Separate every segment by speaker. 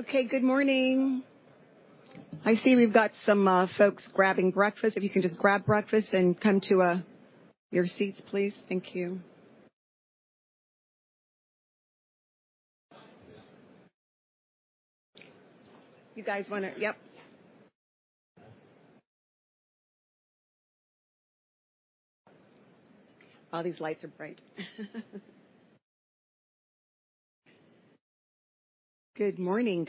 Speaker 1: Okay, good morning. I see we've got some folks grabbing breakfast. If you can just grab breakfast and come to your seats, please. Thank you. Oh, these lights are bright. Good morning.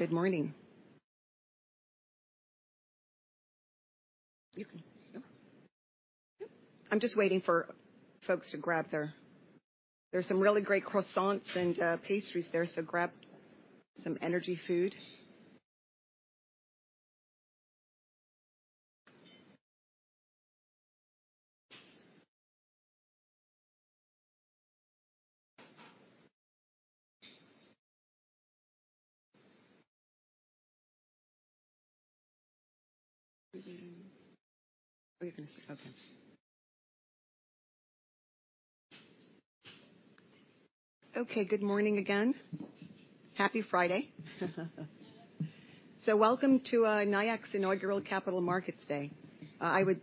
Speaker 1: I'm just waiting for folks to grab. There are some really great croissants and pastries there, so grab some energy food. Oh, you can sit. Okay, good morning again. Happy Friday. Welcome to Nayax's inaugural Capital Markets Day. I would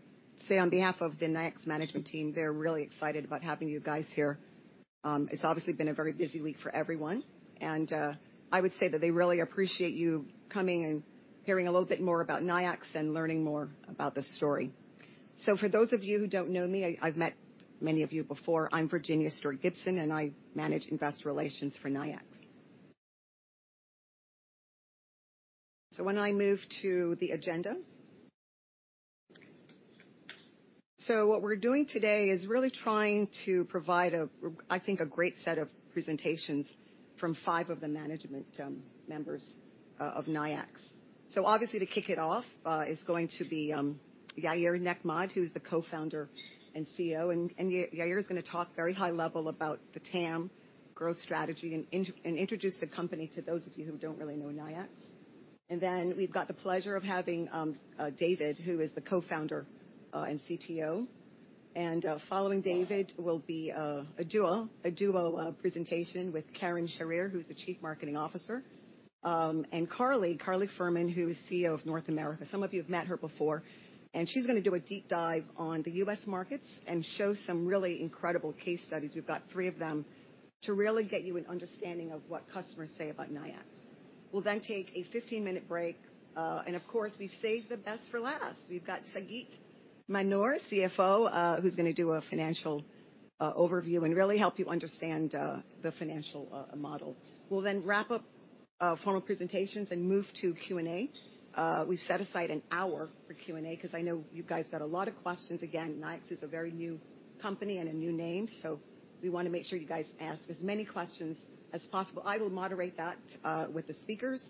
Speaker 1: say on behalf of the Nayax management team, they're really excited about having you guys here. It's obviously been a very busy week for everyone, and I would say that they really appreciate you coming and hearing a little bit more about Nayax and learning more about the story. For those of you who don't know me, I've met many of you before, I'm Virginea Stuart Gibson, and I manage Investor Relations for Nayax. Why don't I move to the agenda. What we're doing today is really trying to provide, I think, a great set of presentations from five of the management members of Nayax. Obviously to kick it off is going to be Yair Nechmad, who's the Co-Founder and CEO, and Yair is gonna talk very high level about the TAM growth strategy and introduce the company to those of you who don't really know Nayax. Then we've got the pleasure of having David, who is the Co-Founder and CTO. Following David will be a duo presentation with Keren Sharir, who's the Chief Marketing Officer; and Carly Furman, who is CEO of North America. Some of you have met her before, and she's gonna do a deep dive on the U.S. markets and show some really incredible case studies. We've got three of them to really get you an understanding of what customers say about Nayax. We'll then take a 15-minute break, and of course, we've saved the best for last. We've got Sagit Manor, CFO, who's gonna do a financial overview and really help you understand the financial model. We'll then wrap up formal presentations and move to Q&A. We've set aside an hour for Q&A, 'cause I know you guys got a lot of questions. Again, Nayax is a very new company and a new name, so we wanna make sure you guys ask as many questions as possible. I will moderate that with the speakers.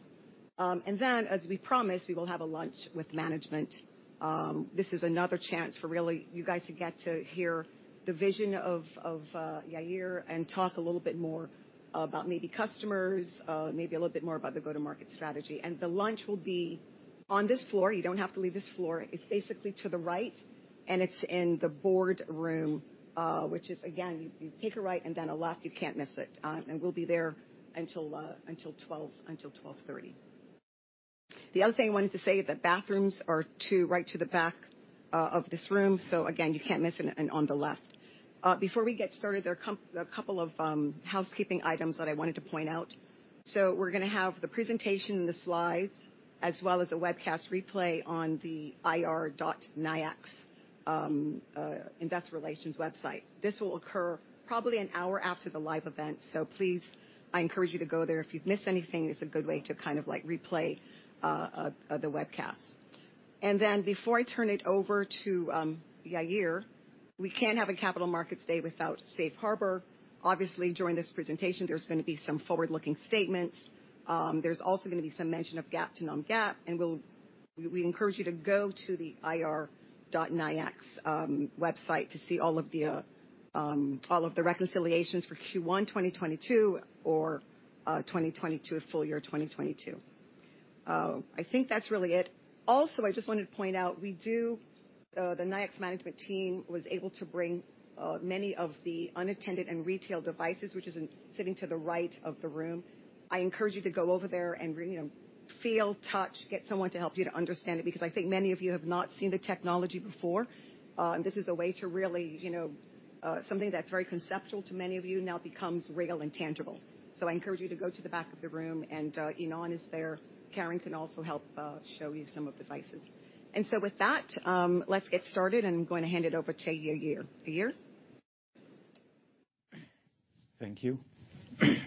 Speaker 1: As we promised, we will have a lunch with management. This is another chance for really you guys to get to hear the vision of Yair and talk a little bit more about maybe customers, maybe a little bit more about the go-to-market strategy. The lunch will be on this floor. You don't have to leave this floor. It's basically to the right, and it's in the boardroom, which is again, you take a right and then a left, you can't miss it. We'll be there until 12:30. The other thing I wanted to say is that bathrooms are to the right, to the back of this room. Again, you can't miss it and on the left. Before we get started, there are a couple of housekeeping items that I wanted to point out. We're gonna have the presentation and the slides, as well as a webcast replay on the ir.nayax.com Investor Relations website. This will occur probably an hour after the live event, so please, I encourage you to go there. If you've missed anything, it's a good way to kind of like replay the webcast. Before I turn it over to Yair, we can't have a Capital Markets Day without Safe Harbor. Obviously, during this presentation, there's gonna be some forward-looking statements. There's also gonna be some mention of GAAP to non-GAAP, and we encourage you to go to the ir.nayax.com website to see all of the reconciliations for Q1 2022 or 2022, full year 2022. I think that's really it. I just wanted to point out we do, the Nayax management team was able to bring many of the unattended and retail devices, which is sitting to the right of the room. I encourage you to go over there and, you know, feel, touch, get someone to help you to understand it, because I think many of you have not seen the technology before. This is a way to really, you know, something that's very conceptual to many of you now becomes real and tangible. I encourage you to go to the back of the room and Enon is there. Keren can also help show you some of the devices. With that, let's get started, and I'm gonna hand it over to Yair. Yair.
Speaker 2: Thank you.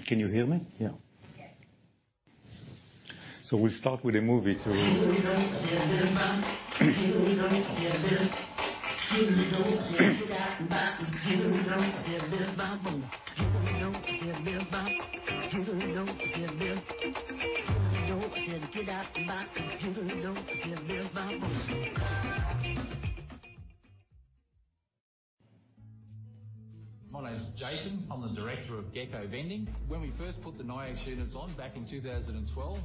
Speaker 2: Can you hear me? Yeah.
Speaker 1: Yeah.
Speaker 2: We start with a movie.
Speaker 3: My name is Jason. I'm the Director of Gecko Vending. When we first put the Nayax units on back in 2012,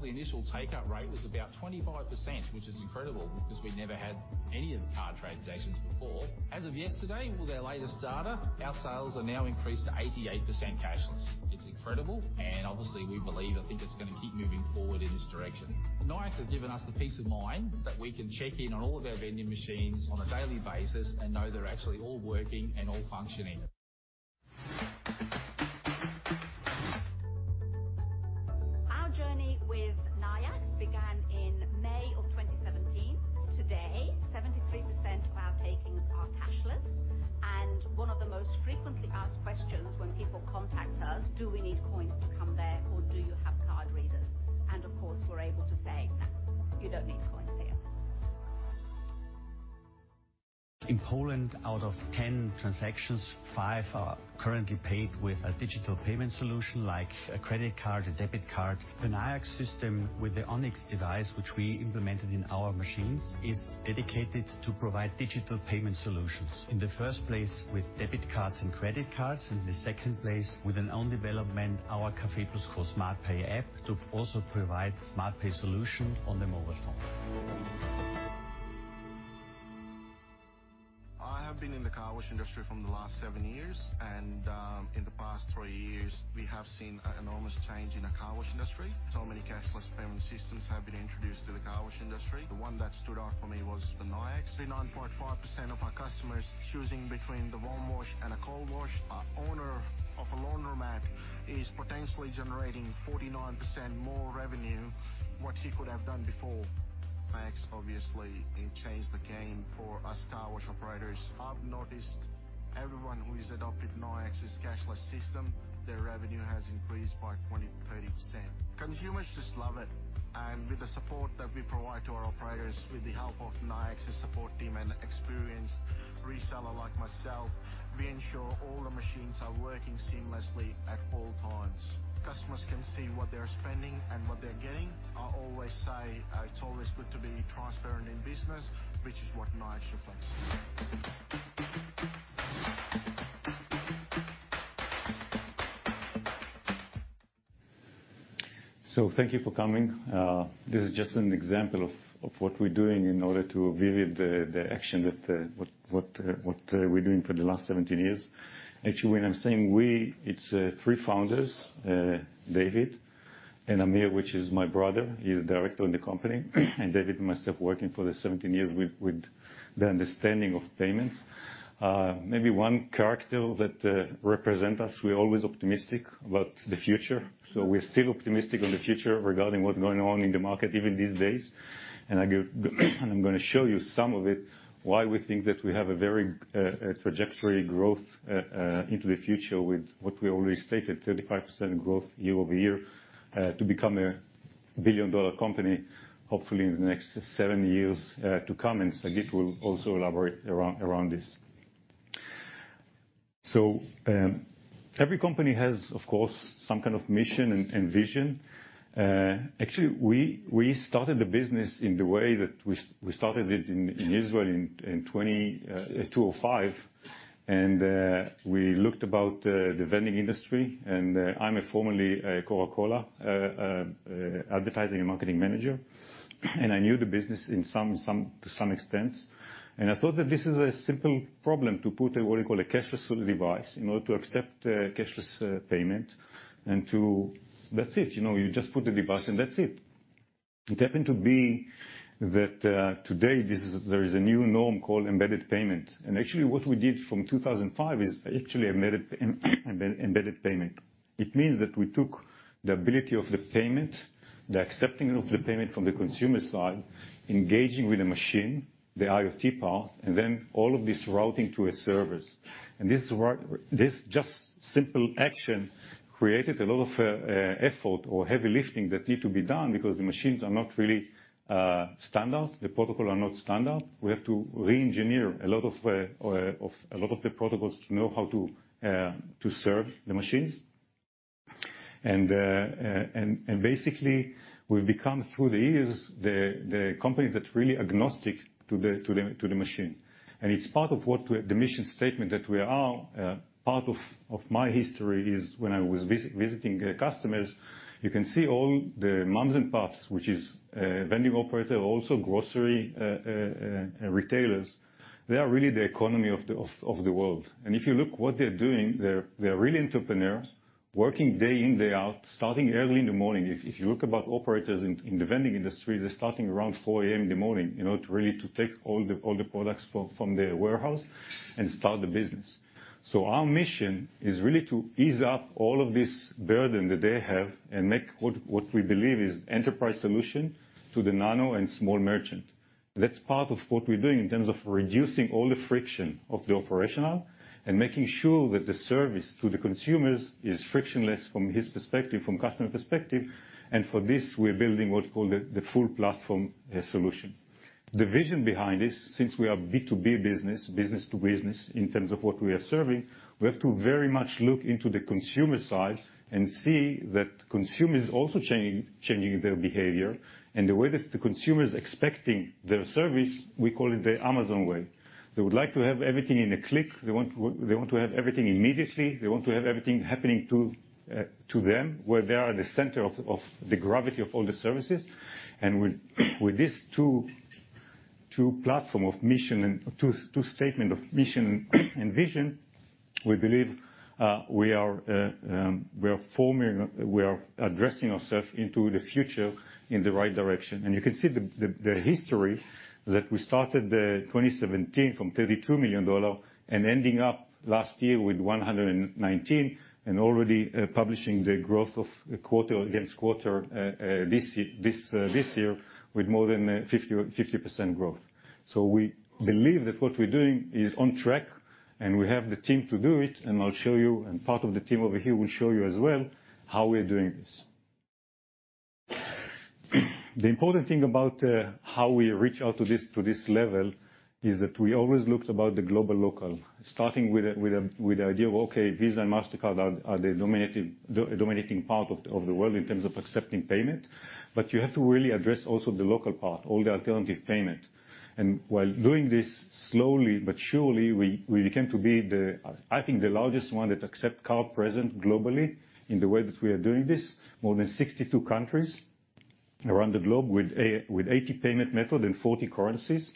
Speaker 3: the initial take-up rate was about 25%, which is incredible because we never had any card transactions before. As of yesterday, with our latest data, our sales are now increased to 88% cashless. It's incredible, and obviously, we believe, I think it's gonna keep moving forward in this direction. Nayax has given us the peace of mind that we can check in on all of our vending machines on a daily basis and know they're actually all working and all functioning. Our journey with Nayax began in May of 2017. Today, 73% of our takings are cashless, and one of the most frequently asked questions when people contact us, "Do we need coins to come there, or do you have card readers?" Of course, we're able to say, "You don't need coins here. In Poland, out of 10 transactions, five are currently paid with a digital payment solution like a credit card, a debit card. The Nayax system with the Onyx device, which we implemented in our machines, is dedicated to provide digital payment solutions. In the first place with debit cards and credit cards, in the second place with an own development, our CafePlus called SmartPay app, to also provide SmartPay solution on the mobile phone. I have been in the car wash industry for the last seven years, and in the past three years, we have seen an enormous change in the car wash industry. Many cashless payment systems have been introduced to the car wash industry. The one that stood out for me was the Nayax. 39.5% of our customers choosing between the warm wash and a cold wash. An owner of a laundromat is potentially generating 49% more revenue than he could have done before. Nayax obviously changed the game for us car wash operators. I've noticed everyone who has adopted Nayax's cashless system, their revenue has increased by 20%-30%. Consumers just love it. With the support that we provide to our operators with the help of Nayax's support team and experienced reseller like myself, we ensure all the machines are working seamlessly at all times. Customers can see what they're spending and what they're getting. I always say, it's always good to be transparent in business, which is what Nayax reflects.
Speaker 2: Thank you for coming. This is just an example of what we're doing in order to video the action that we're doing for the last 17 years. Actually, when I'm saying we, it's three founders, David and Amir, which is my brother. He's the Director in the company. David and myself working for the 17 years with the understanding of payments. Maybe one character that represent us, we're always optimistic about the future. We're still optimistic on the future regarding what's going on in the market even these days. I give I'm gonna show you some of it, why we think that we have a very strong growth trajectory into the future with what we already stated, 35% growth year-over-year to become a billion-dollar company, hopefully in the next seven years to come. Sagit will also elaborate around this. Every company has, of course, some kind of mission and vision. Actually, we started the business in the way that we started it in Israel in 2005, and we looked at the vending industry, and I'm formerly a Coca-Cola advertising and marketing manager. I knew the business to some extent. I thought that this is a simple problem to put what we call a cashless device in order to accept cashless payment. That's it. You know, you just put the device and that's it. It happened to be that today this is there is a new norm called embedded payment. Actually, what we did from 2005 is actually embedded payment. It means that we took the ability of the payment, the accepting of the payment from the consumer side, engaging with the machine, the IoT part, and then all of this routing to a service. This is where this just simple action created a lot of effort or heavy lifting that need to be done because the machines are not really standard. The protocol are not standard. We have to re-engineer a lot of the protocols to know how to serve the machines. Basically, we've become through the years the company that's really agnostic to the machine. It's part of the mission statement that we are part of my history is when I was visiting customers, you can see all the moms and pops, which is vending operator, also grocery retailers. They are really the economy of the world. If you look what they're doing, they're really entrepreneurs working day in, day out, starting early in the morning. If you look about operators in the vending industry, they're starting around 4 A.M. in the morning, you know, to really take all the products from their warehouse and start the business. Our mission is really to ease up all of this burden that they have and make what we believe is enterprise solution to the nano and small merchant. That's part of what we're doing in terms of reducing all the friction of the operational and making sure that the service to the consumers is frictionless from his perspective, from customer perspective. For this, we're building what's called the full platform solution. The vision behind this, since we are B2B business-to-business, in terms of what we are serving, we have to very much look into the consumer side and see that consumer is also changing their behavior. The way that the consumer is expecting their service, we call it the Amazon way. They would like to have everything in a click. They want to have everything immediately. They want to have everything happening to them, where they are the center of the gravity of all the services. With this two platform of mission and two statement of mission and vision, we believe we are addressing ourselves into the future in the right direction. You can see the history that we started 2017 from $32 million and ending up last year with $119 million and already publishing the quarter-over-quarter growth this year with more than 50% growth. We believe that what we're doing is on track, and we have the team to do it. I'll show you, and part of the team over here will show you as well, how we're doing this. The important thing about how we reach out to this level is that we always looked about the global/local, starting with the idea of, okay, Visa and Mastercard are the dominating part of the world in terms of accepting payment. You have to really address also the local part, all the alternative payment. While doing this, slowly but surely, we became to be the, I think the largest one that accept card present globally in the way that we are doing this. More than 62 countries around the globe with 80 payment method and 40 currencies.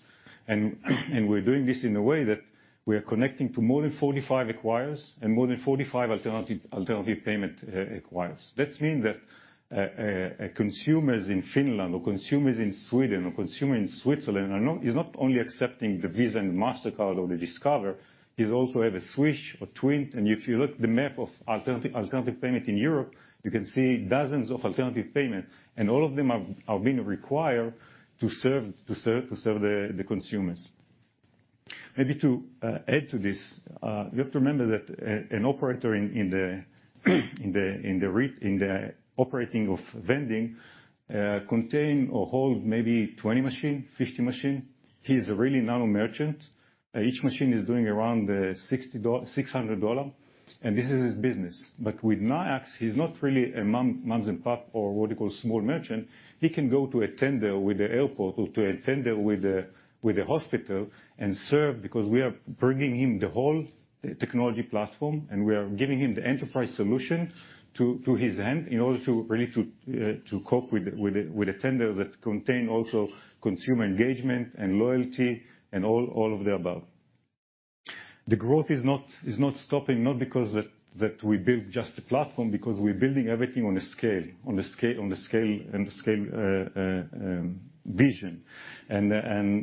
Speaker 2: We're doing this in a way that we are connecting to more than 45 acquirers and more than 45 alternative payment acquirers. That means that a consumer in Finland or consumers in Sweden or consumer in Switzerland is not only accepting Visa and Mastercard or Discover, he's also have a Swish or TWINT. If you look at the map of alternative payment in Europe, you can see dozens of alternative payment. All of them are being required to serve the consumers. Maybe to add to this, you have to remember that an operator in the operating of vending contain or hold maybe 20 machines, 50 machines. He's a really nano merchant. Each machine is doing around $600, and this is his business. With Nayax, he's not really a mom-and-pop or what you call small merchant. He can go to a tender with the airport or to a tender with a hospital and serve because we are bringing him the whole technology platform, and we are giving him the enterprise solution to his hand in order to really to cope with a tender that contain also consumer engagement and loyalty and all of the above. The growth is not stopping, not because that we built just the platform, because we're building everything on a scale vision.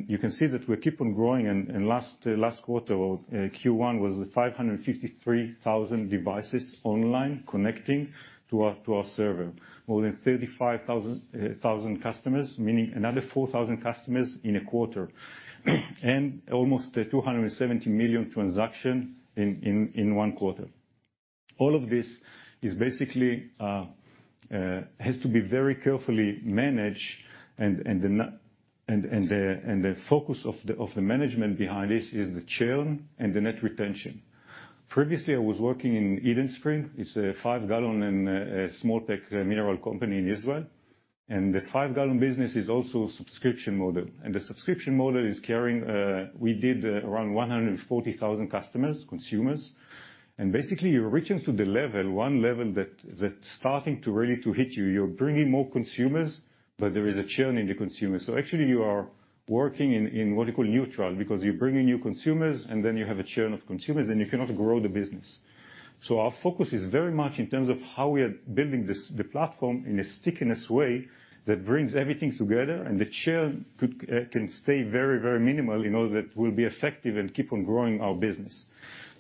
Speaker 2: You can see that we keep on growing. Last quarter or Q1 was 553,000 devices online connecting to our server. More than 35,000 customers, meaning another 4,000 customers in a quarter. Almost 270 million transactions in one quarter. All of this is basically has to be very carefully managed and the focus of the management behind this is the churn and the net retention. Previously, I was working in Eden Springs. It's a 5 gal and small tech mineral company in Israel. The 5 gal business is also subscription model, and the subscription model is carrying, we did around 140,000 customers, consumers. Basically, you're reaching the level, one level that's starting to really hit you. You're bringing more consumers, but there is a churn in the consumer. Actually you are working in what you call neutral because you're bringing new consumers and then you have a churn of consumers, and you cannot grow the business. Our focus is very much in terms of how we are building this, the platform in a stickiness way that brings everything together, and the churn can stay very, very minimal in order that we'll be effective and keep on growing our business.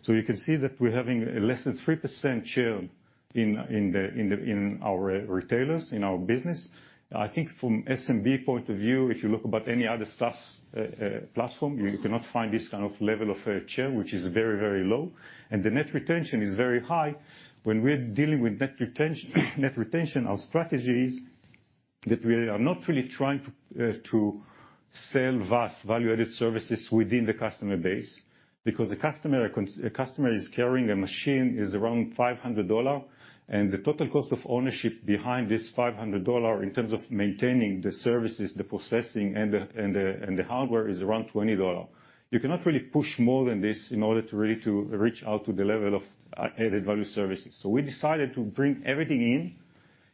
Speaker 2: You can see that we're having less than 3% churn in our retailers, in our business. I think from SMB point of view, if you look about any other SaaS platform, you cannot find this kind of level of churn, which is very, very low. The net retention is very high. When we're dealing with net retention, our strategy is that we are not really trying to sell vast value-added services within the customer base. Because a customer is carrying a machine, is around $500, and the total cost of ownership behind this $500 in terms of maintaining the services, the processing and the hardware is around $20. You cannot really push more than this in order to really reach out to the level of added value services. We decided to bring everything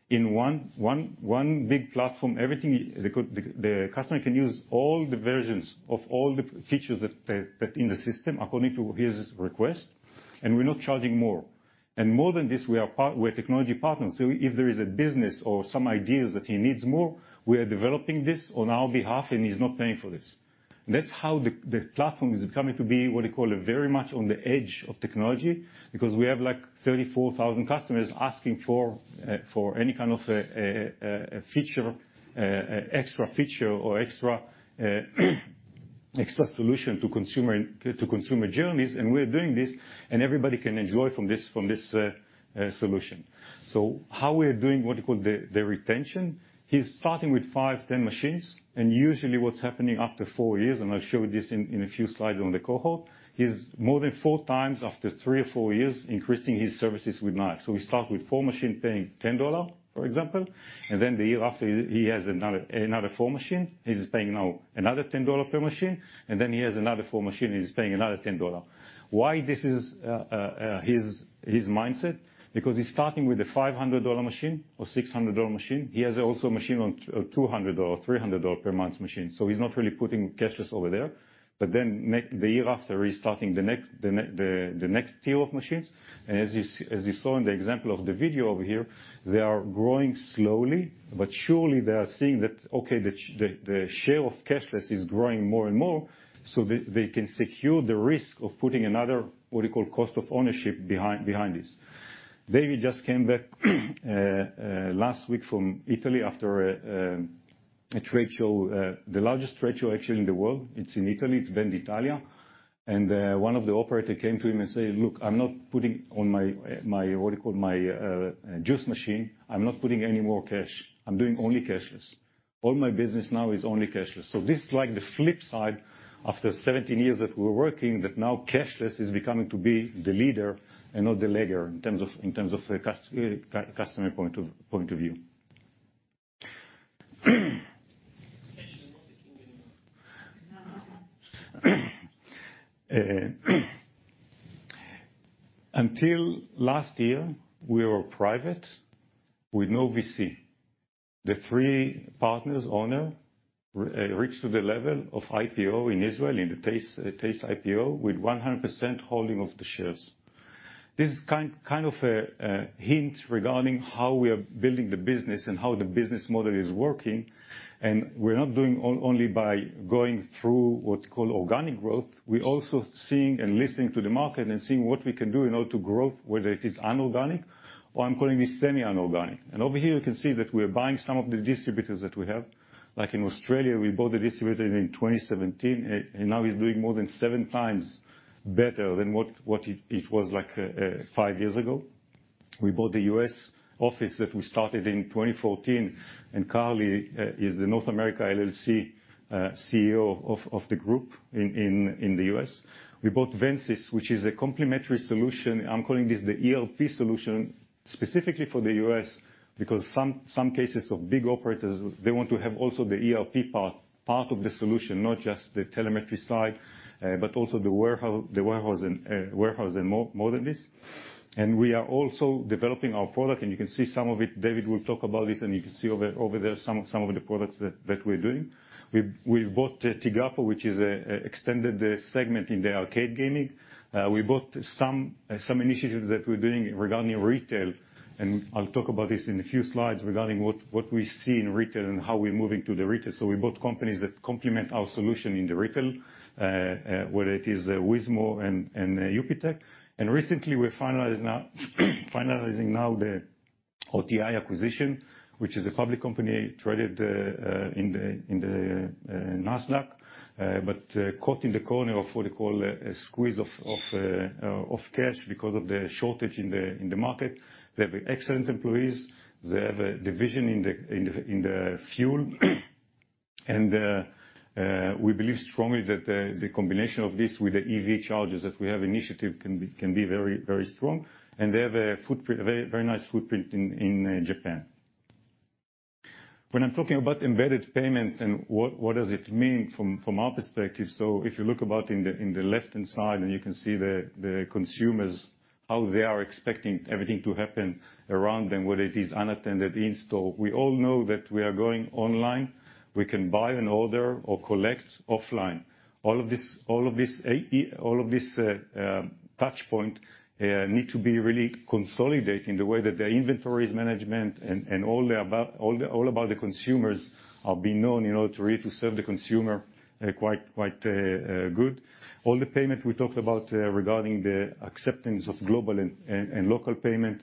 Speaker 2: in one big platform. Everything the customer can use all the versions of all the features that in the system according to his request, and we're not charging more. More than this, we are technology partners. If there is a business or some ideas that he needs more, we are developing this on our behalf, and he's not paying for this. That's how the platform is coming to be, what you call a very much on the edge of technology, because we have like 34,000 customers asking for any kind of a feature, a extra feature or extra express solution to consumer journeys. We're doing this, and everybody can enjoy from this solution. How we are doing what you call the retention, he's starting with five, 10 machines. Usually what's happening after four years, and I'll show this in a few slides on the cohort, he's more than 4x after three or four years increasing his services with MaaS. We start with four machine paying $10, for example, and then the year after he has another four machine. He's paying now another $10 per machine, and then he has another four machine, and he's paying another $10. Why this is his mindset? Because he's starting with a $500 machine or $600 machine. He has also a machine on $200 or $300 per month machine, so he's not really putting cashless over there. The year after, he's starting the next tier of machines. As you saw in the example of the video over here, they are growing slowly but surely. They are seeing that, okay, the share of cashless is growing more and more, so they can secure the risk of putting another what you call cost of ownership behind this. David just came back last week from Italy after a trade show, the largest trade show actually in the world. It's in Italy. It's Venditalia. One of the operator came to him and said, "Look, I'm not putting on my what you call, my juice machine, I'm not putting any more cash. I'm doing only cashless. All my business now is only cashless." This is like the flip side, after 17 years that we're working, that now cashless is becoming to be the leader and not the laggard in terms of a customer point of view. Cash is not the king anymore. Until last year, we were private with no VC. The three partners, owners reached the level of IPO in Israel in the TASE IPO, with 100% holding of the shares. This is kind of a hint regarding how we are building the business and how the business model is working, and we're not doing only by going through what you call organic growth. We're also seeing and listening to the market and seeing what we can do in order to grow, whether it is inorganic or I'm calling this semi-inorganic. Over here, you can see that we're buying some of the distributors that we have. Like in Australia, we bought the distributor in 2017, and now he's doing more than seven times better than what it was like five years ago. We bought the U.S. office that we started in 2014, and Carly is the North America LLC CEO of the group in the U.S. We bought VendSys, which is a complementary solution. I'm calling this the ERP solution specifically for the U.S. because some cases of big operators, they want to have also the ERP part of the solution, not just the telemetry side, but also the warehouse and more than this. We are also developing our product, and you can see some of it. David will talk about this, and you can see over there some of the products that we're doing. We've bought Tigapo, which is an extended segment in the arcade gaming. We bought some initiatives that we're doing regarding retail, and I'll talk about this in a few slides regarding what we see in retail and how we're moving to the retail. We bought companies that complement our solution in the retail, whether it is Weezmo and UPPay. Recently we're finalizing now the OTI acquisition, which is a public company traded on the Nasdaq. Caught in the corner of what you call a squeeze of cash because of the shortage in the market. They have excellent employees. They have a division in the fuel. We believe strongly that the combination of this with the EV chargers that we have initiative can be very strong, and they have a very nice footprint in Japan. When I'm talking about embedded payment and what does it mean from our perspective, so if you look at the left-hand side and you can see the consumers, how they are expecting everything to happen around them, whether it is unattended, in-store. We all know that we are going online. We can buy an order or collect offline. All of this touchpoint need to be really consolidating the way that their inventories management and all about the consumers are being known in order to really to serve the consumer quite good. All the payment we talked about regarding the acceptance of global and local payment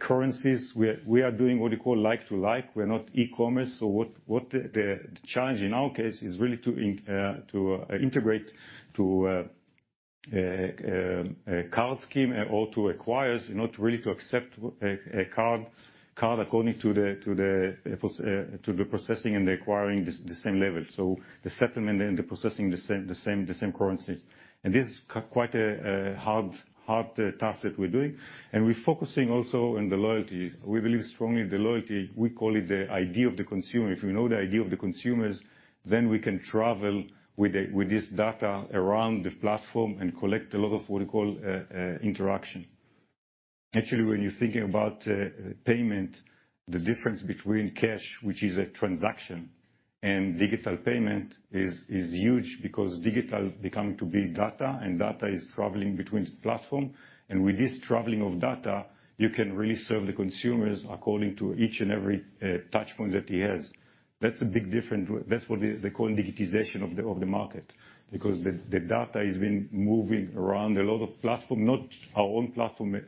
Speaker 2: currencies. We are doing what you call like-to-like. We're not e-commerce, so what the challenge in our case is really to integrate to a card scheme or to acquire, not really to accept a card according to the processing and the acquiring the same level. The settlement and the processing the same currency. This is quite a hard task that we're doing. We're focusing also on the loyalty. We believe strongly the loyalty, we call it the idea of the consumer. If you know the idea of the consumers, then we can travel with the, with this data around the platform and collect a lot of what you call, interaction. Actually, when you're thinking about, payment, the difference between cash, which is a transaction, and digital payment is huge because digital becoming to be data, and data is traveling between the platform. With this traveling of data, you can really serve the consumers according to each and every, touch point that he has. That's a big difference. That's what they call digitization of the market. Because the data has been moving around a lot of platform, not our own platform,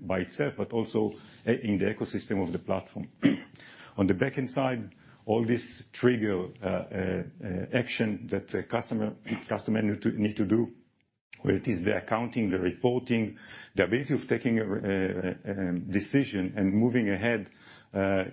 Speaker 2: by itself, but also in the ecosystem of the platform. On the back end side, all this trigger action that a customer need to do where it is the accounting, the reporting, the ability of taking a decision and moving ahead,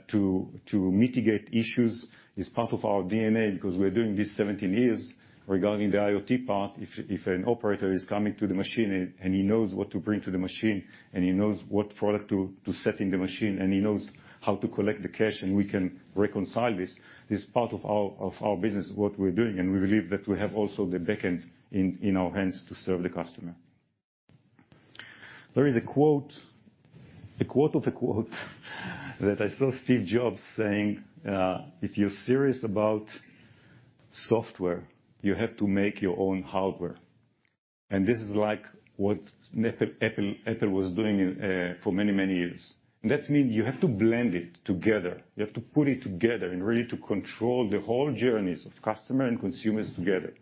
Speaker 2: to mitigate issues is part of our DNA because we're doing this 17 years. Regarding the IoT part, if an operator is coming to the machine and he knows what to bring to the machine, and he knows what product to set in the machine, and he knows how to collect the cash, and we can reconcile this, it's part of our business, what we're doing, and we believe that we have also the backend in our hands to serve the customer. There is a quote of a quote that I saw Steve Jobs saying, "If you're serious about software, you have to make your own hardware." This is like what Apple was doing for many years. That mean you have to blend it together. You have to put it together and really to control the whole journeys of customer and consumers together.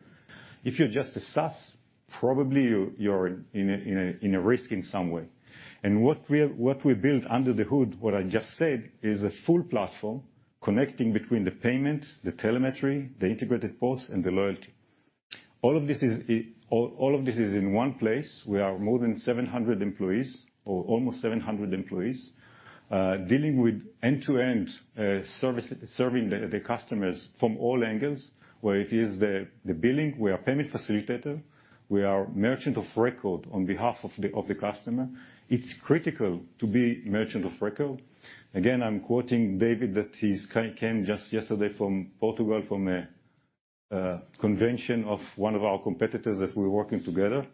Speaker 2: If you're just a SaaS, probably you're in a risk in some way. What we build under the hood, what I just said, is a full platform connecting between the payment, the telemetry, the integrated POS, and the loyalty. All of this is in one place. We are more than 700 employees, or almost 700 employees, dealing with end-to-end service, serving the customers from all angles, where it is the billing, we are payment facilitator, we are merchant of record on behalf of the customer. It's critical to be merchant of record. Again, I'm quoting David, that he's came just yesterday from Portugal from a convention of one of our competitors that we're working together.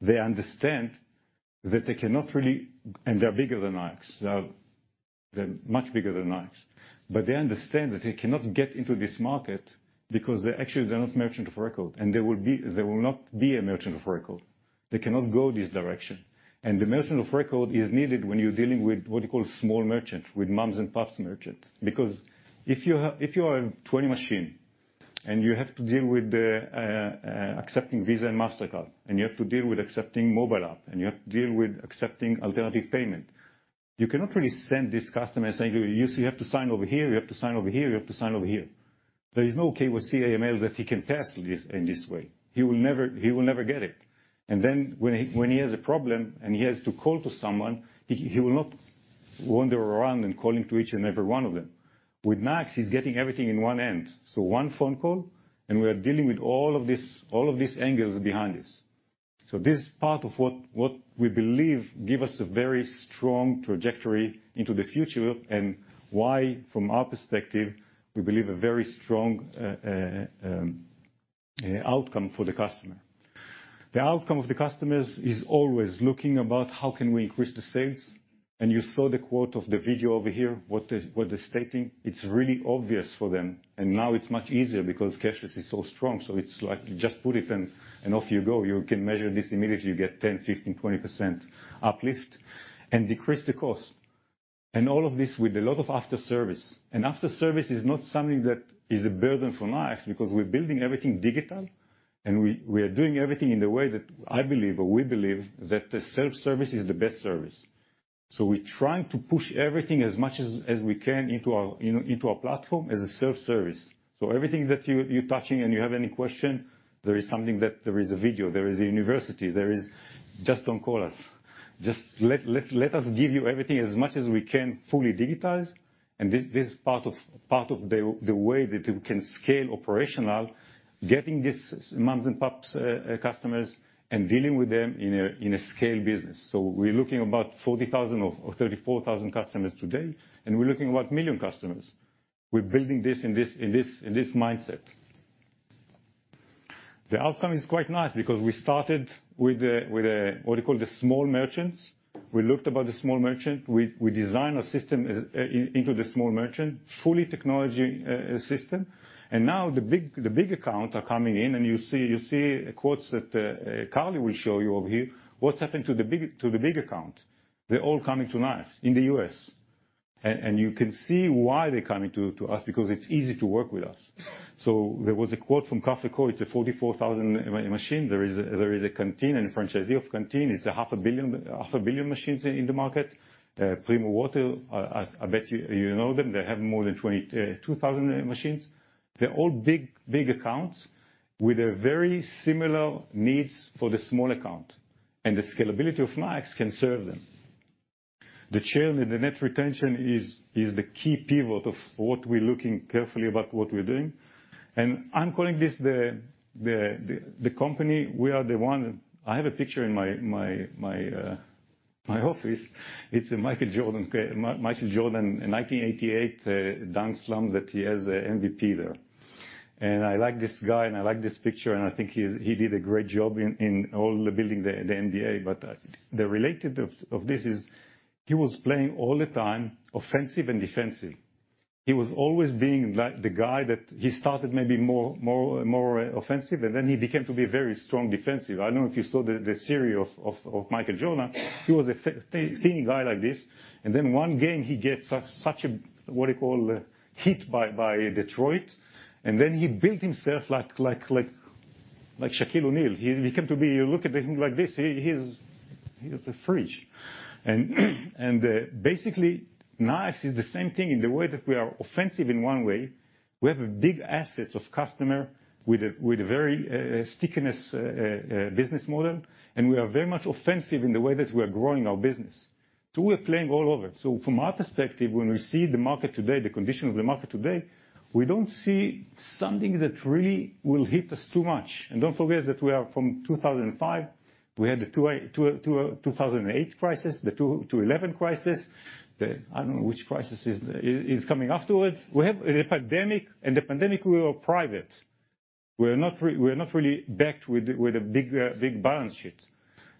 Speaker 2: They understand that they cannot really. They're bigger than Nayax. They're much bigger than Nayax. They understand that they cannot get into this market because they actually, they're not merchant of record, and they will not be a merchant of record. They cannot go this direction. The merchant of record is needed when you're dealing with what you call small merchant, with moms-and-pops merchant. Because if you have 20 machines, and you have to deal with accepting Visa and Mastercard, and you have to deal with accepting mobile app, and you have to deal with accepting alternative payment, you cannot really send this customer saying, "You have to sign over here, you have to sign over here, you have to sign over here." There is no way with KYC/AML that he can do this in this way. He will never get it. Then when he has a problem, and he has to call to someone, he will not wander around and calling to each and every one of them. With Nayax, he's getting everything in one end. One phone call, and we're dealing with all of this, all of these angles behind this. This is part of what we believe give us a very strong trajectory into the future, and why, from our perspective, we believe a very strong outcome for the customer. The outcome of the customers is always looking about how can we increase the sales, and you saw the quote of the video over here, what they're stating. It's really obvious for them. Now it's much easier because cashless is so strong, so it's like you just put it and off you go. You can measure this immediately. You get 10%, 15%, 20% uplift and decrease the cost. All of this with a lot of after service. After service is not something that is a burden for Nayax because we're building everything digital, and we are doing everything in the way that I believe or we believe that the self-service is the best service. We're trying to push everything as much as we can into our platform as a self-service. Everything that you're touching and you have any question, there is something, there is a video, there is a university, there is. Just don't call us. Just let us give you everything as much as we can fully digitized. This is part of the way that we can scale operational, getting this moms-and-pops customers and dealing with them in a scale business. We're looking at about 40,000 or 34,000 customers today, and we're looking at about 1 million customers. We're building this in this mindset. The outcome is quite nice because we started with what you call the small merchants. We looked at the small merchant. We design a system as into the small merchant, fully technology system. Now the big accounts are coming in and you see quotes that Carly will show you over here, what's happened to the big account. They're all coming to Nayax in the U.S. You can see why they're coming to us, because it's easy to work with us. There was a quote from CoffeeCo. It's a 44,000 machine. There is a Canteen, a franchisee of Canteen. It's 500 million machines in the market. Primo Water, I bet you know them. They have more than 22,000 machines. They're all big accounts with a very similar needs for the small account. The scalability of Nayax can serve them. The churn and the net retention is the key pivot of what we're looking carefully about what we're doing. I'm calling this the company. We are the one. I have a picture in my office. It's Michael Jordan in 1988, dunk slam that he has a MVP there. I like this guy and I like this picture, and I think he did a great job in all the building the NBA. The related of this is he was playing all the time offensive and defensive. He was always being like the guy that he started maybe more offensive, and then he became to be very strong defensive. I don't know if you saw the series of Michael Jordan. He was a thin guy like this. Then one game, he gets such a, what you call, hit by Detroit. Then he built himself like Shaquille O'Neal, he came to be, you look at him like this, he is a fridge. Basically, Nayax is the same thing in the way that we are offensive in one way. We have big assets of customer with a very stickiness business model, and we are very much offensive in the way that we are growing our business. We're playing all over. From our perspective, when we see the market today, the condition of the market today, we don't see something that really will hit us too much. Don't forget that we are from 2005, we had the 2008 crisis, the 2011 crisis. I don't know which crisis is coming afterwards. We have a pandemic, and the pandemic we were private. We're not really backed with a big balance sheet.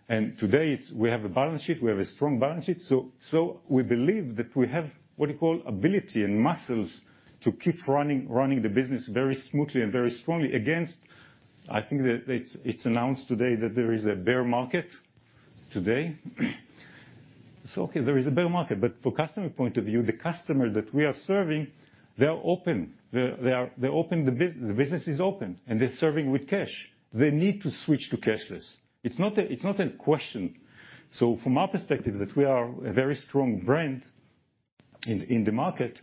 Speaker 2: Today, we have a balance sheet, we have a strong balance sheet. So we believe that we have what you call ability and muscles to keep running the business very smoothly and very strongly against. I think that it's announced today that there is a bear market today. So okay, there is a bear market, but for customer point of view, the customer that we are serving, they're open. They're open, the business is open, and they're serving with cash. They need to switch to cashless. It's not a question. So from our perspective that we are a very strong brand in the market,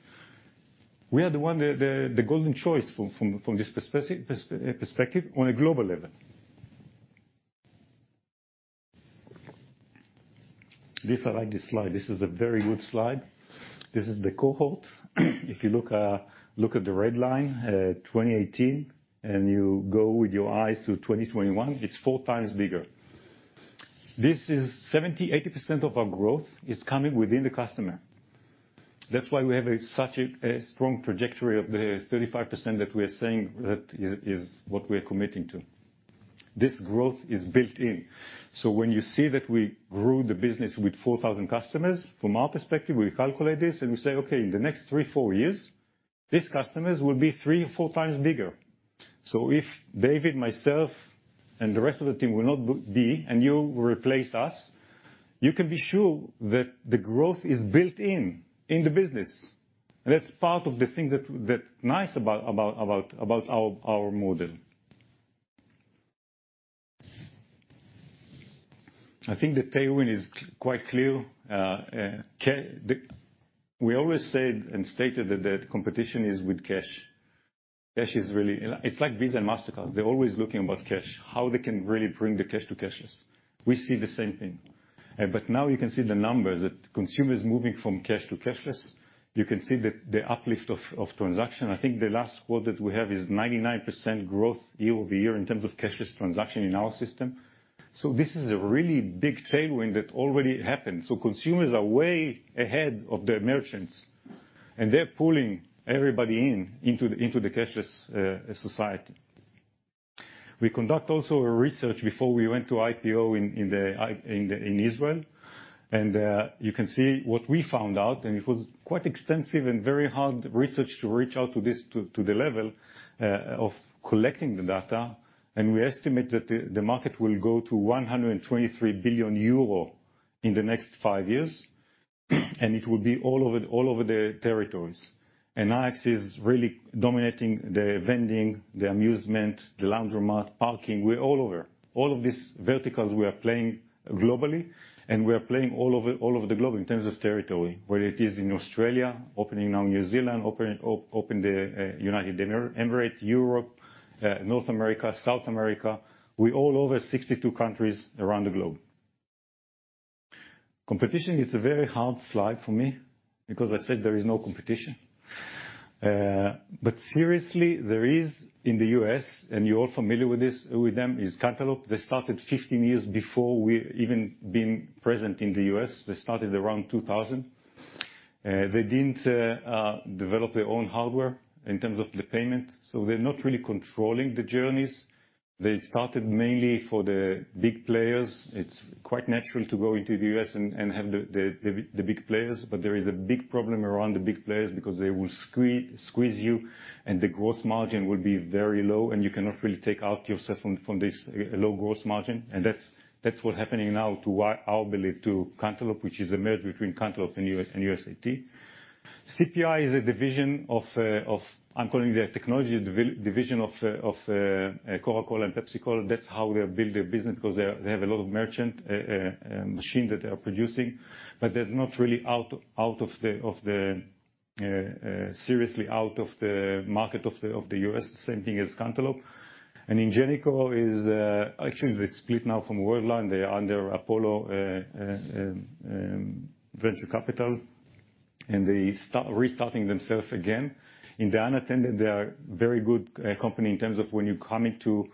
Speaker 2: we are the one, the golden choice from this perspective on a global level. This, I like this slide. This is a very good slide. This is the cohort. If you look at the red line, 2018, and you go with your eyes to 2021, it's 4x bigger. This is 70%-80% of our growth is coming within the customer. That's why we have such a strong trajectory of the 35% that we are saying that is what we are committing to. This growth is built in. When you see that we grew the business with 4,000 customers, from our perspective, we calculate this and we say, okay, in the next three, four years, these customers will be 3x or 4x bigger. If David, myself, and the rest of the team will not be, and you replace us, you can be sure that the growth is built in the business. That's part of the thing that that's nice about our model. I think the tailwind is quite clear. We always said and stated that the competition is with cash. Cash is really. It's like Visa and Mastercard. They're always looking about cash, how they can really bring the cash to cashless. We see the same thing. But now you can see the numbers that consumers moving from cash to cashless. You can see the uplift of transaction. I think the last quote that we have is 99% growth year-over-year in terms of cashless transaction in our system. This is a really big tailwind that already happened. Consumers are way ahead of the merchants, and they're pulling everybody in into the cashless society. We conduct also a research before we went to IPO in Israel. You can see what we found out, and it was quite extensive and very hard research to reach out to this, to the level of collecting the data. We estimate that the market will go to 123 billion euro in the next five years, and it will be all over the territories. Nayax is really dominating the vending, the amusement, the laundromat, parking. We're all over. All of these verticals we are playing globally, and we are playing all over the globe in terms of territory. Whether it is in Australia, opening now New Zealand, opening the United Arab Emirates, Europe, North America, South America. We're all over 62 countries around the globe. Competition is a very hard slide for me because I said there is no competition. Seriously, there is in the U.S., and you're all familiar with this, with them, is Cantaloupe. They started 15 years before we even been present in the U.S. They started around 2000. They didn't develop their own hardware in terms of the payment, so they're not really controlling the journeys. They started mainly for the big players. It's quite natural to go into the U.S. and have the big players, but there is a big problem around the big players because they will squeeze you and the gross margin will be very low, and you cannot really take out yourself from this low gross margin. That's what's happening now to our belief in Cantaloupe, which is a merger between Cantaloupe and USAT. CPI is a division of, including their technology division of Coca-Cola and PepsiCo. That's how they build their business, because they have a lot of merchant machines that they are producing, but they're not really seriously out of the U.S. market. Same thing as Cantaloupe. Ingenico is actually, they split now from Worldline. They are under Apollo venture capital, and they are restarting themselves again. In the unattended, they are very good company in terms of when you come into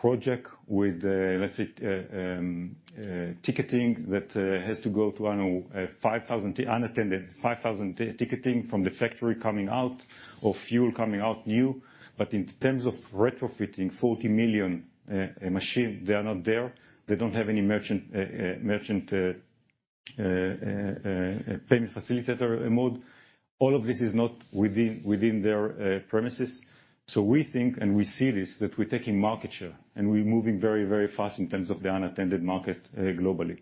Speaker 2: project with, let's say, ticketing that has to go to, I don't know, 5,000 unattended, 5,000 ticketing from the factory coming out or fuel coming out new. In terms of retrofitting 40 million machine, they are not there. They don't have any merchant payment facilitator mode. All of this is not within their premises. We think, and we see this, that we're taking market share, and we're moving very, very fast in terms of the unattended market globally.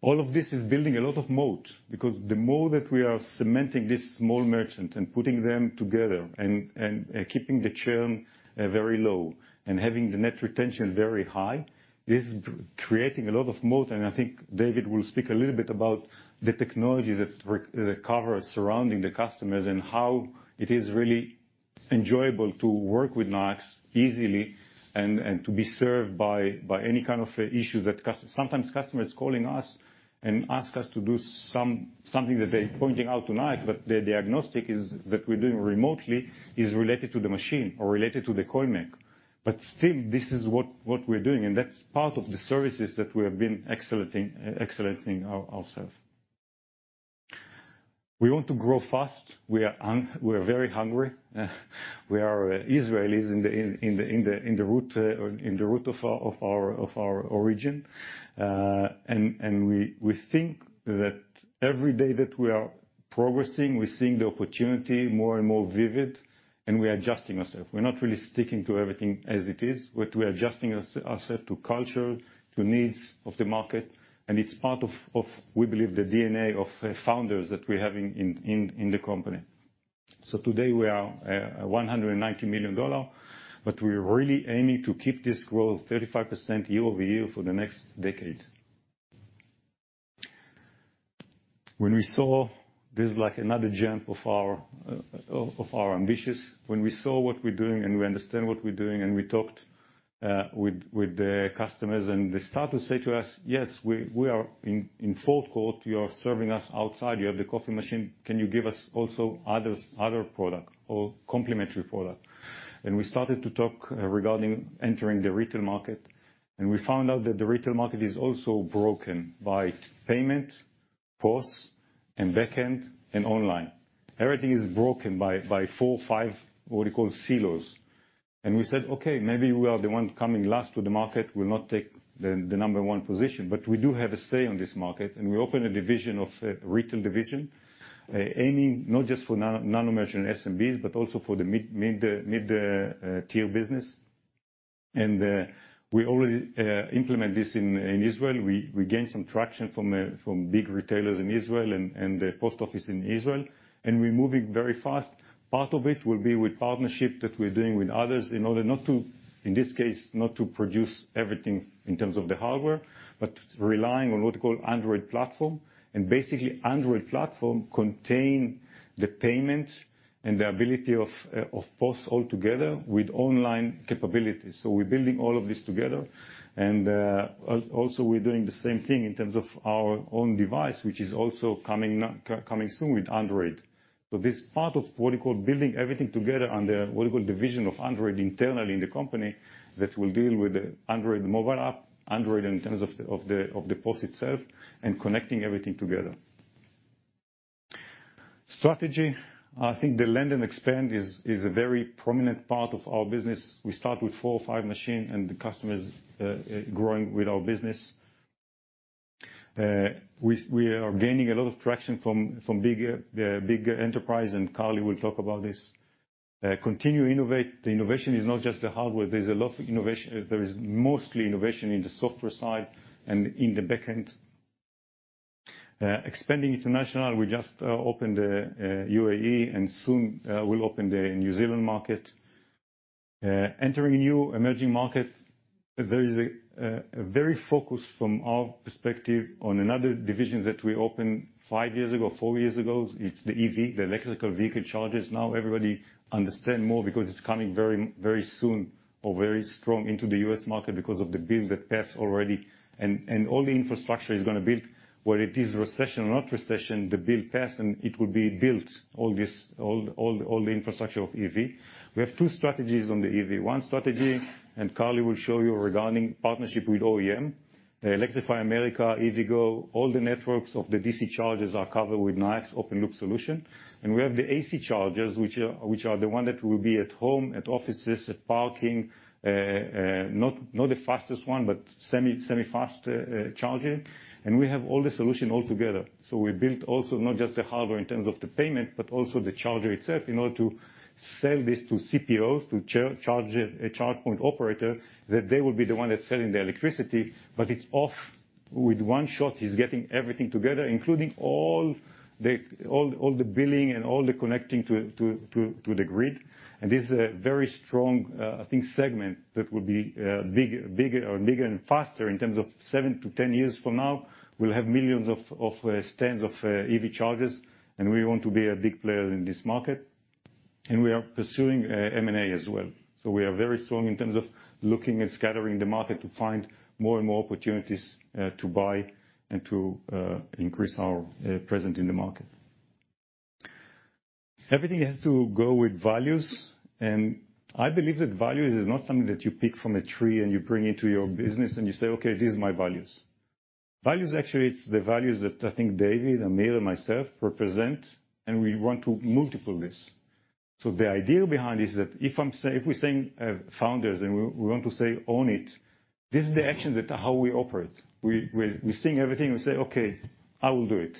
Speaker 2: All of this is building a lot of moat, because the more that we are cementing this small merchant and putting them together and keeping the churn very low and having the net retention very high, this is creating a lot of moat. I think David will speak a little bit about the technologies that cover surrounding the customers and how it is really enjoyable to work with Onyx easily and to be served by any kind of issue that sometimes customer is calling us and ask us to do something that they're pointing out to Onyx, but the diagnostic is that we're doing remotely is related to the machine or related to the coin mech. This is what we're doing, and that's part of the services that we have been accelerating ourselves. We want to grow fast. We are very hungry. We are Israelis in the root of our origin. We think that every day that we are progressing, we're seeing the opportunity more and more vivid, and we are adjusting ourself. We're not really sticking to everything as it is, but we're adjusting ourselves to culture, to needs of the market, and it's part of, we believe, the DNA of founders that we have in the company. Today we are at $190 million, but we're really aiming to keep this growth 35% year-over-year for the next decade. This is like another gem of our ambitions. When we saw what we're doing and we understand what we're doing and we talked with the customers, and they start to say to us, "Yes, we are in Fort Worth, you are serving us outside. You have the coffee machine. Can you give us also other product or complementary product?" We started to talk regarding entering the retail market, and we found out that the retail market is also broken by payment, POS, and backend, and online. Everything is broken by four, five, what do you call, silos. We said, "Okay, maybe we are the one coming last to the market. We'll not take the number one position, but we do have a say on this market." We opened a division of retail division, aiming not just for nano merchant SMBs, but also for the mid-tier business. We already implement this in Israel. We gain some traction from big retailers in Israel and post office in Israel, and we're moving very fast. Part of it will be with partnership that we're doing with others in order not to, in this case, not to produce everything in terms of the hardware, but relying on what we call Android platform. Basically, Android platform contain the payment and the ability of POS all together with online capabilities. We're building all of this together. Also, we're doing the same thing in terms of our own device, which is also coming soon with Android. This part of what you call building everything together under what you call division of Android internally in the company that will deal with the Android mobile app, Android in terms of the POS itself, and connecting everything together. Strategy. I think the land and expand is a very prominent part of our business. We start with four or five machine, and the customers growing with our business. We are gaining a lot of traction from bigger enterprise, and Carly will talk about this. Continue innovate. The innovation is not just the hardware. There's a lot of innovation. There is mostly innovation in the software side and in the backend. Expanding international, we just opened UAE, and soon we'll open the New Zealand market. Entering new emerging markets, there is a very focus from our perspective on another division that we opened five years ago, four years ago. It's the EV, the electric vehicle chargers. Now, everybody understand more because it's coming very, very soon or very strong into the U.S. market because of the bill that passed already. All the infrastructure is gonna build, whether it is recession or not recession, the bill passed, and it will be built, all this, all the infrastructure of EV. We have two strategies on the EV. One strategy, Carly will show you regarding partnership with OEM. Electrify America, EVgo, all the networks of the DC chargers are covered with Nayax open-loop solution. We have the AC chargers, which are the one that will be at home, at offices, at parking. Not the fastest one, but semi-fast charger. We have all the solution all together. We built also not just the hardware in terms of the payment, but also the charger itself in order to sell this to CPOs, to charge point operator, that they will be the one that's selling the electricity. It's all with one shot. He's getting everything together, including all the billing and all the connecting to the grid. This is a very strong, I think, segment that will be bigger and faster in terms of seven to 10 years from now. We'll have millions of stations of EV chargers, and we want to be a big player in this market. We are pursuing M&A as well. We are very strong in terms of looking and scanning the market to find more and more opportunities to buy and increase our presence in the market. Everything has to go with values, and I believe that values is not something that you pick from a tree and you bring into your business and you say, "Okay, this is my values." Values actually, it's the values that I think David, Amir, and myself represent, and we want to multiply this. The idea behind this is that if we're saying founders and we think everything, we say, "Okay, I will do it.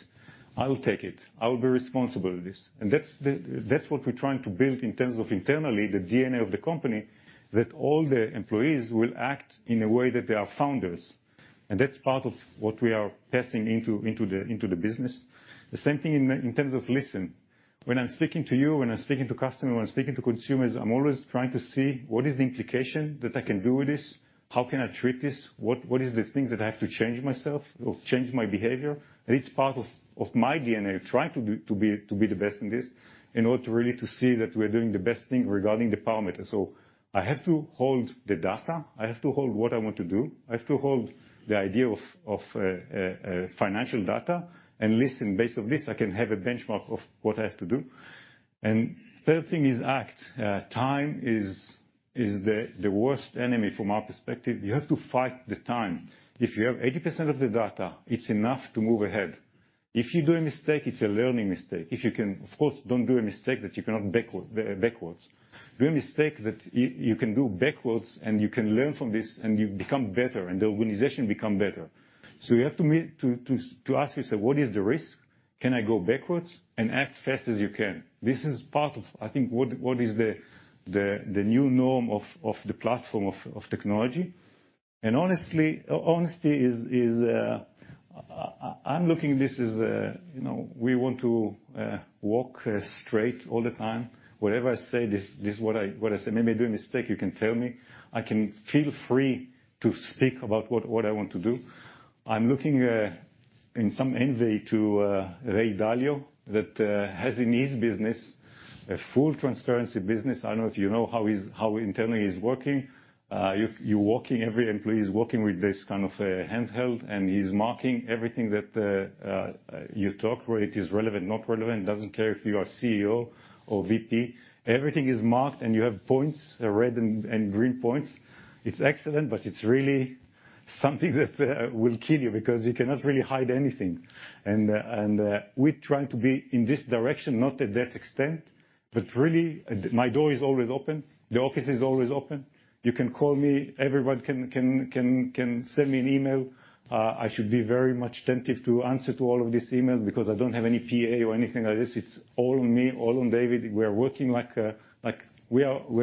Speaker 2: I will take it. I will be responsible of this." That's what we're trying to build in terms of internally the DNA of the company, that all the employees will act in a way that they are founders. That's part of what we are passing into the business. The same thing in terms of listening. When I'm speaking to you, when I'm speaking to customer, when I'm speaking to consumers, I'm always trying to see what is the implication that I can do with this? How can I treat this? What is the things that I have to change myself or change my behavior? It's part of my DNA, trying to be the best in this, in order really to see that we're doing the best thing regarding the parameter. So I have to hold the data, I have to hold what I want to do. I have to hold the idea of a financial data, and listen. Based on this, I can have a benchmark of what I have to do. Third thing is act. Time is the worst enemy from our perspective. You have to fight the time. If you have 80% of the data, it's enough to move ahead. If you do a mistake, it's a learning mistake. Of course, don't do a mistake that you cannot backwards. Make a mistake that you can undo, and you can learn from this, and you become better, and the organization become better. You have to ask yourself, "What is the risk? Can I go backwards?" Act as fast as you can. This is part of, I think, what is the new norm of the platform of technology. Honestly, honesty is. I'm looking at this as, you know, we want to walk straight all the time. Whatever I say, this is what I say. Maybe I make a mistake, you can tell me. I feel free to speak about what I want to do. I'm looking with some envy Ray Dalio that has in his business a full transparency business. I don't know if you know how internally he's working. You're working, every employee is working with this kind of a handheld, and he's marking everything that you talk, whether it relevant or not relevant. Doesn't care if you are CEO or VP. Everything is marked, and you have points, red and green points. It's excellent, but it's really something that will kill you, because you cannot really hide anything. We're trying to be in this direction, not at that extent, but really, my door is always open, the office is always open. You can call me. Everyone can send me an email. I should be very much attentive to answer to all of these emails, because I don't have any PA or anything like this. It's all me, all on David. We're working. We're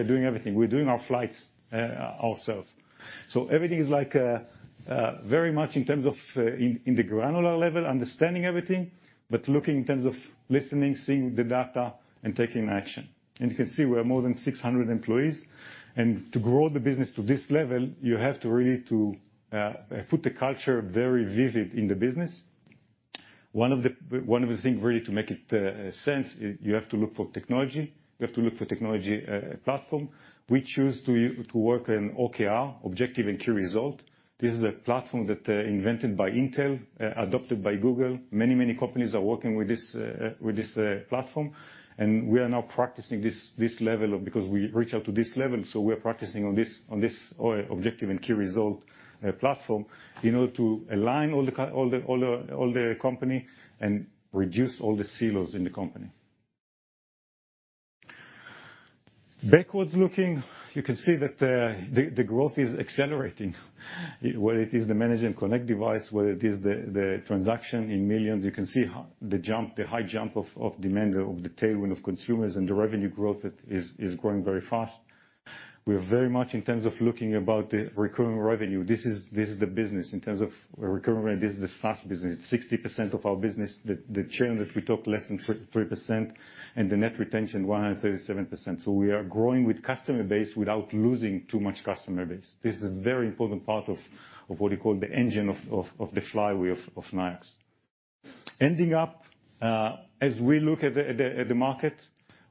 Speaker 2: doing everything. We're doing our flights ourselves. So everything is very much in terms of the granular level, understanding everything, but looking in terms of listening, seeing the data, and taking action. You can see we're more than 600 employees, and to grow the business to this level, you have to really put the culture very vivid in the business. One of the thing really to make sense, you have to look for technology. You have to look for technology platform. We choose to work in OKR, objective and key result. This is a platform that invented by Intel, adopted by Google. Many companies are working with this platform, and we are now practicing this level because we reach out to this level, so we are practicing on this objective and key result platform in order to align all the company and reduce all the silos in the company. Backward looking, you can see that the growth is accelerating. Whether it is the Management Connect device, whether it is the transaction in millions, you can see the jump, the high jump of demand of the tailwind of consumers and the revenue growth is growing very fast. We're very much in terms of looking at the recurring revenue. This is the business. In terms of recurring revenue, this is the SaaS business. 60% of our business, the churn that we took, less than 30%, and the net retention 137%. We are growing our customer base without losing too much customer base. This is very important part of what we call the engine of the flywheel of Nayax. As we look at the market,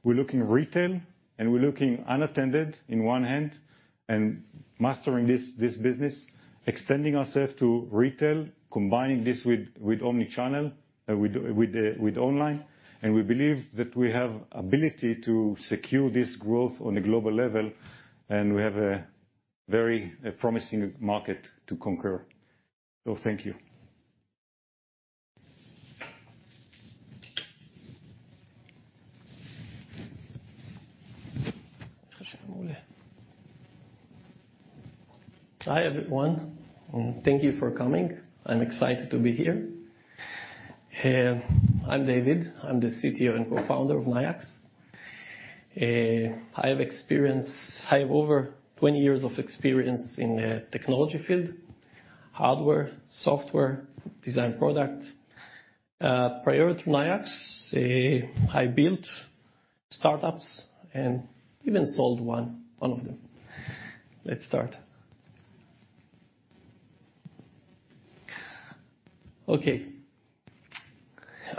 Speaker 2: we're looking at retail and we're looking at unattended on one hand, and mastering this business, extending ourselves to retail, combining this with omni-channel, with the online. We believe that we have ability to secure this growth on a global level, and we have a very promising market to conquer. Thank you.
Speaker 4: Hi, everyone, and thank you for coming. I'm excited to be here. I'm David. I'm the CTO and Co-Founder of Nayax. I have over 20 years of experience in the technology field, hardware, software, design product. Prior to Nayax, I built startups and even sold one of them. Let's start. Okay.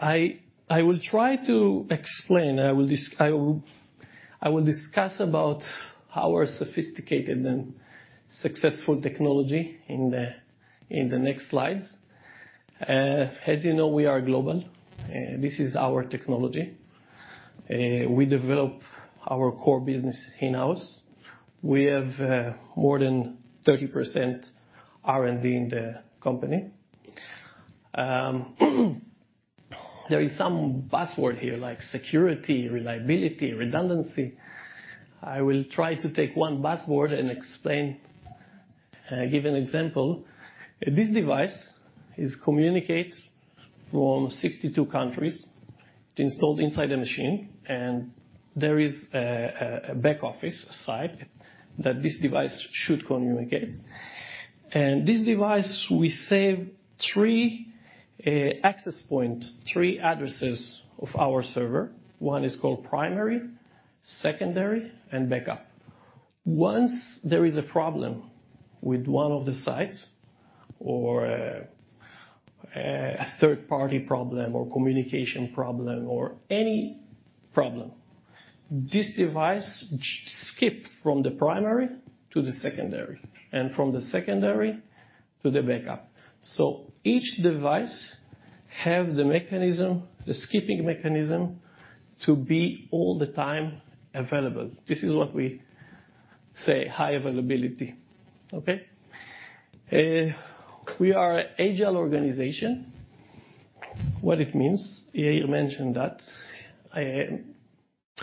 Speaker 4: I will try to explain. I will discuss about our sophisticated and successful technology in the next slides. As you know, we are global. This is our technology. We develop our core business in-house. We have more than 30% R&D in the company. There is some buzzword here like security, reliability, redundancy. I will try to take one buzzword and explain. I give an example. This device communicates from 62 countries. It's installed inside a machine, and there is a back office site that this device should communicate. This device, we save three access points, three addresses of our server. One is called primary, secondary, and backup. Once there is a problem with one of the sites or a third-party problem, or communication problem, or any problem, this device skips from the primary to the secondary, and from the secondary to the backup. Each device have the mechanism, the skipping mechanism to be all the time available. This is what we say high availability. Okay. We are an agile organization. What it means? Yair mentioned that.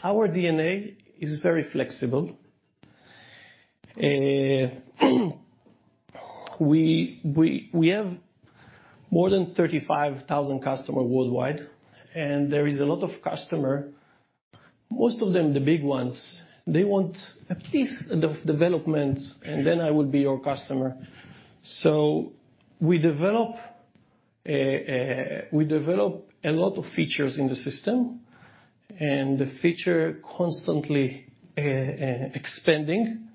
Speaker 4: Our DNA is very flexible. We have more than 35,000 customers worldwide, and there is a lot of customers. Most of them, the big ones, they want a piece of development, and then I would be your customer. We develop a lot of features in the system, and the feature constantly expanding.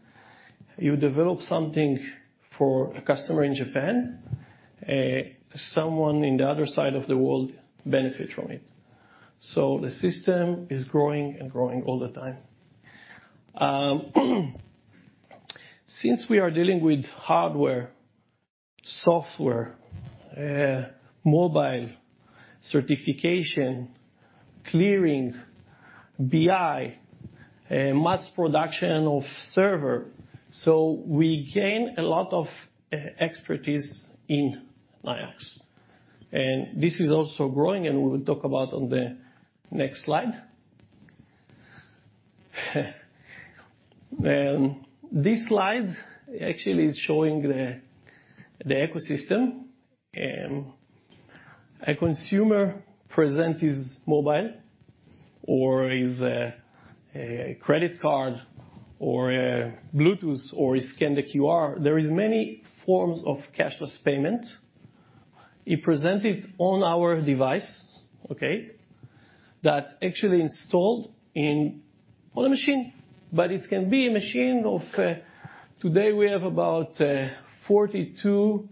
Speaker 4: You develop something for a customer in Japan, someone in the other side of the world benefit from it. So the system is growing and growing all the time. Since we are dealing with hardware, software, mobile, certification, clearing, BI, mass production of server, so we gain a lot of expertise in Nayax. This is also growing, and we will talk about on the next slide. This slide actually is showing the ecosystem. A consumer present his mobile or his credit card or a Bluetooth or scan the QR. There is many forms of cashless payment. We present it on our device, okay? That is actually installed in all the machines, but it can be a machine of. Today, we have about 42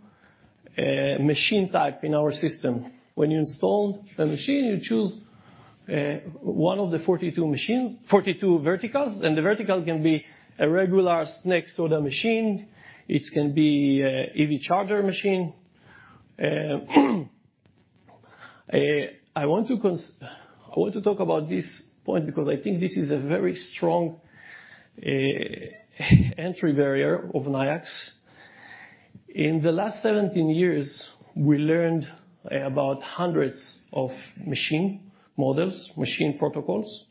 Speaker 4: machine types in our system. When you install the machine, you choose one of the 42 machines, 42 verticals, and the vertical can be a regular snack soda machine. It can be an EV charger machine. I want to talk about this point because I think this is a very strong entry barrier of Nayax. In the last 17 years, we learned about hundreds of machine models, machine protocols.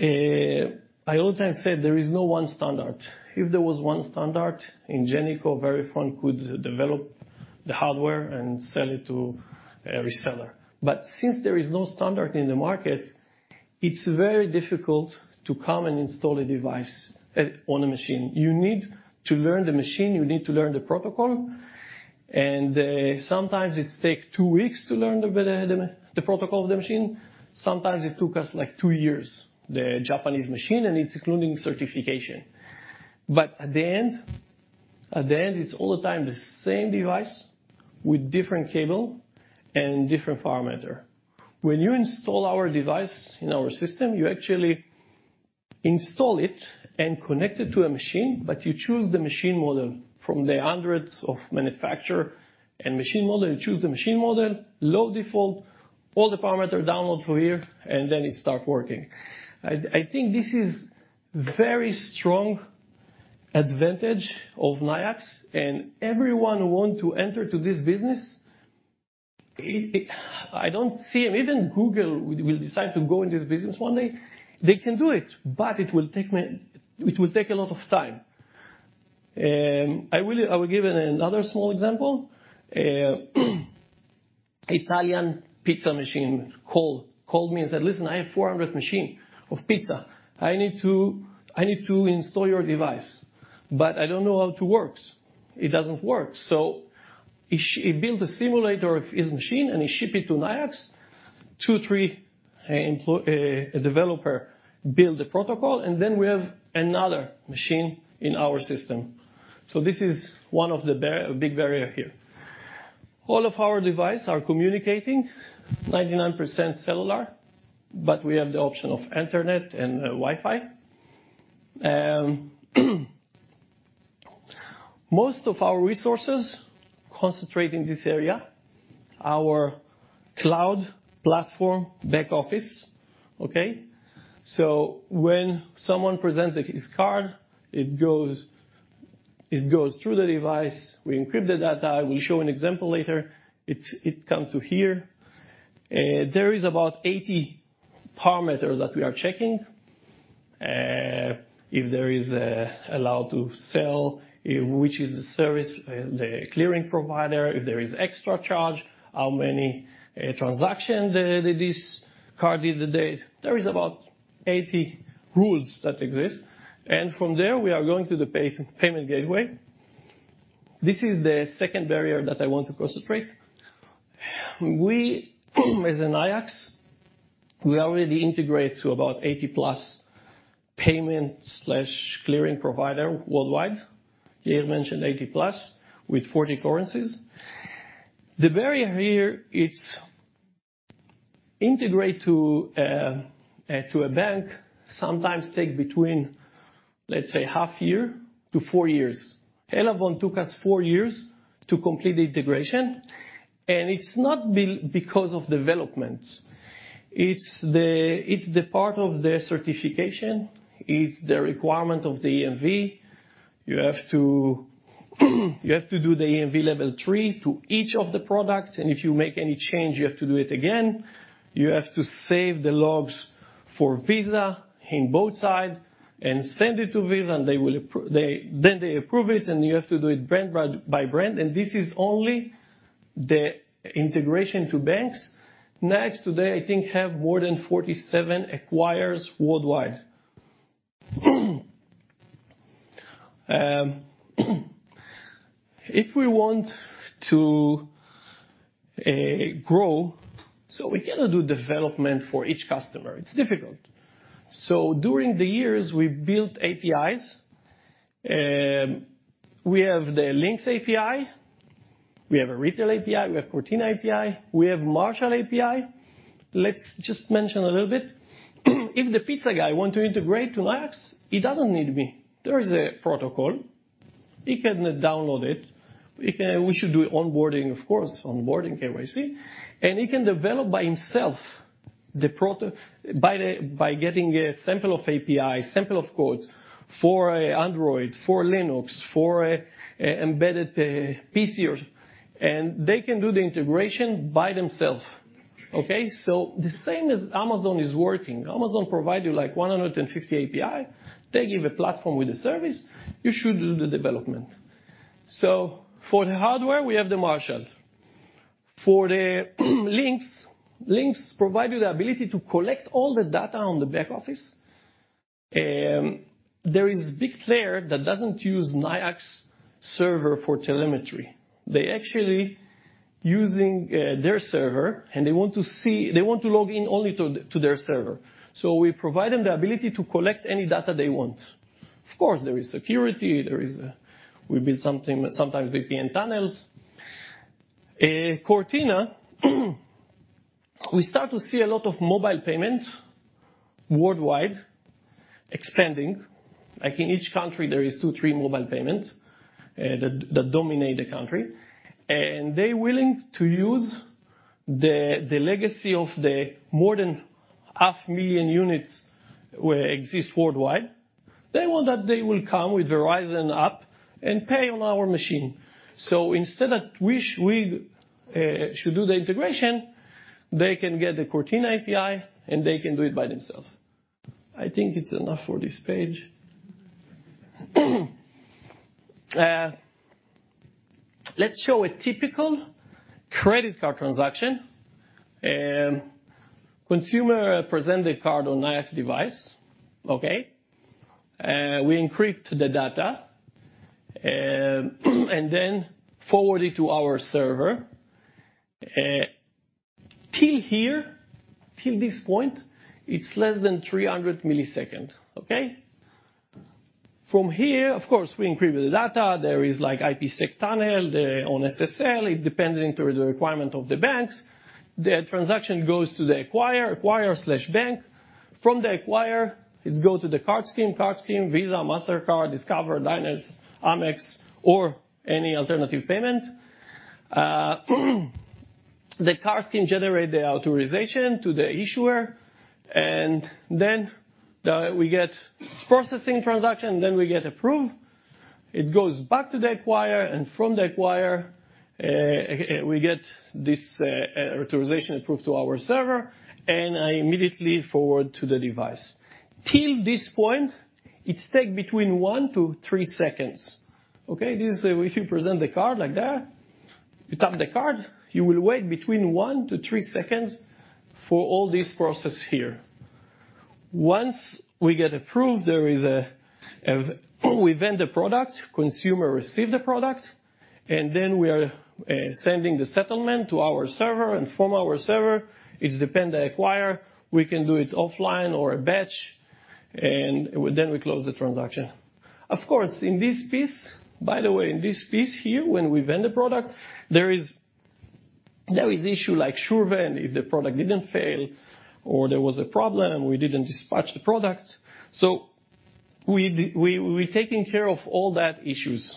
Speaker 4: I always said there is no one standard. If there was one standard, Ingenico, Verifone could develop the hardware and sell it to a reseller. Since there is no standard in the market, it's very difficult to come and install a device on a machine. You need to learn the machine, you need to learn the protocol, and sometimes it take two weeks to learn the protocol of the machine. Sometimes it took us, like, two years, the Japanese machine, and it's including certification. At the end, it's all the time the same device with different cable and different parameter. When you install our device in our system, you actually install it and connect it to a machine, but you choose the machine model from the hundreds of manufacturer and machine model. You choose the machine model, load default, all the parameter download to here, and then it start working. I think this is very strong advantage of Nayax and everyone who want to enter to this business. I don't see. Even Google will decide to go in this business one day, they can do it, but it will take a lot of time. I will give another small example. Italian pizza machine called me and said, "Listen, I have 400 machine of pizza. I need to install your device, but I don't know how it works. It doesn't work." He built a simulator of his machine, and he shipped it to Nayax. Two, three developers built the protocol, and then we have another machine in our system. This is one of the big barrier here. All of our devices are communicating 99% cellular, but we have the option of Internet and Wi-Fi. Most of our resources concentrate in this area, our cloud platform back office. Okay? When someone presents his card, it goes through the device. We encrypt the data. I will show an example later. It comes to here. There is about 80 parameters that we are checking. If it is allowed to sell, which service, the clearing provider, if there is extra charge, how many transactions this card has, the date. There is about 80 rules that exist. From there, we are going to the payment gateway. This is the second barrier that I want to concentrate. We, as in Nayax, already integrate to about 80+ payment/clearing providers worldwide. Liraz mentioned 80+ with 40 currencies. The barrier here, it's to integrate to a bank, sometimes takes between, let's say, half year to four years. Elavon took us four years to complete the integration, and it's not build because of developments. It's the part of the certification, it's the requirement of the EMV. You have to do the EMV level three to each of the products, and if you make any change, you have to do it again. You have to save the logs for Visa on both sides and send it to Visa, and they approve it, and you have to do it brand by brand. This is only the integration to banks. Nayax today, I think, has more than 47 acquirers worldwide. If we want to grow, we cannot do development for each customer, it's difficult. During the years, we've built APIs, we have the Lynx API, we have a Retail API, we have Cortina API, we have Marshal API. Let's just mention a little bit. If the pizza guy want to integrate to Nayax, he doesn't need me. There is a protocol. He can download it. We should do onboarding, of course, onboarding KYC, and he can develop by himself by getting a sample of API, sample of codes for Android, for Lynx, for embedded PC or. They can do the integration by themselves. Okay. The same as Amazon is working. Amazon provide you like 150 API. They give a platform with a service, you should do the development. For the hardware, we have the Marshal. For the Lynx provides you the ability to collect all the data on the back office. There is a big player that doesn't use Nayax server for telemetry. They are actually using their server, and they want to log in only to their server. We provide them the ability to collect any data they want. Of course, there is security. We build something, sometimes VPN tunnels. Cortina, we start to see a lot of mobile payment worldwide expanding. Like in each country, there are two, three mobile payments that dominate the country. They're willing to use the legacy of the more than 500,000 units that exist worldwide. They want that they will come with their own app and pay on our machine. Instead of we should do the integration, they can get the Cortina API, and they can do it by themselves. I think it's enough for this page. Let's show a typical credit card transaction. Consumer present the card on Nayax device. Okay. We encrypt the data and then forward it to our server. Till here, till this point, it's less than 300 milliseconds. Okay. From here, of course, we encrypt the data. There is like IPsec tunnel on SSL. It depends into the requirement of the banks. The transaction goes to the acquirer/bank. From the acquirer, it go to the card scheme. Card scheme, Visa, Mastercard, Discover, Diners, Amex or any alternative payment. The card scheme generate the authorization to the issuer, and then we get processing transaction, then we get approved. It goes back to the acquirer, and from the acquirer, we get this authorization approved to our server, and I immediately forward to the device. Till this point, it take between one to three seconds. Okay? This is if you present the card like that, you tap the card, you will wait between one to three seconds for all this process here. Once we get approved, there is a, we vend the product, consumer receive the product, and then we are sending the settlement to our server. From our server, it depend the acquirer. We can do it offline or a batch, and then we close the transaction. Of course, in this piece, by the way, in this piece here, when we vend the product, there is issue like SureVend, if the product didn't fail or there was a problem, we didn't dispatch the product. We taking care of all that issues.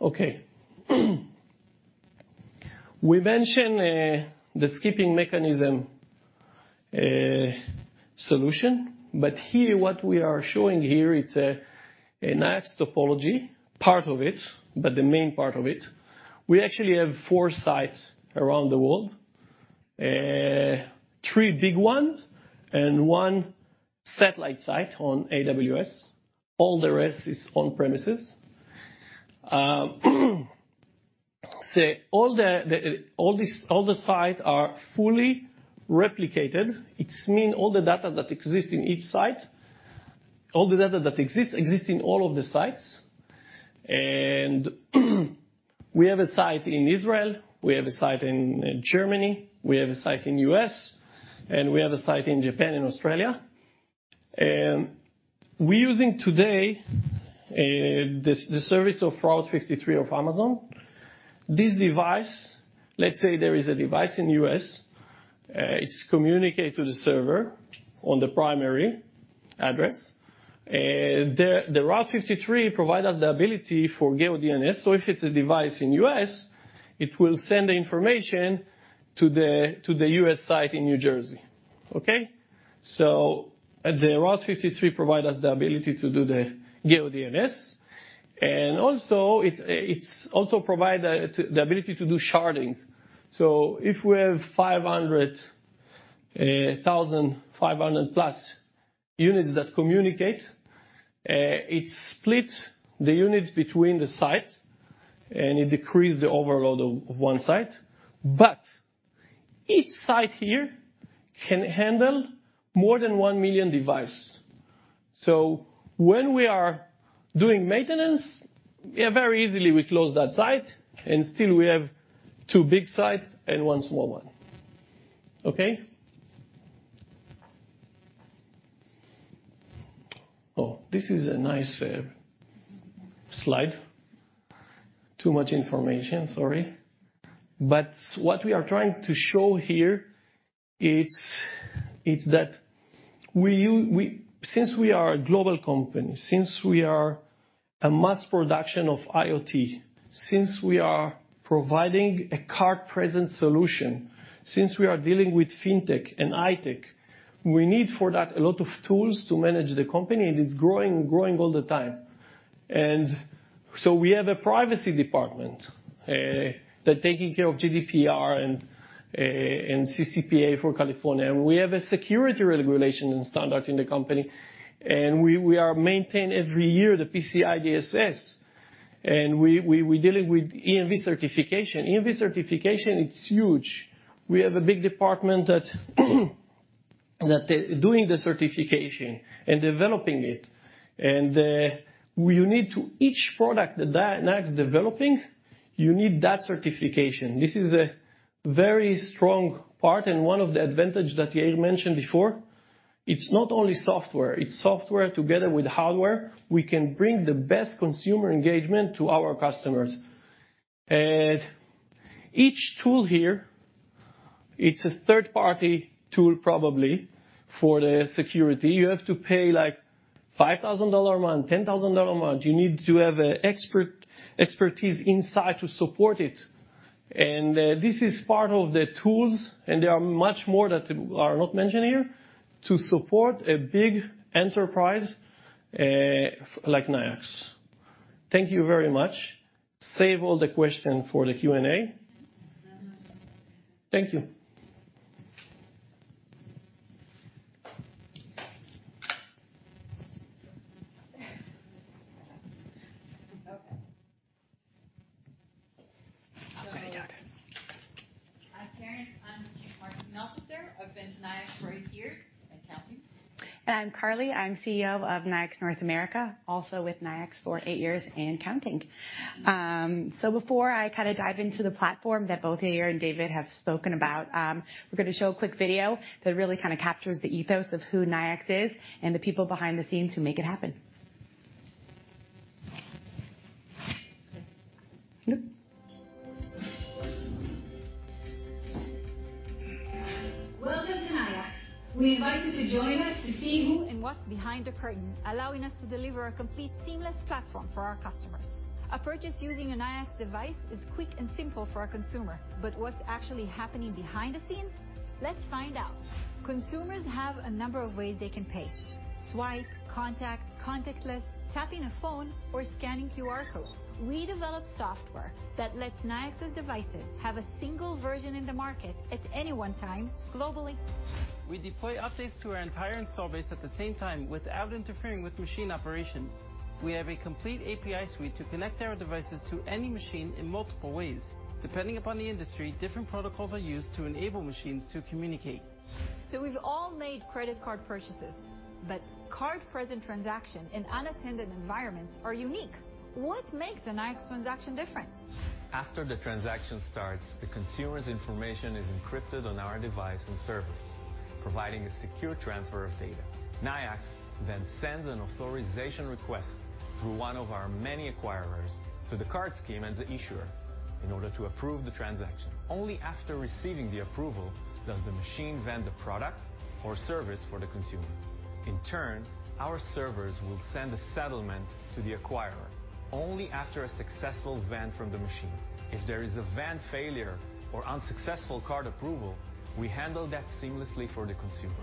Speaker 4: Okay. We mentioned the skipping mechanism, a solution. Here, what we are showing here, it's a Nayax topology, part of it, but the main part of it. We actually have four sites around the world. Three big ones and one satellite site on AWS. All the rest is on premises. All the sites are fully replicated. It means all the data that exists in each site. All the data that exists exists in all of the sites. We have a site in Israel, we have a site in Germany, we have a site in U.S., and we have a site in Japan and Australia. We're using today the service of Route 53 of Amazon. This device, let's say there is a device in U.S., it's communicate to the server on the primary address. The Route 53 provide us the ability for Geo DNS. If it's a device in U.S., it will send the information to the U.S. site in New Jersey. The Route 53 provide us the ability to do the Geo DNS. It also provide the ability to do sharding. If we have 500,000, 500+ units that communicate, it split the units between the sites, and it decrease the overload of one site. Each site here can handle more than 1 million device. When we are doing maintenance, very easily we close that site, and still we have two big sites and one small one. This is a nice slide. Too much information, sorry. What we are trying to show here, it's that we since we are a global company, since we are a mass production of IoT, since we are providing a card-present solution, since we are dealing with fintech and iTech, we need for that a lot of tools to manage the company, and it's growing all the time. We have a privacy department that taking care of GDPR and CCPA for California. We have a security regulation and standard in the company. We maintain every year the PCI DSS, and we dealing with EMV certification. EMV certification, it's huge. We have a big department that doing the certification and developing it. Each product that Nayax developing, you need that certification. This is a very strong part and one of the advantage that Yair mentioned before. It's not only software, it's software together with hardware. We can bring the best consumer engagement to our customers. Each tool here, it's a third-party tool probably for the security. You have to pay, like, $5,000 a month, $10,000 a month. You need to have expertise inside to support it. This is part of the tools, and there are much more that are not mentioned here, to support a big enterprise like Nayax. Thank you very much. Save all the questions for the Q&A. Thank you.
Speaker 5: Okay. I'm Keren, I'm the Chief Marketing Officer. I've been with Nayax for eight years and counting.
Speaker 6: I'm Carly. I'm CEO of Nayax North America, also with Nayax for eight years and counting. Before I kinda dive into the platform that both Yair and David have spoken about, we're gonna show a quick video that really kinda captures the ethos of who Nayax is and the people behind the scenes who make it happen.
Speaker 3: Welcome to Nayax. We invite you to join us to see who and what's behind the curtain, allowing us to deliver a complete, seamless platform for our customers. A purchase using a Nayax device is quick and simple for our consumer, but what's actually happening behind the scenes? Let's find out. Consumers have a number of ways they can pay. Swipe, contact, contactless, tapping a phone, or scanning QR codes. We develop software that lets Nayax's devices have a single version in the market at any one time globally. We deploy updates to our entire install base at the same time without interfering with machine operations. We have a complete API suite to connect our devices to any machine in multiple ways. Depending upon the industry, different protocols are used to enable machines to communicate. We've all made credit card purchases, but card-present transactions in unattended environments are unique. What makes a Nayax transaction different? After the transaction starts, the consumer's information is encrypted on our device and servers, providing a secure transfer of data. Nayax then sends an authorization request through one of our many acquirers to the card scheme and the issuer. In order to approve the transaction. Only after receiving the approval does the machine vend the product or service for the consumer. In turn, our servers will send a settlement to the acquirer only after a successful vend from the machine. If there is a vend failure or unsuccessful card approval, we handle that seamlessly for the consumer.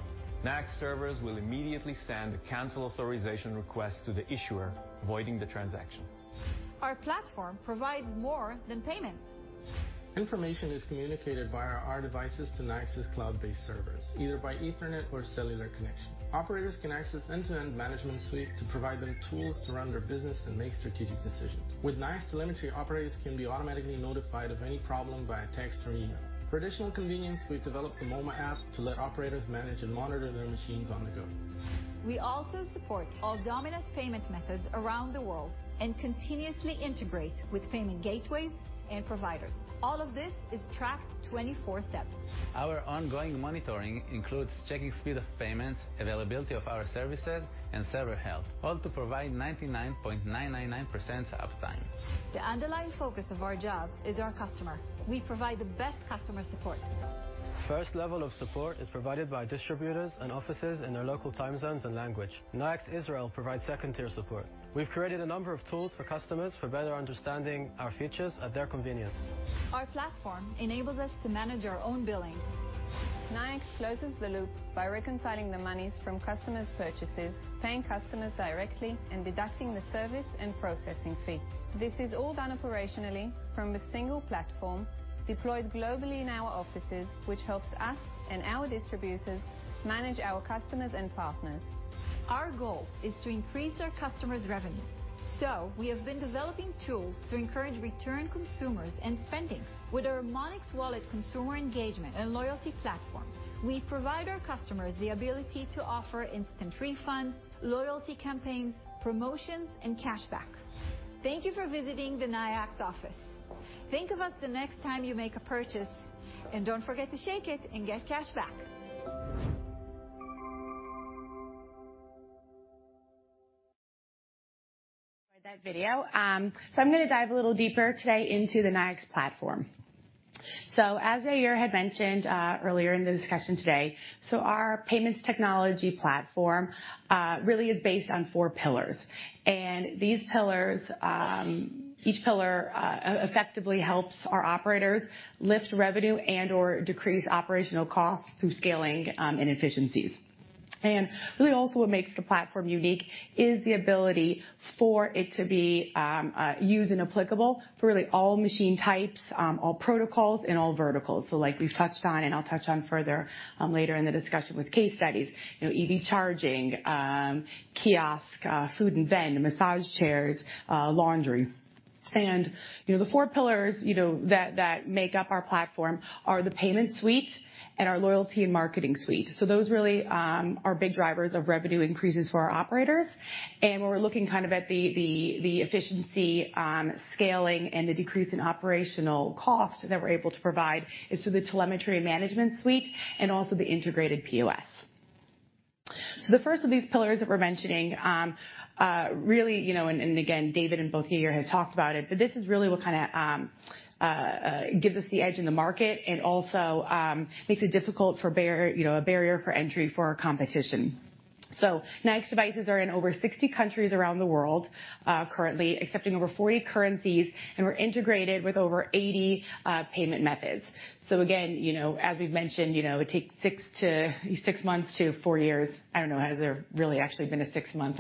Speaker 3: Nayax servers will immediately send a cancel authorization request to the issuer, voiding the transaction. Our platform provides more than payments. Information is communicated via our devices to Nayax's cloud-based servers, either by Ethernet or cellular connection. Operators can access end-to-end management suite to provide them tools to run their business and make strategic decisions. With Nayax telemetry, operators can be automatically notified of any problem via text or email. For additional convenience, we've developed the MoMa app to let operators manage and monitor their machines on the go. We also support all dominant payment methods around the world and continuously integrate with payment gateways and providers. All of this is tracked 24/7. Our ongoing monitoring includes checking speed of payments, availability of our services, and server health, all to provide 99.999% uptime. The underlying focus of our job is our customer. We provide the best customer support. First level of support is provided by distributors and offices in their local time zones and language. Nayax Israel provides second-tier support. We've created a number of tools for customers for better understanding our features at their convenience. Our platform enables us to manage our own billing. Nayax closes the loop by reconciling the monies from customers' purchases, paying customers directly, and deducting the service and processing fees. This is all done operationally from a single platform deployed globally in our offices, which helps us and our distributors manage our customers and partners. Our goal is to increase our customers' revenue. We have been developing tools to encourage return consumers and spending. With our Monyx Wallet consumer engagement and loyalty platform, we provide our customers the ability to offer instant refunds, loyalty campaigns, promotions, and cashback. Thank you for visiting the Nayax office. Think of us the next time you make a purchase, and don't forget to shake it and get cashback.
Speaker 6: Enjoyed that video. I'm gonna dive a little deeper today into the Nayax platform. As Yair had mentioned earlier in the discussion today, our payments technology platform really is based on four pillars. These pillars, each pillar effectively helps our operators lift revenue and/or decrease operational costs through scaling and efficiencies. Really also what makes the platform unique is the ability for it to be used and applicable for really all machine types, all protocols and all verticals. Like we've touched on, and I'll touch on further later in the discussion with case studies, you know, EV charging, kiosk, food and vend, massage chairs, laundry. You know, the four pillars, you know, that make up our platform are the payment suite and our loyalty and marketing suite. Those really are big drivers of revenue increases for our operators. When we're looking kind of at the efficiency, scaling and the decrease in operational cost that we're able to provide is through the telemetry management suite and also the integrated POS. The first of these pillars that we're mentioning, really, you know, again, David and Yair have talked about it, but this is really what kinda gives us the edge in the market and also makes a barrier to entry for our competition. Nayax devices are in over 60 countries around the world, currently accepting over 40 currencies, and we're integrated with over 80 payment methods. Again, you know, as we've mentioned, you know, it takes six months to four years. I don't know, has there really actually been a six-month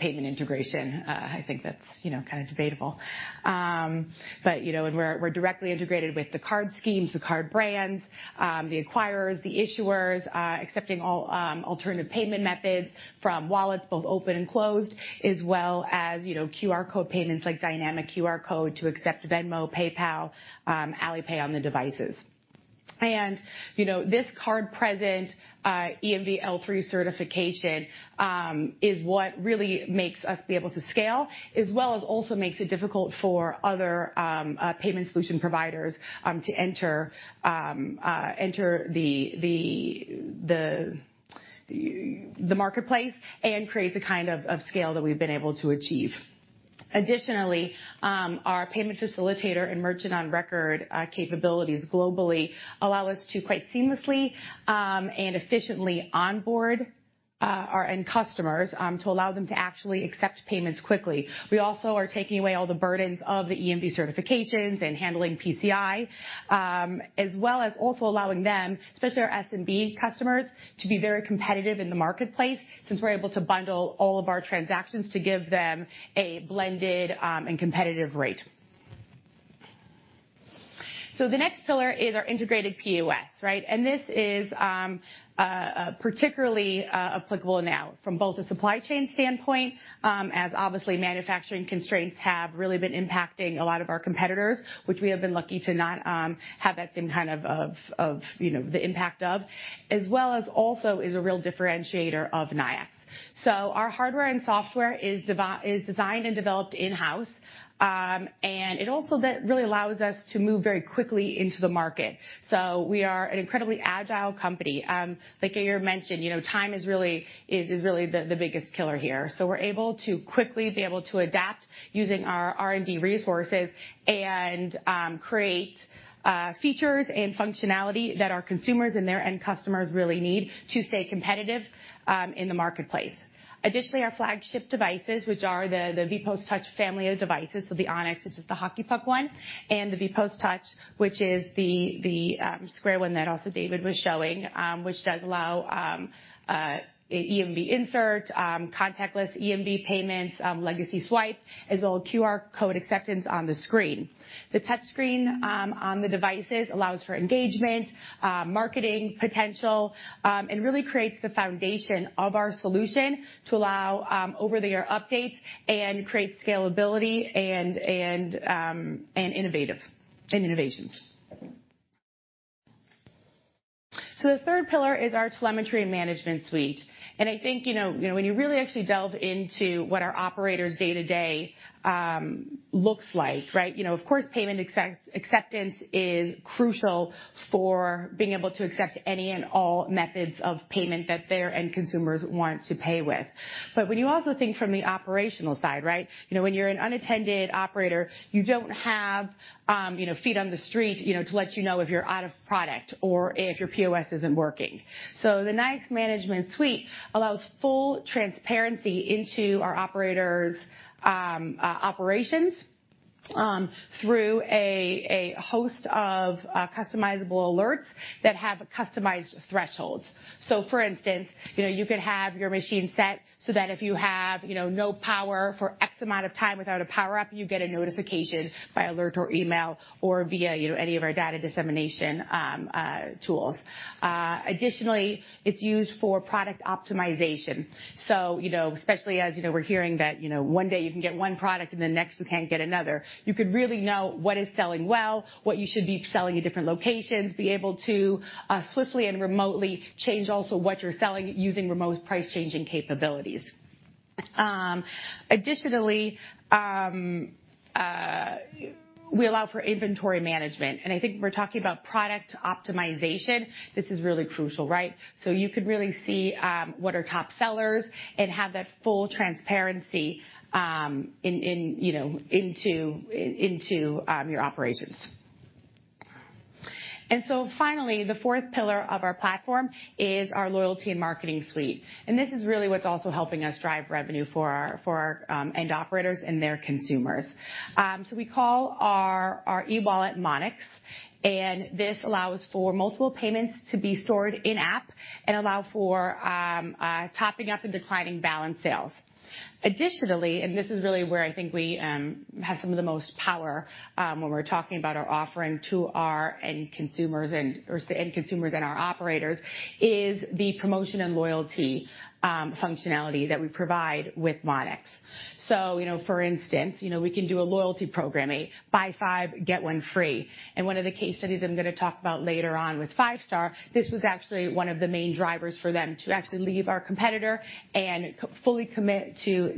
Speaker 6: payment integration? I think that's, you know, kind of debatable. You know, we're directly integrated with the card schemes, the card brands, the acquirers, the issuers, accepting all alternative payment methods from wallets, both open and closed, as well as, you know, QR code payments like dynamic QR code to accept Venmo, PayPal, Alipay on the devices. You know, this card-present EMV L3 certification is what really makes us be able to scale as well as also makes it difficult for other payment solution providers to enter the marketplace and create the kind of scale that we've been able to achieve. Additionally, our payment facilitator and merchant on record capabilities globally allow us to quite seamlessly and efficiently onboard our end customers to allow them to actually accept payments quickly. We also are taking away all the burdens of the EMV certifications and handling PCI, as well as also allowing them, especially our SMB customers, to be very competitive in the marketplace since we're able to bundle all of our transactions to give them a blended and competitive rate. The next pillar is our integrated POS, right? This is particularly applicable now from both a supply chain standpoint, as obviously manufacturing constraints have really been impacting a lot of our competitors, which we have been lucky to not have that same kind of you know the impact of, as well as also is a real differentiator of Nayax. Our hardware and software is designed and developed in-house. It also really allows us to move very quickly into the market. We are an incredibly agile company. Like Yair mentioned, you know, time is really the biggest killer here. We're able to quickly be able to adapt using our R&D resources and create features and functionality that our consumers and their end customers really need to stay competitive in the marketplace. Additionally, our flagship devices, which are the VPOS Touch family of devices, so the Onyx, which is the hockey puck one, and the VPOS Touch, which is the square one that also David was showing, which does allow EMV insert, contactless EMV payments, legacy swipe, as well as QR code acceptance on the screen. The touch screen on the devices allows for engagement, marketing potential, and really creates the foundation of our solution to allow over-the-air updates and create scalability and innovations. The third pillar is our telemetry and management suite. I think, you know, when you really actually delve into what our operators' day-to-day looks like, right? You know, of course, payment acceptance is crucial for being able to accept any and all methods of payment that their end consumers want to pay with. When you also think from the operational side, right? You know, when you're an unattended operator, you don't have, you know, feet on the street, you know, to let you know if you're out of product or if your POS isn't working. The Nayax Management Suite allows full transparency into our operators' operations through a host of customizable alerts that have customized thresholds. For instance, you know, you could have your machine set so that if you have, you know, no power for X amount of time without a power up, you get a notification by alert or email or via, you know, any of our data dissemination tools. Additionally, it's used for product optimization. So, you know, especially as, you know, we're hearing that, you know, one day you can get one product and the next you can't get another, you could really know what is selling well, what you should be selling at different locations, be able to swiftly and remotely change also what you're selling using remote price changing capabilities. Additionally, we allow for inventory management, and I think we're talking about product optimization. This is really crucial, right? So you could really see what are top sellers and have that full transparency in your operations. Finally, the fourth pillar of our platform is our loyalty and marketing suite. This is really what's also helping us drive revenue for our end operators and their consumers. We call our e-wallet Monyx, and this allows for multiple payments to be stored in-app and allow for topping up and declining balance sales. Additionally, and this is really where I think we have some of the most power when we're talking about our offering to our end consumers or end consumers and our operators, is the promotion and loyalty functionality that we provide with Monyx. You know, for instance, you know, we can do a loyalty program, a buy five, get one free. One of the case studies I'm gonna talk about later on with Five Star, this was actually one of the main drivers for them to actually leave our competitor and fully commit to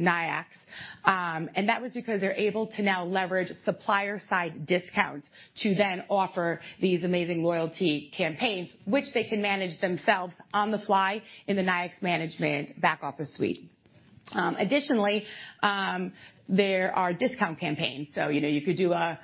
Speaker 6: Nayax. That was because they're able to now leverage supplier side discounts to then offer these amazing loyalty campaigns, which they can manage themselves on the fly in the Nayax management back office suite. Additionally, there are discount campaigns. You know, you could do a,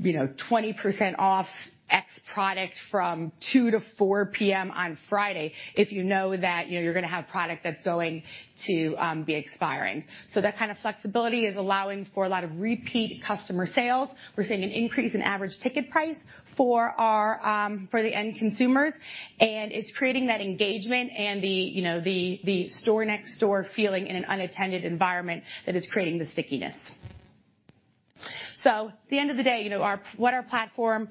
Speaker 6: you know, 20% off X product from 2:00 P.M. to 4:00 P.M. on Friday if you know that, you know, you're gonna have product that's going to be expiring. That kind of flexibility is allowing for a lot of repeat customer sales. We're seeing an increase in average ticket price for our for the end consumers, and it's creating that engagement and the, you know, the store next door feeling in an unattended environment that is creating the stickiness. At the end of the day, you know, what our platform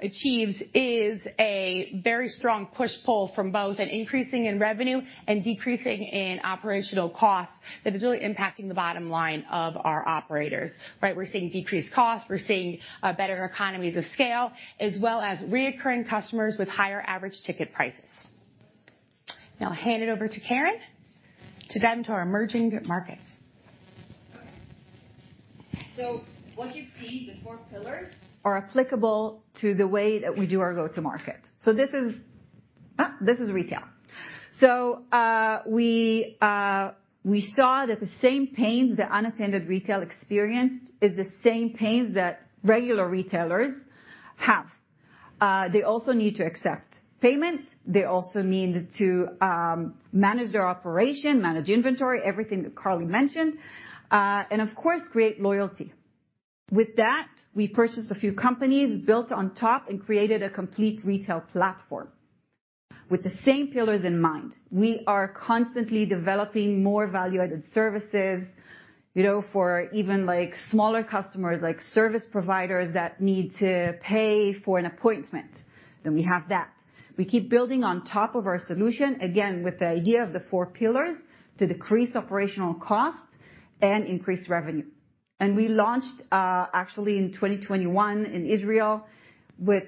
Speaker 6: achieves is a very strong push-pull from both an increase in revenue and decrease in operational costs that is really impacting the bottom line of our operators, right? We're seeing decreased costs, we're seeing better economies of scale, as well as recurring customers with higher average ticket prices. Now I'll hand it over to Keren to dive into our emerging markets.
Speaker 5: What you see, the four pillars are applicable to the way that we do our go-to-market. This is retail. We saw that the same pains that unattended retail experienced is the same pains that regular retailers have. They also need to accept payments. They also need to manage their operation, manage inventory, everything that Carly mentioned, and of course, create loyalty. With that, we purchased a few companies, built on top, and created a complete retail platform with the same pillars in mind. We are constantly developing more value-added services, you know, for even, like, smaller customers, like service providers that need to pay for an appointment, then we have that. We keep building on top of our solution, again, with the idea of the four pillars to decrease operational costs and increase revenue. We launched actually in 2021 in Israel with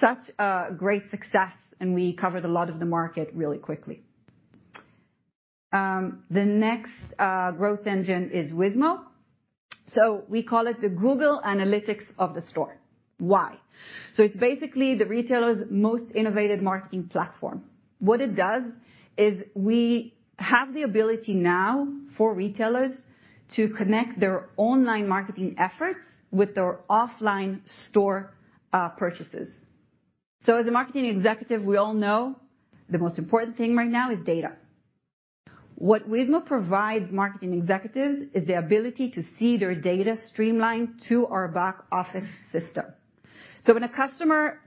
Speaker 5: such a great success, and we covered a lot of the market really quickly. The next growth engine is Weezmo. We call it the Google Analytics of the store. Why? It's basically the retailer's most innovative marketing platform. What it does is we have the ability now for retailers to connect their online marketing efforts with their offline store purchases. As a marketing executive, we all know the most important thing right now is data. What Weezmo provides marketing executives is the ability to see their data streamlined to our back-office system. When a customer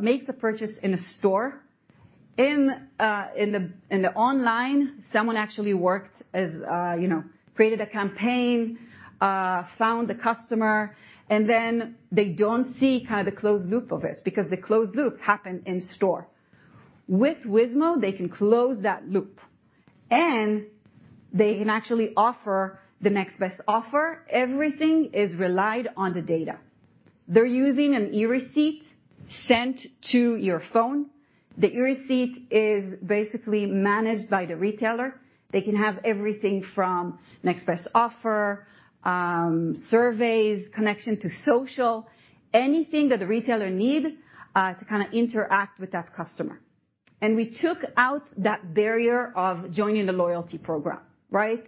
Speaker 5: makes a purchase in a store, online, someone actually, you know, created a campaign, found the customer, and then they don't see kind of the closed loop of it, because the closed loop happened in store. With Weezmo, they can close that loop, and they can actually offer the next best offer. Everything is relied on the data. They're using an e-receipt sent to your phone. The e-receipt is basically managed by the retailer. They can have everything from next best offer, surveys, connection to social, anything that the retailer need to kinda interact with that customer. We took out that barrier of joining the loyalty program, right?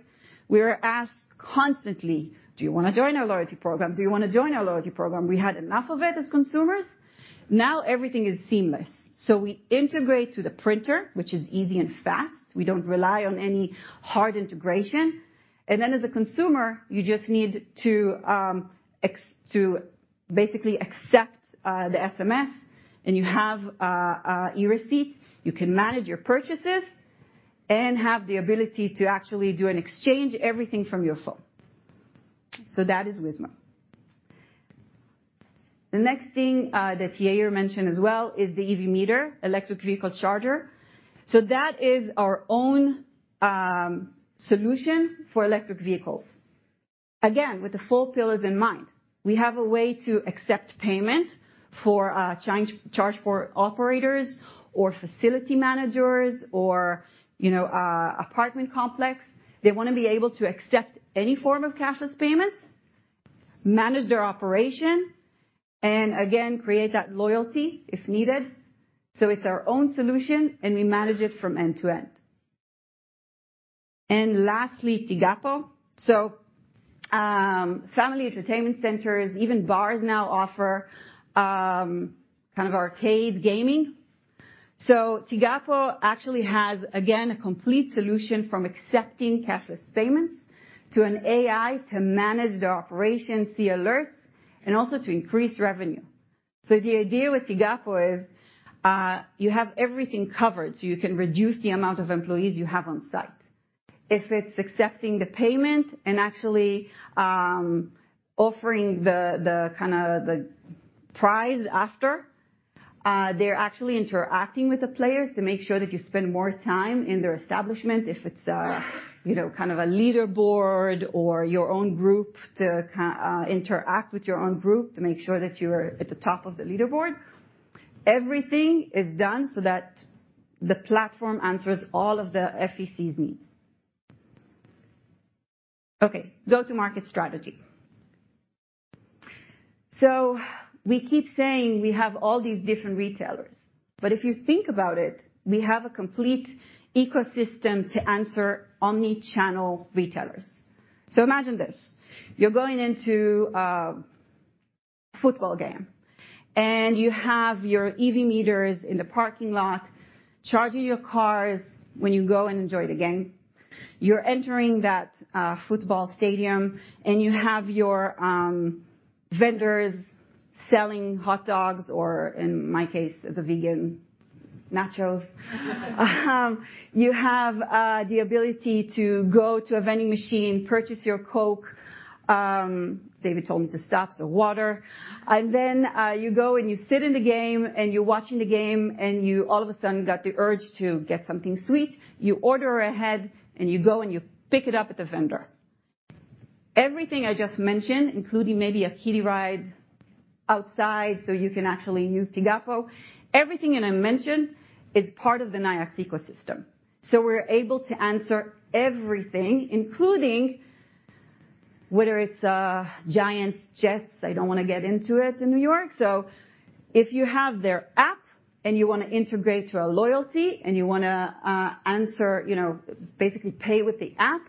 Speaker 5: We are asked constantly, "Do you wanna join our loyalty program"? Do you wanna join our loyalty program?" We had enough of it as consumers. Now everything is seamless. We integrate to the printer, which is easy and fast. We don't rely on any hard integration. Then as a consumer, you just need to basically accept the SMS, and you have e-receipts. You can manage your purchases and have the ability to actually do an exchange, everything from your phone. That is Weezmo. The next thing that Yair mentioned as well is the EV Meter, electric vehicle charger. That is our own solution for electric vehicles. Again, with the four pillars in mind. We have a way to accept payment for charge for operators or facility managers or, you know, apartment complex. They wanna be able to accept any form of cashless payments, manage their operation, and again, create that loyalty if needed. It's our own solution, and we manage it from end-to-end. Lastly, Tigapo. Family entertainment centers, even bars now offer kind of arcade gaming. Tigapo actually has, again, a complete solution from accepting cashless payments to an AI to manage their operations, see alerts, and also to increase revenue. The idea with Tigapo is you have everything covered, so you can reduce the amount of employees you have on site. If it's accepting the payment and actually offering the kinda prize after, they're actually interacting with the players to make sure that you spend more time in their establishment. If it's, you know, kind of a leaderboard or your own group to interact with your own group to make sure that you're at the top of the leaderboard. Everything is done so that the platform answers all of the FECs needs. Okay. Go-to-market strategy. We keep saying we have all these different retailers, but if you think about it, we have a complete ecosystem to answer omni-channel retailers. Imagine this, you're going into a football game, and you have your EV Meters in the parking lot, charging your cars when you go and enjoy the game. You're entering that football stadium, and you have your vendors selling hot dogs, or in my case, as a vegan, nachos. You have the ability to go to a vending machine, purchase your Coke. David told me to stop, so water. You go, and you sit in the game, and you're watching the game, and you all of a sudden got the urge to get something sweet. You order ahead, and you go, and you pick it up at the vendor. Everything I just mentioned, including maybe a kiddie ride outside, so you can actually use Tigapo. Everything that I mentioned is part of the Nayax ecosystem. We're able to answer everything, including whether it's Giants, Jets, I don't wanna get into it, in New York. If you have their app, and you wanna integrate to a loyalty, and you wanna answer, you know, basically pay with the app,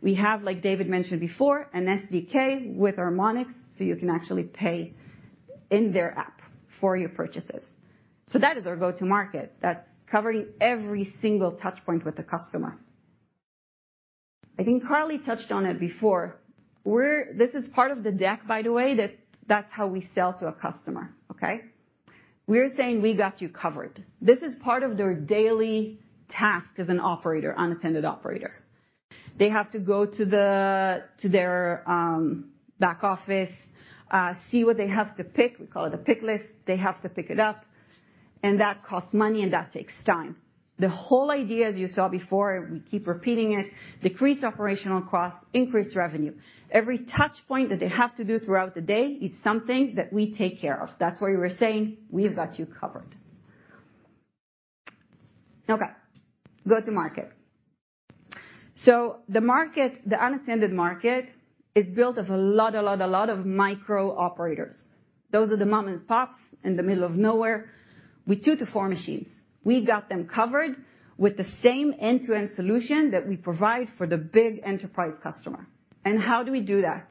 Speaker 5: we have, like David mentioned before, an SDK with our Monyx, so you can actually pay in their app for your purchases. That is our go-to-market. That's covering every single touch point with the customer. I think Carly touched on it before. This is part of the deck, by the way, that that's how we sell to a customer, okay? We're saying, "We got you covered." This is part of their daily task as an operator, unattended operator. They have to go to their back office, see what they have to pick. We call it a pick list. They have to pick it up. That costs money and that takes time. The whole idea, as you saw before, we keep repeating it, decrease operational costs, increase revenue. Every touch point that they have to do throughout the day is something that we take care of. That's why we were saying, "We've got you covered." Okay. Go-to-market. The unattended market is built of a lot of micro-operators. Those are the mom-and-pops in the middle of nowhere with two to four machines. We got them covered with the same end-to-end solution that we provide for the big enterprise customer. How do we do that?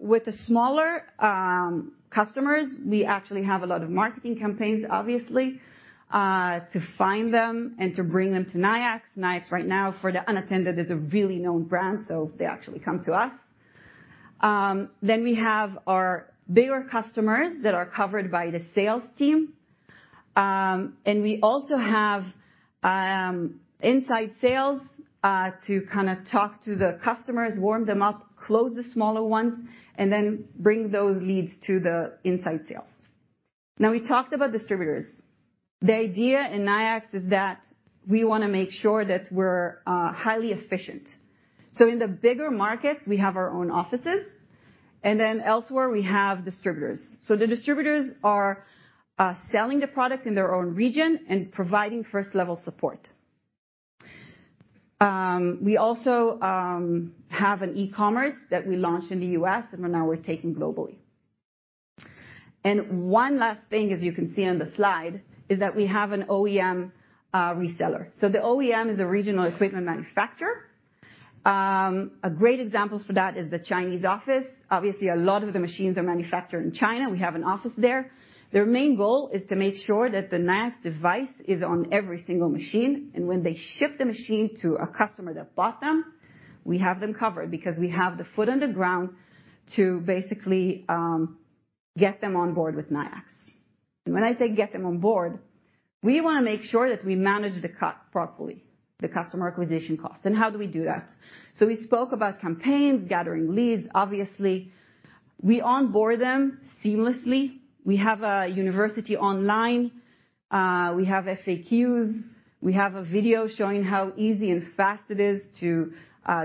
Speaker 5: With the smaller customers, we actually have a lot of marketing campaigns, obviously, to find them and to bring them to Nayax. Nayax right now, for the unattended, is a really known brand, so they actually come to us. We have our bigger customers that are covered by the sales team. We also have inside sales to kinda talk to the customers, warm them up, close the smaller ones, and then bring those leads to the inside sales. Now we talked about distributors. The idea in Nayax is that we wanna make sure that we're highly efficient. In the bigger markets, we have our own offices, and then elsewhere we have distributors. The distributors are selling the product in their own region and providing first-level support. We also have an e-commerce that we launched in the U.S., and now we're taking globally. One last thing, as you can see on the slide, is that we have an OEM reseller. The OEM is Original Equipment Manufacturer. A great example for that is the Chinese office. Obviously, a lot of the machines are manufactured in China. We have an office there. Their main goal is to make sure that the Nayax device is on every single machine, and when they ship the machine to a customer that bought them, we have them covered because we have the foot on the ground to basically get them on board with Nayax. When I say get them on board, we wanna make sure that we manage the CAC properly, the customer acquisition cost. How do we do that? We spoke about campaigns, gathering leads, obviously. We onboard them seamlessly. We have a university online. We have FAQs. We have a video showing how easy and fast it is to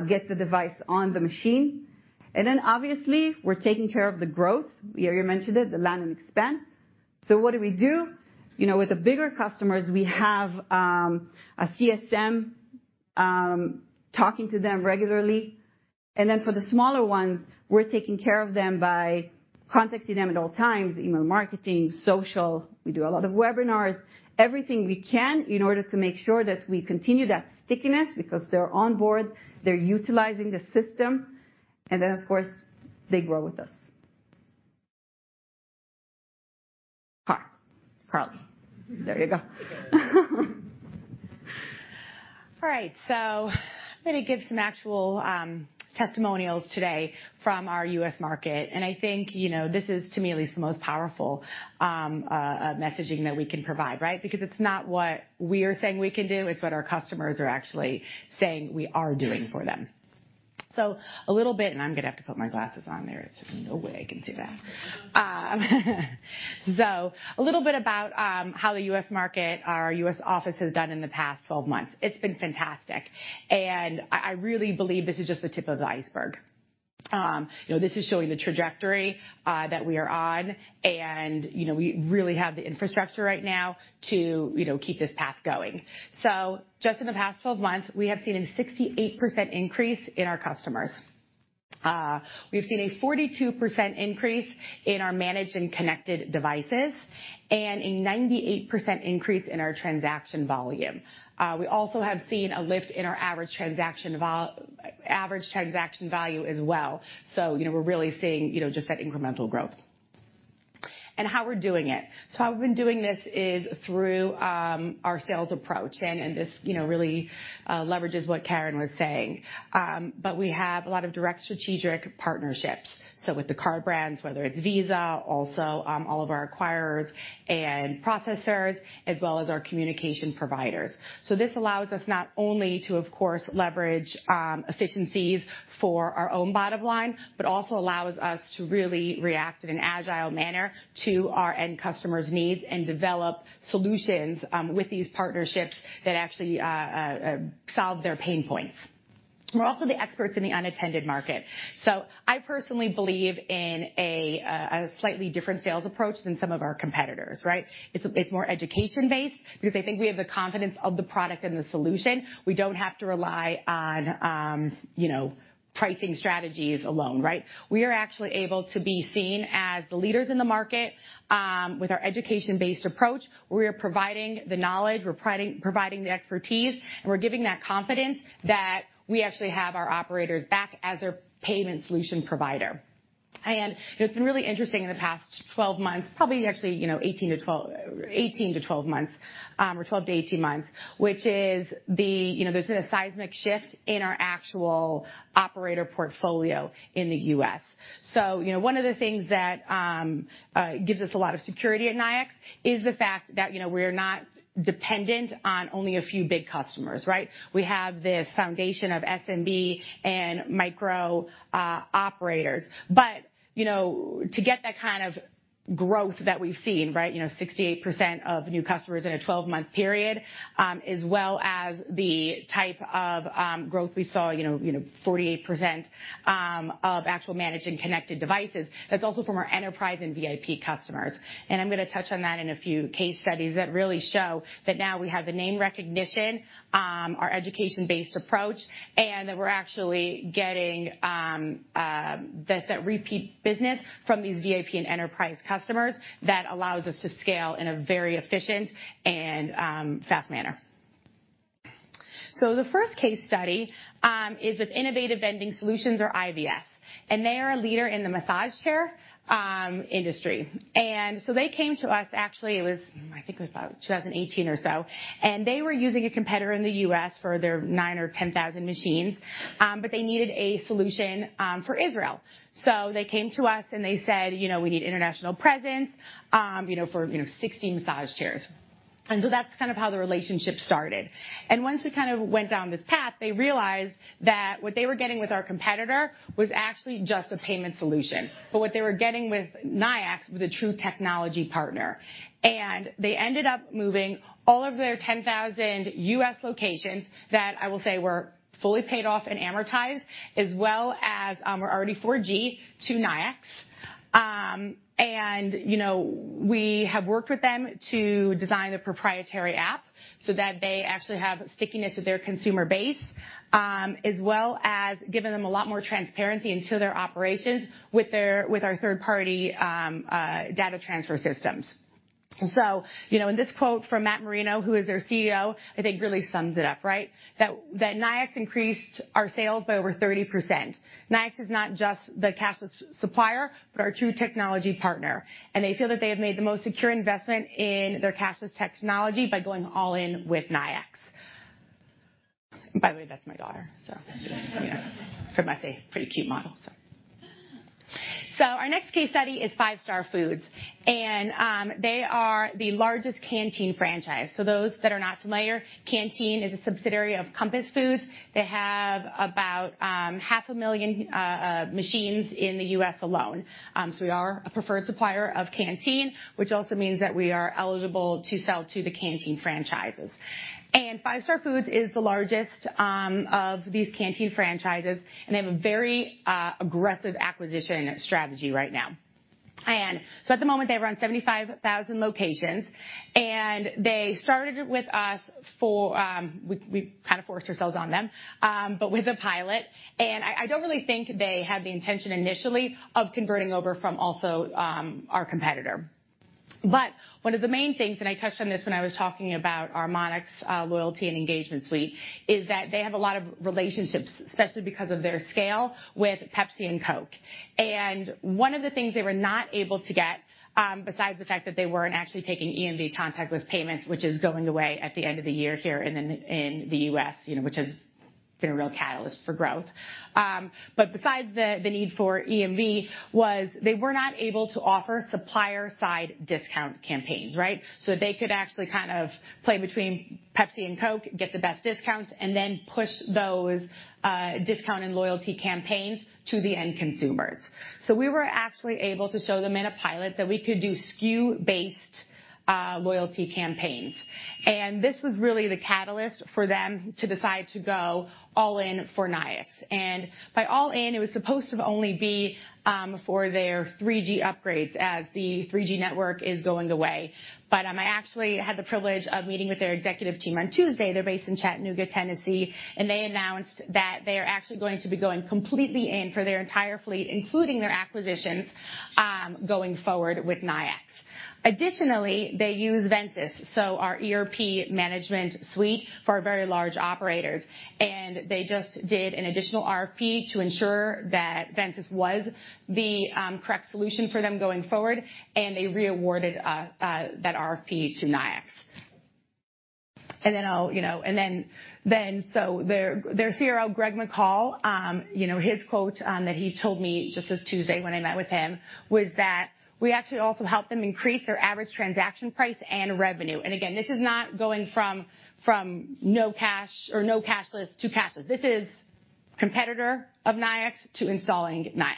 Speaker 5: get the device on the machine. Obviously, we're taking care of the growth. Yair mentioned it, the land and expand. What do we do? You know, with the bigger customers, we have a CSM talking to them regularly, and then for the smaller ones, we're taking care of them by contacting them at all times, email marketing, social. We do a lot of webinars. Everything we can in order to make sure that we continue that stickiness because they're on board, they're utilizing the system, and then, of course, they grow with us. Carly. There you go.
Speaker 6: All right. I'm gonna give some actual testimonials today from our U.S. market. I think, you know, this is, to me at least, the most powerful messaging that we can provide, right? Because it's not what we're saying we can do, it's what our customers are actually saying we are doing for them. A little bit, and I'm gonna have to put my glasses on there. There's no way I can do that. A little bit about how the U.S. market or our U.S. office has done in the past 12 months. It's been fantastic. I really believe this is just the tip of the iceberg. You know, this is showing the trajectory that we are on, and, you know, we really have the infrastructure right now to, you know, keep this path going. Just in the past 12 months, we have seen a 68% increase in our customers. We've seen a 42% increase in our managed and connected devices, and a 98% increase in our transaction volume. We also have seen a lift in our average transaction value as well. You know, we're really seeing, you know, just that incremental growth. How we're doing it. How we've been doing this is through our sales approach. And this, you know, really leverages what Keren was saying. But we have a lot of direct strategic partnerships with the card brands, whether it's Visa, also all of our acquirers and processors, as well as our communication providers. This allows us not only to, of course, leverage efficiencies for our own bottom line, but also allows us to really react in an agile manner to our end customers' needs and develop solutions with these partnerships that actually solve their pain points. We're also the experts in the unattended market. I personally believe in a slightly different sales approach than some of our competitors, right? It's more education-based, because I think we have the confidence of the product and the solution. We don't have to rely on, you know, pricing strategies alone, right? We are actually able to be seen as the leaders in the market with our education-based approach. We are providing the knowledge, we're providing the expertise, and we're giving that confidence that we actually have our operators back as a payment solution provider. It's been really interesting in the past 12 months, probably actually, you know, 18-12 months, or 12-18 months, which is the, you know, there's been a seismic shift in our actual operator portfolio in the U.S. You know, one of the things that gives us a lot of security at Nayax is the fact that, you know, we're not dependent on only a few big customers, right? We have this foundation of SMB and micro operators. You know, to get that kind of growth that we've seen, right? You know, 68% of new customers in a 12-month period, as well as the type of growth we saw, you know, 48% of actual managed and connected devices, that's also from our enterprise and VIP customers. I'm gonna touch on that in a few case studies that really show that now we have the name recognition, our education-based approach, and that we're actually getting this repeat business from these VIP and enterprise customers that allows us to scale in a very efficient and fast manner. The first case study is with Innovative Vending Solutions or IVS, and they are a leader in the massage chair industry. They came to us, actually it was, I think it was about 2018 or so, and they were using a competitor in the U.S. for their 9,000 or 10,000 machines, but they needed a solution for Israel. They came to us, and they said, you know, "We need international presence, you know, for 60 massage chairs." That's kind of how the relationship started. Once we kind of went down this path, they realized that what they were getting with our competitor was actually just a payment solution. What they were getting with Nayax was a true technology partner. They ended up moving all of their 10,000 U.S. locations that I will say were fully paid off and amortized as well as were already 4G to Nayax. You know, we have worked with them to design the proprietary app so that they actually have stickiness with their consumer base, as well as giving them a lot more transparency into their operations with our third-party data transfer systems. You know, in this quote from Matt Marino, who is their CEO, I think really sums it up, right? That Nayax increased our sales by over 30%. Nayax is not just the cashless supplier, but our true technology partner. They feel that they have made the most secure investment in their cashless technology by going all in with Nayax. By the way, that's my daughter. You know. I must say, pretty cute model, so. Our next case study is Five Star Food Service, and they are the largest Canteen franchise. Those that are not familiar, Canteen is a subsidiary of Compass Group. They have about 500,000 machines in the U.S. alone. We are a preferred supplier of Canteen, which also means that we are eligible to sell to the Canteen franchises. Five Star Food Service is the largest of these Canteen franchises, and they have a very aggressive acquisition strategy right now. At the moment, they run 75,000 locations, and they started with us. We kind of forced ourselves on them, but with a pilot, and I don't really think they had the intention initially of converting over from our competitor. One of the main things, and I touched on this when I was talking about our Monyx loyalty and engagement suite, is that they have a lot of relationships, especially because of their scale with Pepsi and Coke. One of the things they were not able to get, besides the fact that they weren't actually taking EMV contactless payments, which is going away at the end of the year here in the U.S., you know, which has been a real catalyst for growth. Besides the need for EMV, they were not able to offer supplier side discount campaigns, right? They could actually kind of play between Pepsi and Coke, get the best discounts, and then push those discount and loyalty campaigns to the end consumers. We were actually able to show them in a pilot that we could do SKU-based loyalty campaigns. This was really the catalyst for them to decide to go all in for Nayax. By all accounts, it was supposed to only be for their 3G upgrades as the 3G network is going away. I actually had the privilege of meeting with their executive team on Tuesday. They're based in Chattanooga, Tennessee, and they announced that they are actually going to be going all in for their entire fleet, including their acquisitions, going forward with Nayax. Additionally, they use Ventas, so our ERP management suite for very large operators. They just did an additional RFP to ensure that Ventas was the correct solution for them going forward, and they re-awarded that RFP to Nayax. Then I'll, you know... Their CRO, Greg McCall, you know, his quote that he told me just this Tuesday when I met with him was that we actually also helped them increase their average transaction price and revenue. Again, this is not going from no cash or no cashless to cashless. This is competitor of Nayax to installing Nayax.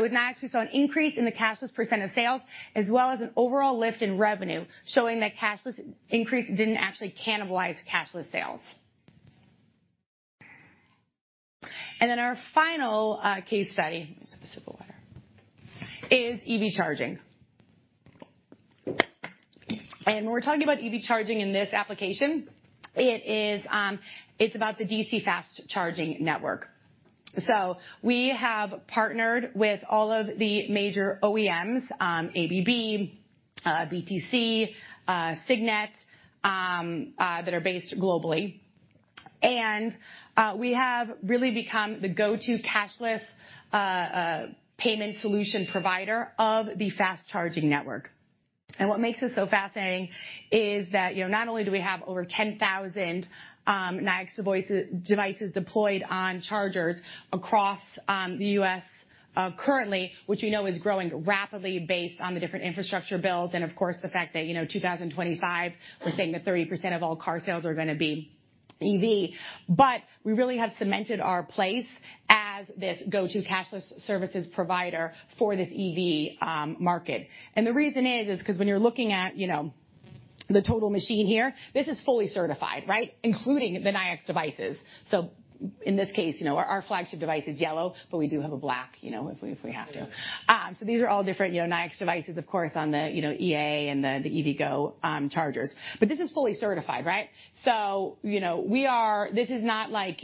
Speaker 6: With Nayax, we saw an increase in the cashless % of sales as well as an overall lift in revenue, showing that cashless increase didn't actually cannibalize cash sales. Our final case study, I'm just gonna take a sip of water, is EV charging. When we're talking about EV charging in this application, it's about the DC fast charging network. We have partnered with all of the major OEMs, ABB, BTC Power, SK Signet, that are based globally. We have really become the go-to cashless payment solution provider of the fast charging network. What makes this so fascinating is that, you know, not only do we have over 10,000 Nayax devices deployed on chargers across the U.S. currently, which we know is growing rapidly based on the different infrastructure builds and of course the fact that, you know, 2025, we're saying that 30% of all car sales are gonna be EV. We really have cemented our place as this go-to cashless services provider for this EV market. The reason is 'cause when you're looking at, you know, the total machine here, this is fully certified, right? Including the Nayax devices. In this case, you know, our flagship device is yellow, but we do have a black, you know, if we have to. These are all different, you know, Nayax devices, of course, on the, you know, EV and the EVgo chargers. But this is fully certified, right? You know, this is not, like,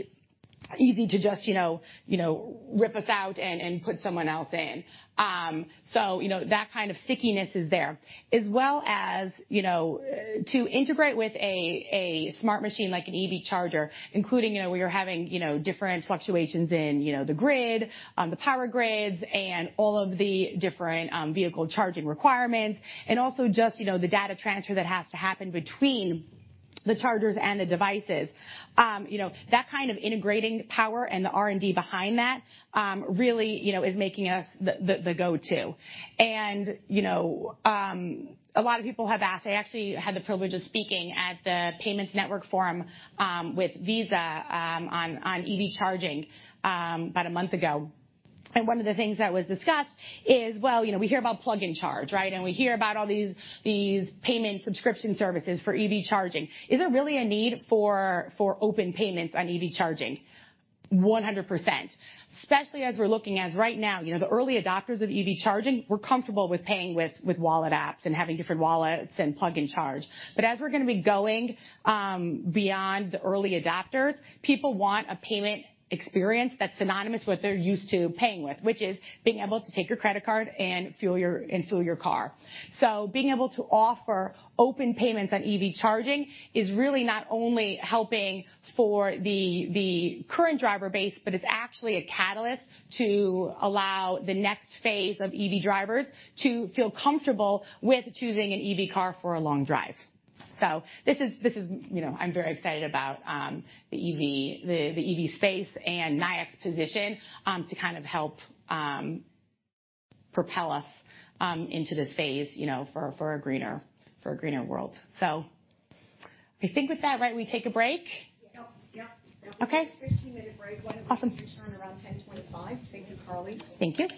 Speaker 6: easy to just, you know, rip us out and put someone else in. You know, that kind of stickiness is there. As well as, you know, to integrate with a smart machine like an EV charger, including, you know, we are having, you know, different fluctuations in, you know, the grid, the power grids and all of the different, vehicle charging requirements and also just, you know, the data transfer that has to happen between the chargers and the devices. You know, that kind of integrating power and the R&D behind that, really, you know, is making us the go-to. You know, a lot of people have asked. I actually had the privilege of speaking at the Payments Network Forum, with Visa, on EV charging, about a month ago. One of the things that was discussed is, well, you know, we hear about plug and charge, right? We hear about all these payment subscription services for EV charging. Is there really a need for open payments on EV charging? 100%. Especially as we're looking at right now, you know, the early adopters of EV charging were comfortable with paying with wallet apps and having different wallets and plug and charge. But as we're gonna be going beyond the early adopters, people want a payment experience that's synonymous what they're used to paying with, which is being able to take your credit card and fuel your car. Being able to offer open payments on EV charging is really not only helping for the current driver base, but it's actually a catalyst to allow the next phase of EV drivers to feel comfortable with choosing an EV car for a long drive. This is, you know, I'm very excited about the EV space and Nayax's position to kind of help propel us into this phase, you know, for a greener world. I think with that, right, we take a break.
Speaker 1: Yep. Yep.
Speaker 6: Okay.
Speaker 1: 15-minute break.
Speaker 6: Awesome.
Speaker 1: Why don't we return around 10:25. Thank you, Carly.
Speaker 5: Thank you.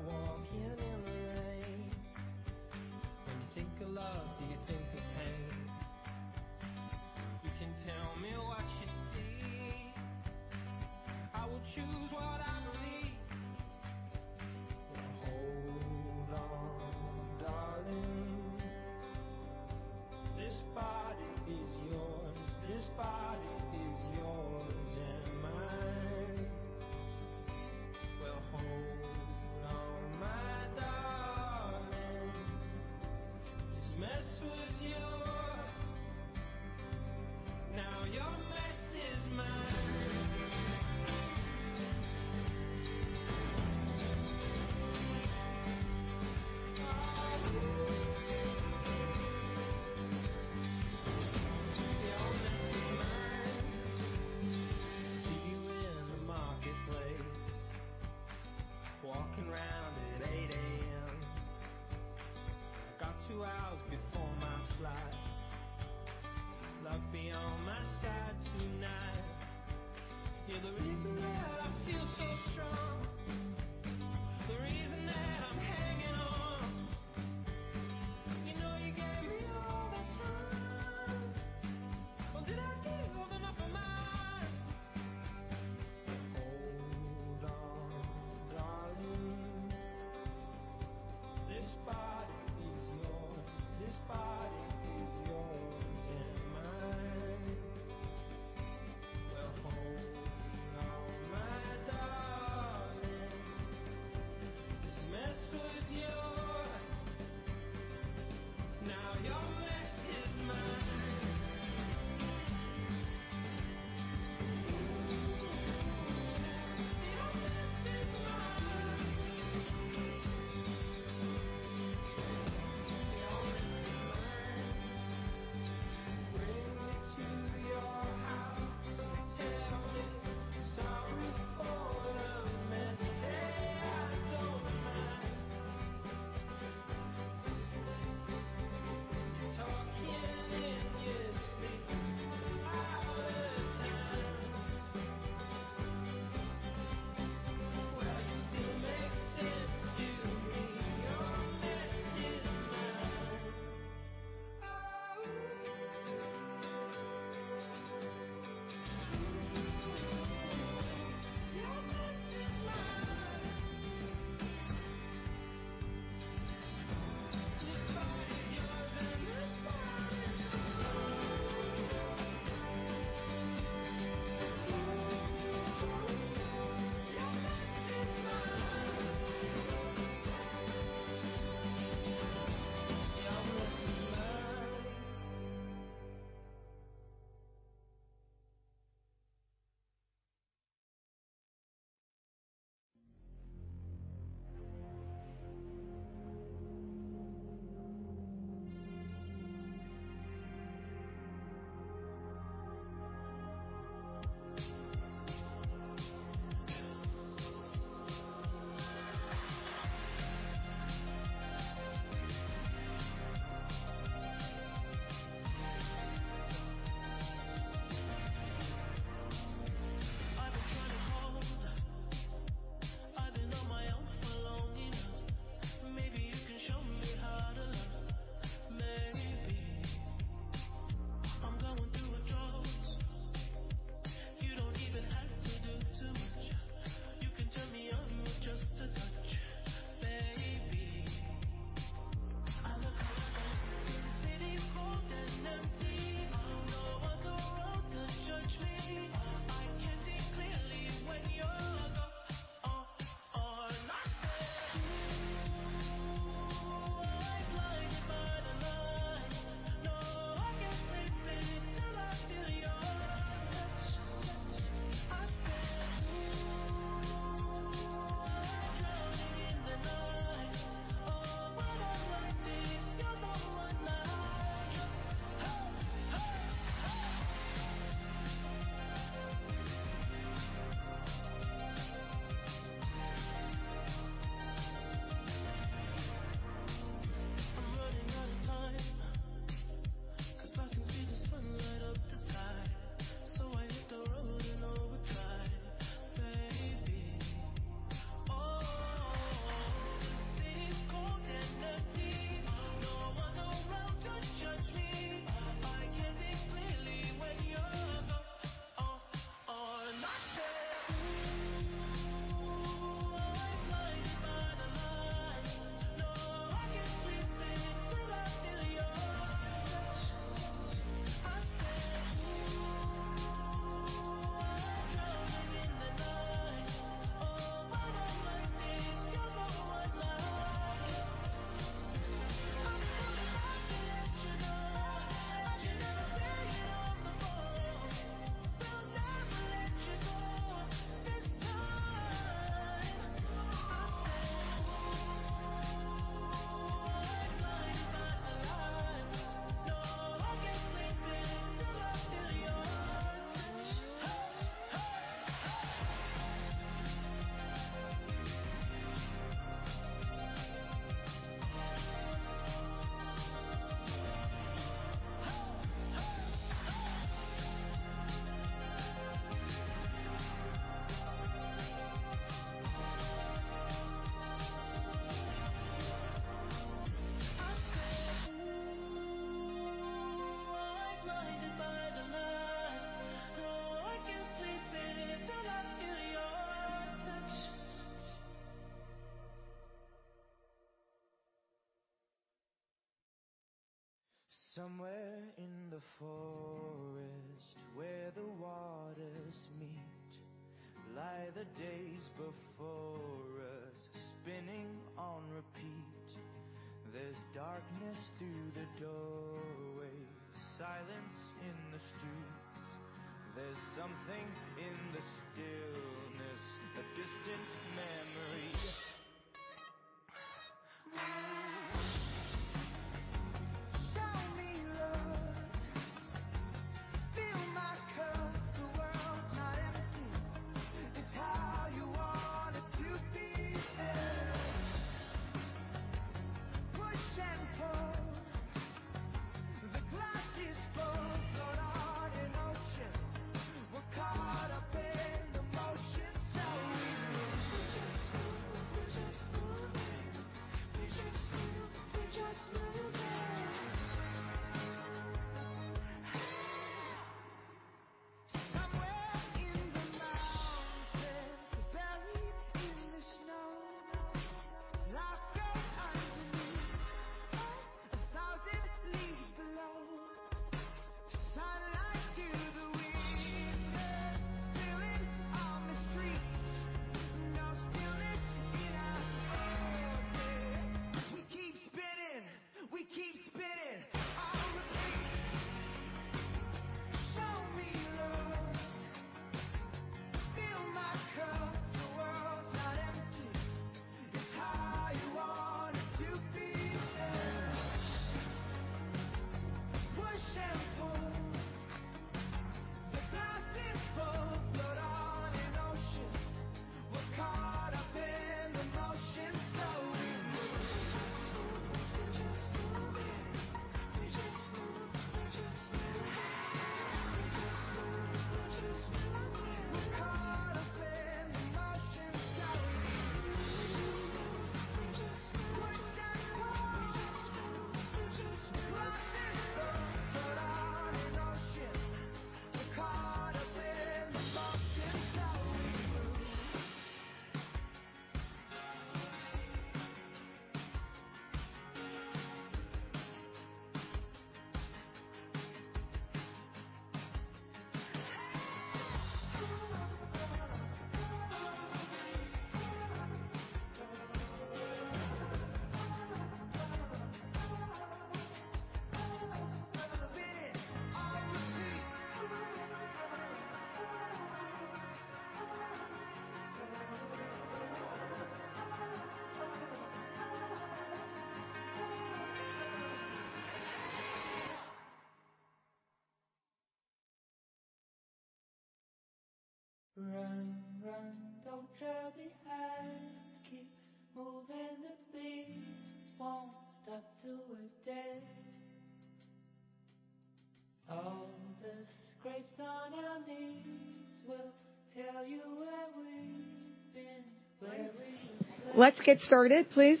Speaker 1: Let's get started, please.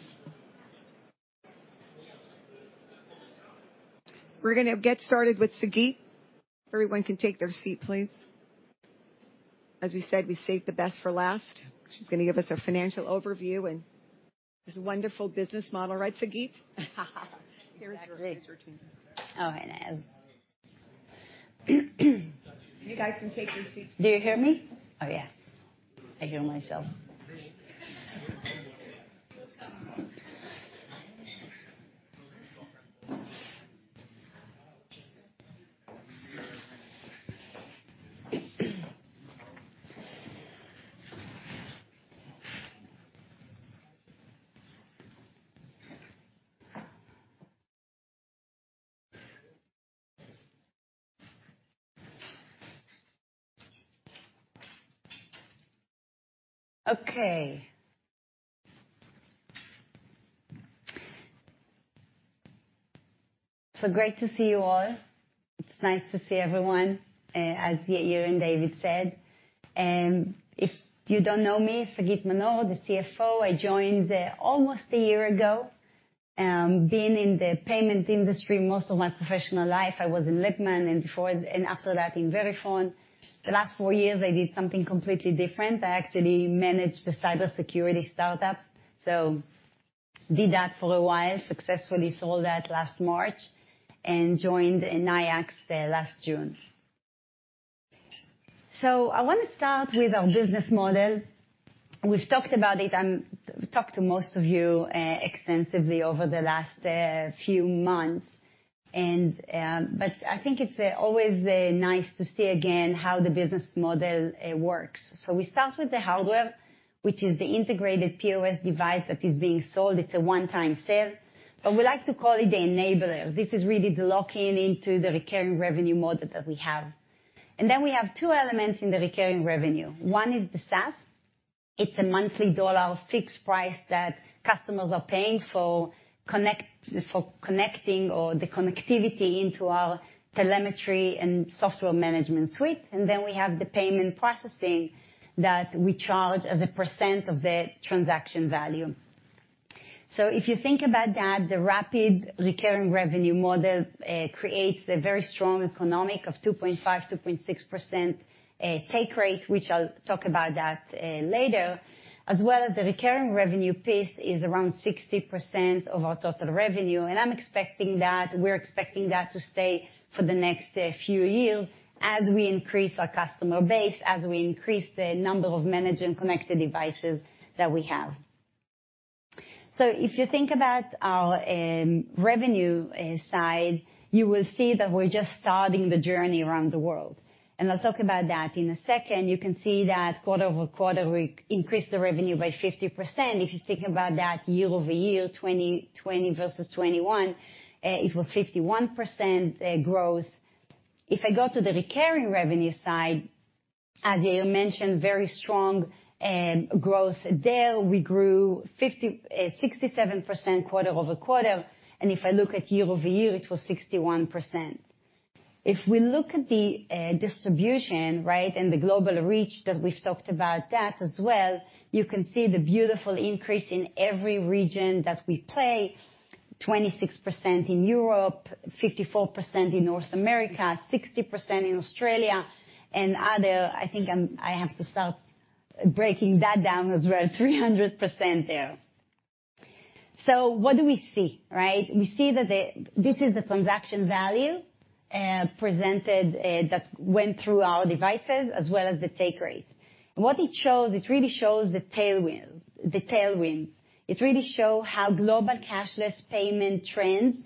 Speaker 1: We're gonna get started with Sagit. Everyone can take their seat, please. As we said, we saved the best for last. She's gonna give us a financial overview and this wonderful business model, right, Sagit?
Speaker 7: Exactly.
Speaker 1: Here's her team.
Speaker 7: Oh, hello.
Speaker 1: You guys can take your seats.
Speaker 7: Do you hear me? Oh, yeah. I hear myself.
Speaker 1: Great.
Speaker 7: Okay. Great to see you all. It's nice to see everyone, as Yair and David said. If you don't know me, I'm Sagit Manor, the CFO. I joined almost a year ago, been in the payment industry most of my professional life. I was in Lipman, and after that, in Verifone. The last four years, I did something completely different. I actually managed a cybersecurity startup. Did that for a while, successfully sold that last March, and joined Nayax last June. I want to start with our business model. We've talked about it, we've talked to most of you extensively over the last few months. I think it's always nice to see again how the business model works. We start with the hardware, which is the integrated POS device that is being sold. It's a one-time sale, but we like to call it the enabler. This is really the lock-in into the recurring revenue model that we have. Then we have two elements in the recurring revenue. One is the SaaS. It's a monthly dollar fixed price that customers are paying for connecting or the connectivity into our telemetry and software management suite. Then we have the payment processing that we charge as a percent of the transaction value. If you think about that, the rapid recurring revenue model creates a very strong economics of 2.5-2.6% take rate, which I'll talk about that later. As well as the recurring revenue pace is around 60% of our total revenue, and I'm expecting that, we're expecting that to stay for the next few years as we increase our customer base, as we increase the number of managed and connected devices that we have. If you think about our revenue side, you will see that we're just starting the journey around the world. I'll talk about that in a second. You can see that quarter-over-quarter, we increased the revenue by 50%. If you think about that year-over-year, 2020 versus 2021, it was 51% growth. If I go to the recurring revenue side, as Yair mentioned, very strong growth there. We grew 67% quarter-over-quarter. If I look at year-over-year, it was 61%. If we look at the distribution, right, and the global reach that we've talked about that as well, you can see the beautiful increase in every region that we play. 26% in Europe, 54% in North America, 60% in Australia, and other, I think, I have to start breaking that down as well, 300% there. What do we see, right? We see that this is the transaction value presented that went through our devices as well as the take rate. What it shows, it really shows the tailwind, the tailwinds. It really show how global cashless payment trends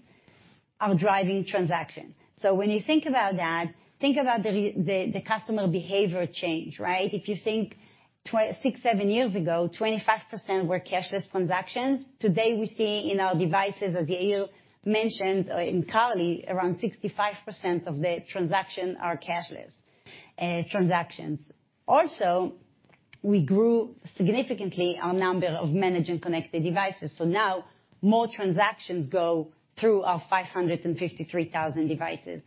Speaker 7: are driving transaction. When you think about that, think about the the customer behavior change, right? If you think six, seven years ago, 25% were cashless transactions. Today, we see in our devices, as Yair mentioned, or in Carly, around 65% of the transactions are cashless transactions. We grew significantly our number of managed and connected devices. Now more transactions go through our 553,000 devices.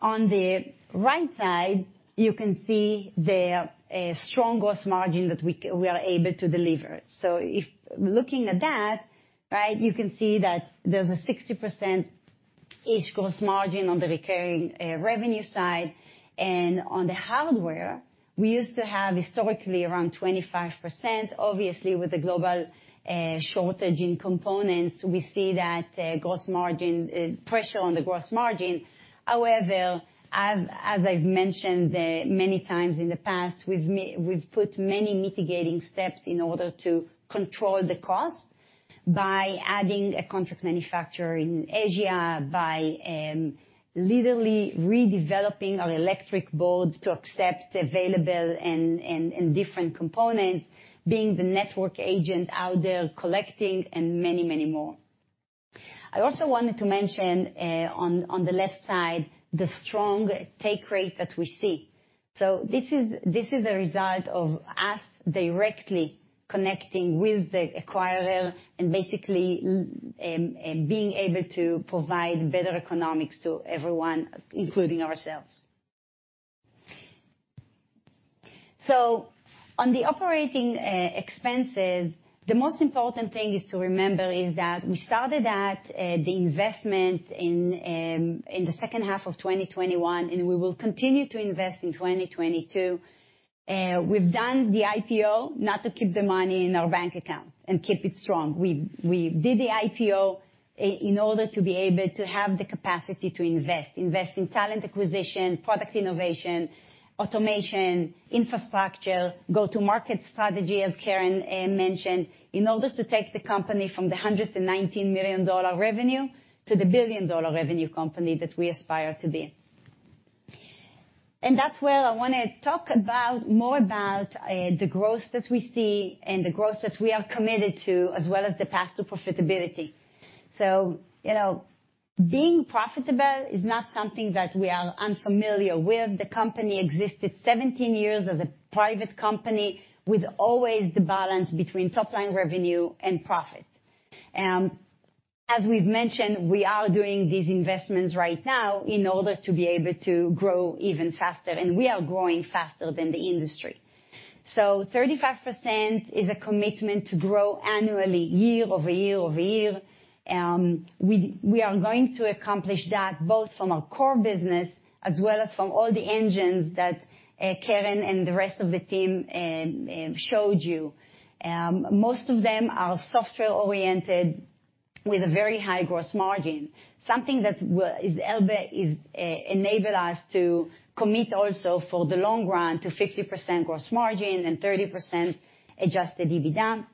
Speaker 7: On the right side, you can see the strong gross margin that we are able to deliver. If looking at that, right, you can see that there's a 60%-ish gross margin on the recurring revenue side. On the hardware, we used to have historically around 25%. Obviously, with the global shortage in components, we see that gross margin pressure on the gross margin. However, as I've mentioned many times in the past, we've put many mitigating steps in order to control the cost by adding a contract manufacturer in Asia, by literally redeveloping our electronic boards to accept available and different components, by being the network agent out there collecting and many more. I also wanted to mention, on the left side, the strong take rate that we see. This is a result of us directly connecting with the acquirer and basically being able to provide better economics to everyone, including ourselves. On the operating expenses, the most important thing is to remember is that we started at the investment in in the second half of 2021, and we will continue to invest in 2022. We've done the IPO not to keep the money in our bank account and keep it strong. We did the IPO in order to be able to have the capacity to invest. Invest in talent acquisition, product innovation, automation, infrastructure, go-to-market strategy, as Keren mentioned, in order to take the company from the $119 million revenue to the billion dollar revenue company that we aspire to be. That's where I wanna talk about more about the growth that we see and the growth that we are committed to, as well as the path to profitability. You know, being profitable is not something that we are unfamiliar with. The company existed 17 years as a private company with always the balance between top line revenue and profit. As we've mentioned, we are doing these investments right now in order to be able to grow even faster, and we are growing faster than the industry. 35% is a commitment to grow annually, year-over-year. We are going to accomplish that both from a core business as well as from all the engines that Keren and the rest of the team showed you. Most of them are software-oriented with a very high gross margin. Something that will enable us to commit also for the long run to 50% gross margin and 30% Adjusted EBITDA.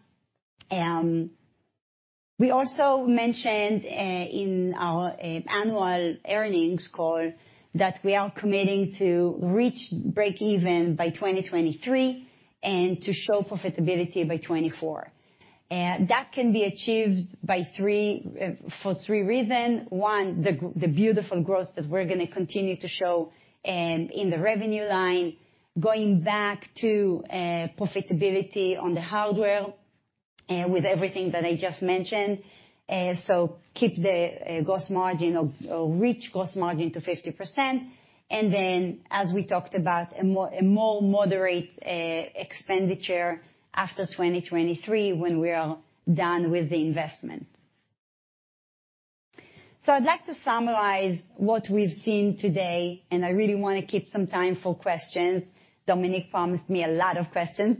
Speaker 7: We also mentioned in our annual earnings call that we are committing to reach break even by 2023 and to show profitability by 2024. That can be achieved for three reasons. One, the beautiful growth that we're gonna continue to show in the revenue line, going back to profitability on the hardware with everything that I just mentioned. Keep the gross margin to 50%. As we talked about a more moderate expenditure after 2023 when we are done with the investment. I'd like to summarize what we've seen today, and I really wanna keep some time for questions. Dominick promised me a lot of questions.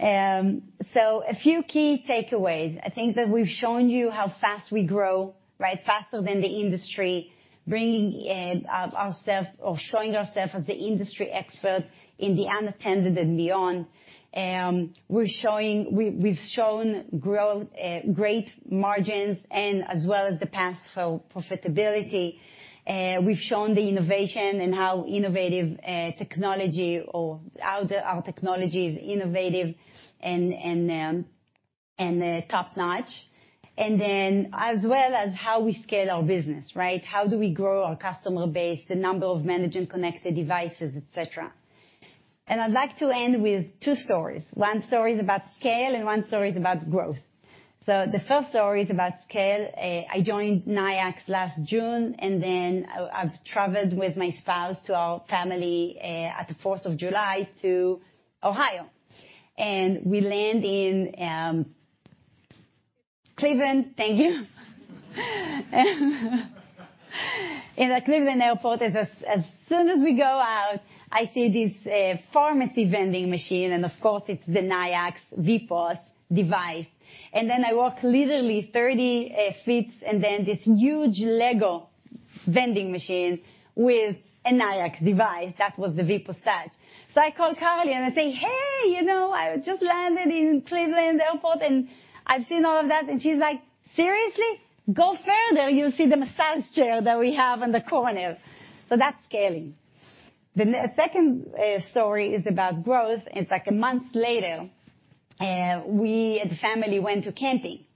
Speaker 7: A few key takeaways. I think that we've shown you how fast we grow, right? Faster than the industry. Bringing ourselves or showing ourselves as the industry expert in the unattended and beyond. We're showing—we've shown growth, great margins and as well as the path for profitability. We've shown the innovation and how innovative our technology is and top-notch. Then as well as how we scale our business, right? How do we grow our customer base, the number of managing connected devices, et cetera. I'd like to end with two stories. One story is about scale and one story is about growth. The first story is about scale. I joined Nayax last June, and then I've traveled with my spouse to our family at the July 4th to Ohio. We land in Cleveland. Thank you. In the Cleveland Airport, as soon as we go out, I see this pharmacy vending machine, and of course it's the Nayax VPOS device. Then I walk literally 30 ft, and then this huge LEGO vending machine with a Nayax device, that was the VPOS Touch. I called Carly and I say, "Hey, you know, I just landed in Cleveland Airport and I've seen all of that." She's like, "Seriously? Go further, you'll see the massage chair that we have in the corner." That's scaling. The second story is about growth. It's like a month later, we, the family, went camping,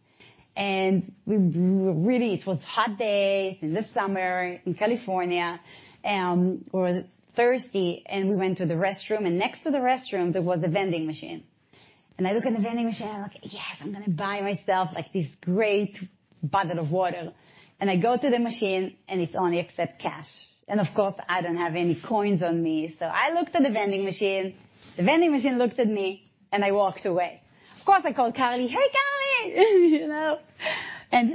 Speaker 7: and it was a hot day in the summer in California, we were thirsty, and we went to the restroom, and next to the restroom, there was a vending machine. I look in the vending machine, I'm like, "Yes, I'm gonna buy myself, like, this great bottle of water." I go to the machine and it only accept cash. Of course, I don't have any coins on me. I looked at the vending machine, the vending machine looked at me, and I walked away. Of course, I called Carly, "Hey, Carly," you know. I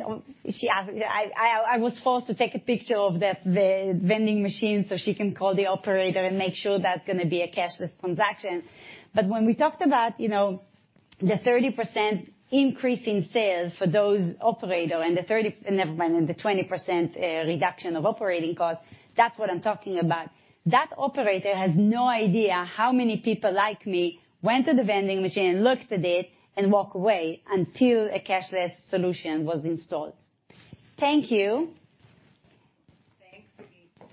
Speaker 7: was forced to take a picture of the vending machine so she can call the operator and make sure that's gonna be a cashless transaction. But when we talked about, you know, the 30% increase in sales for those operator and the 20% reduction of operating costs, that's what I'm talking about. That operator has no idea how many people like me went to the vending machine, looked at it and walked away until a cashless solution was installed. Thank you.
Speaker 1: Thanks, Sagit.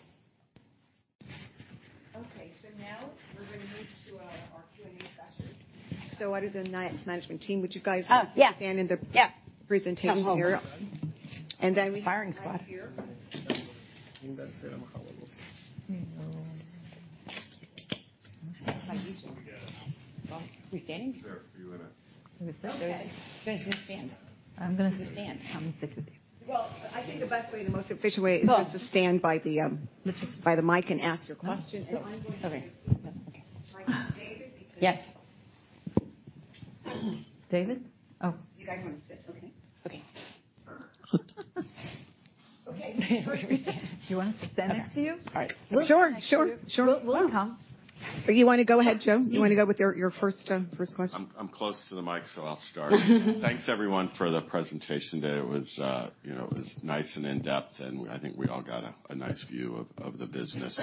Speaker 1: Okay, now we're gonna move to our Q&A session. Out of the Nayax management team, would you guys.
Speaker 7: Oh, yeah.
Speaker 1: Want to stand in the-
Speaker 7: Yeah.
Speaker 1: Presentation here. And then we- Firing squad. Right here.
Speaker 7: We standing?
Speaker 2: Sir, you wanna-
Speaker 7: We sit? We should stand. I'm gonna sit down.
Speaker 5: I'm gonna sit with you.
Speaker 1: Well, I think the best way and the most efficient way is just to stand by the mic and ask your question. I'm going to- Okay. Yes. David? Oh.
Speaker 5: You guys want to sit? Okay.
Speaker 6: Okay.
Speaker 5: Okay. Do you want us to sit next to you?
Speaker 4: All right.
Speaker 7: Sure.
Speaker 6: Welcome.
Speaker 1: You wanna go ahead, Joe? You wanna go with your first question?
Speaker 8: I'm close to the mic, so I'll start. Thanks everyone for the presentation today. It was nice and in-depth, and I think we all got a nice view of the business.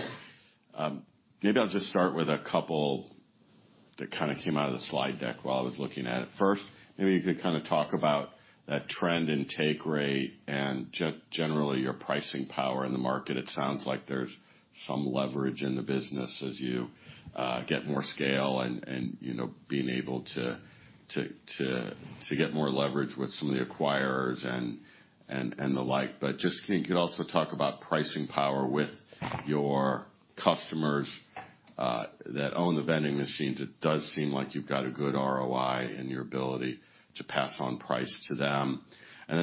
Speaker 8: Maybe I'll just start with a couple that kinda came out of the slide deck while I was looking at it. First, maybe you could kinda talk about that trend in take rate and generally your pricing power in the market. It sounds like there's some leverage in the business as you get more scale and you know being able to get more leverage with some of the acquirers and the like. Just can you also talk about pricing power with your customers that own the vending machines. It does seem like you've got a good ROI in your ability to pass on price to them.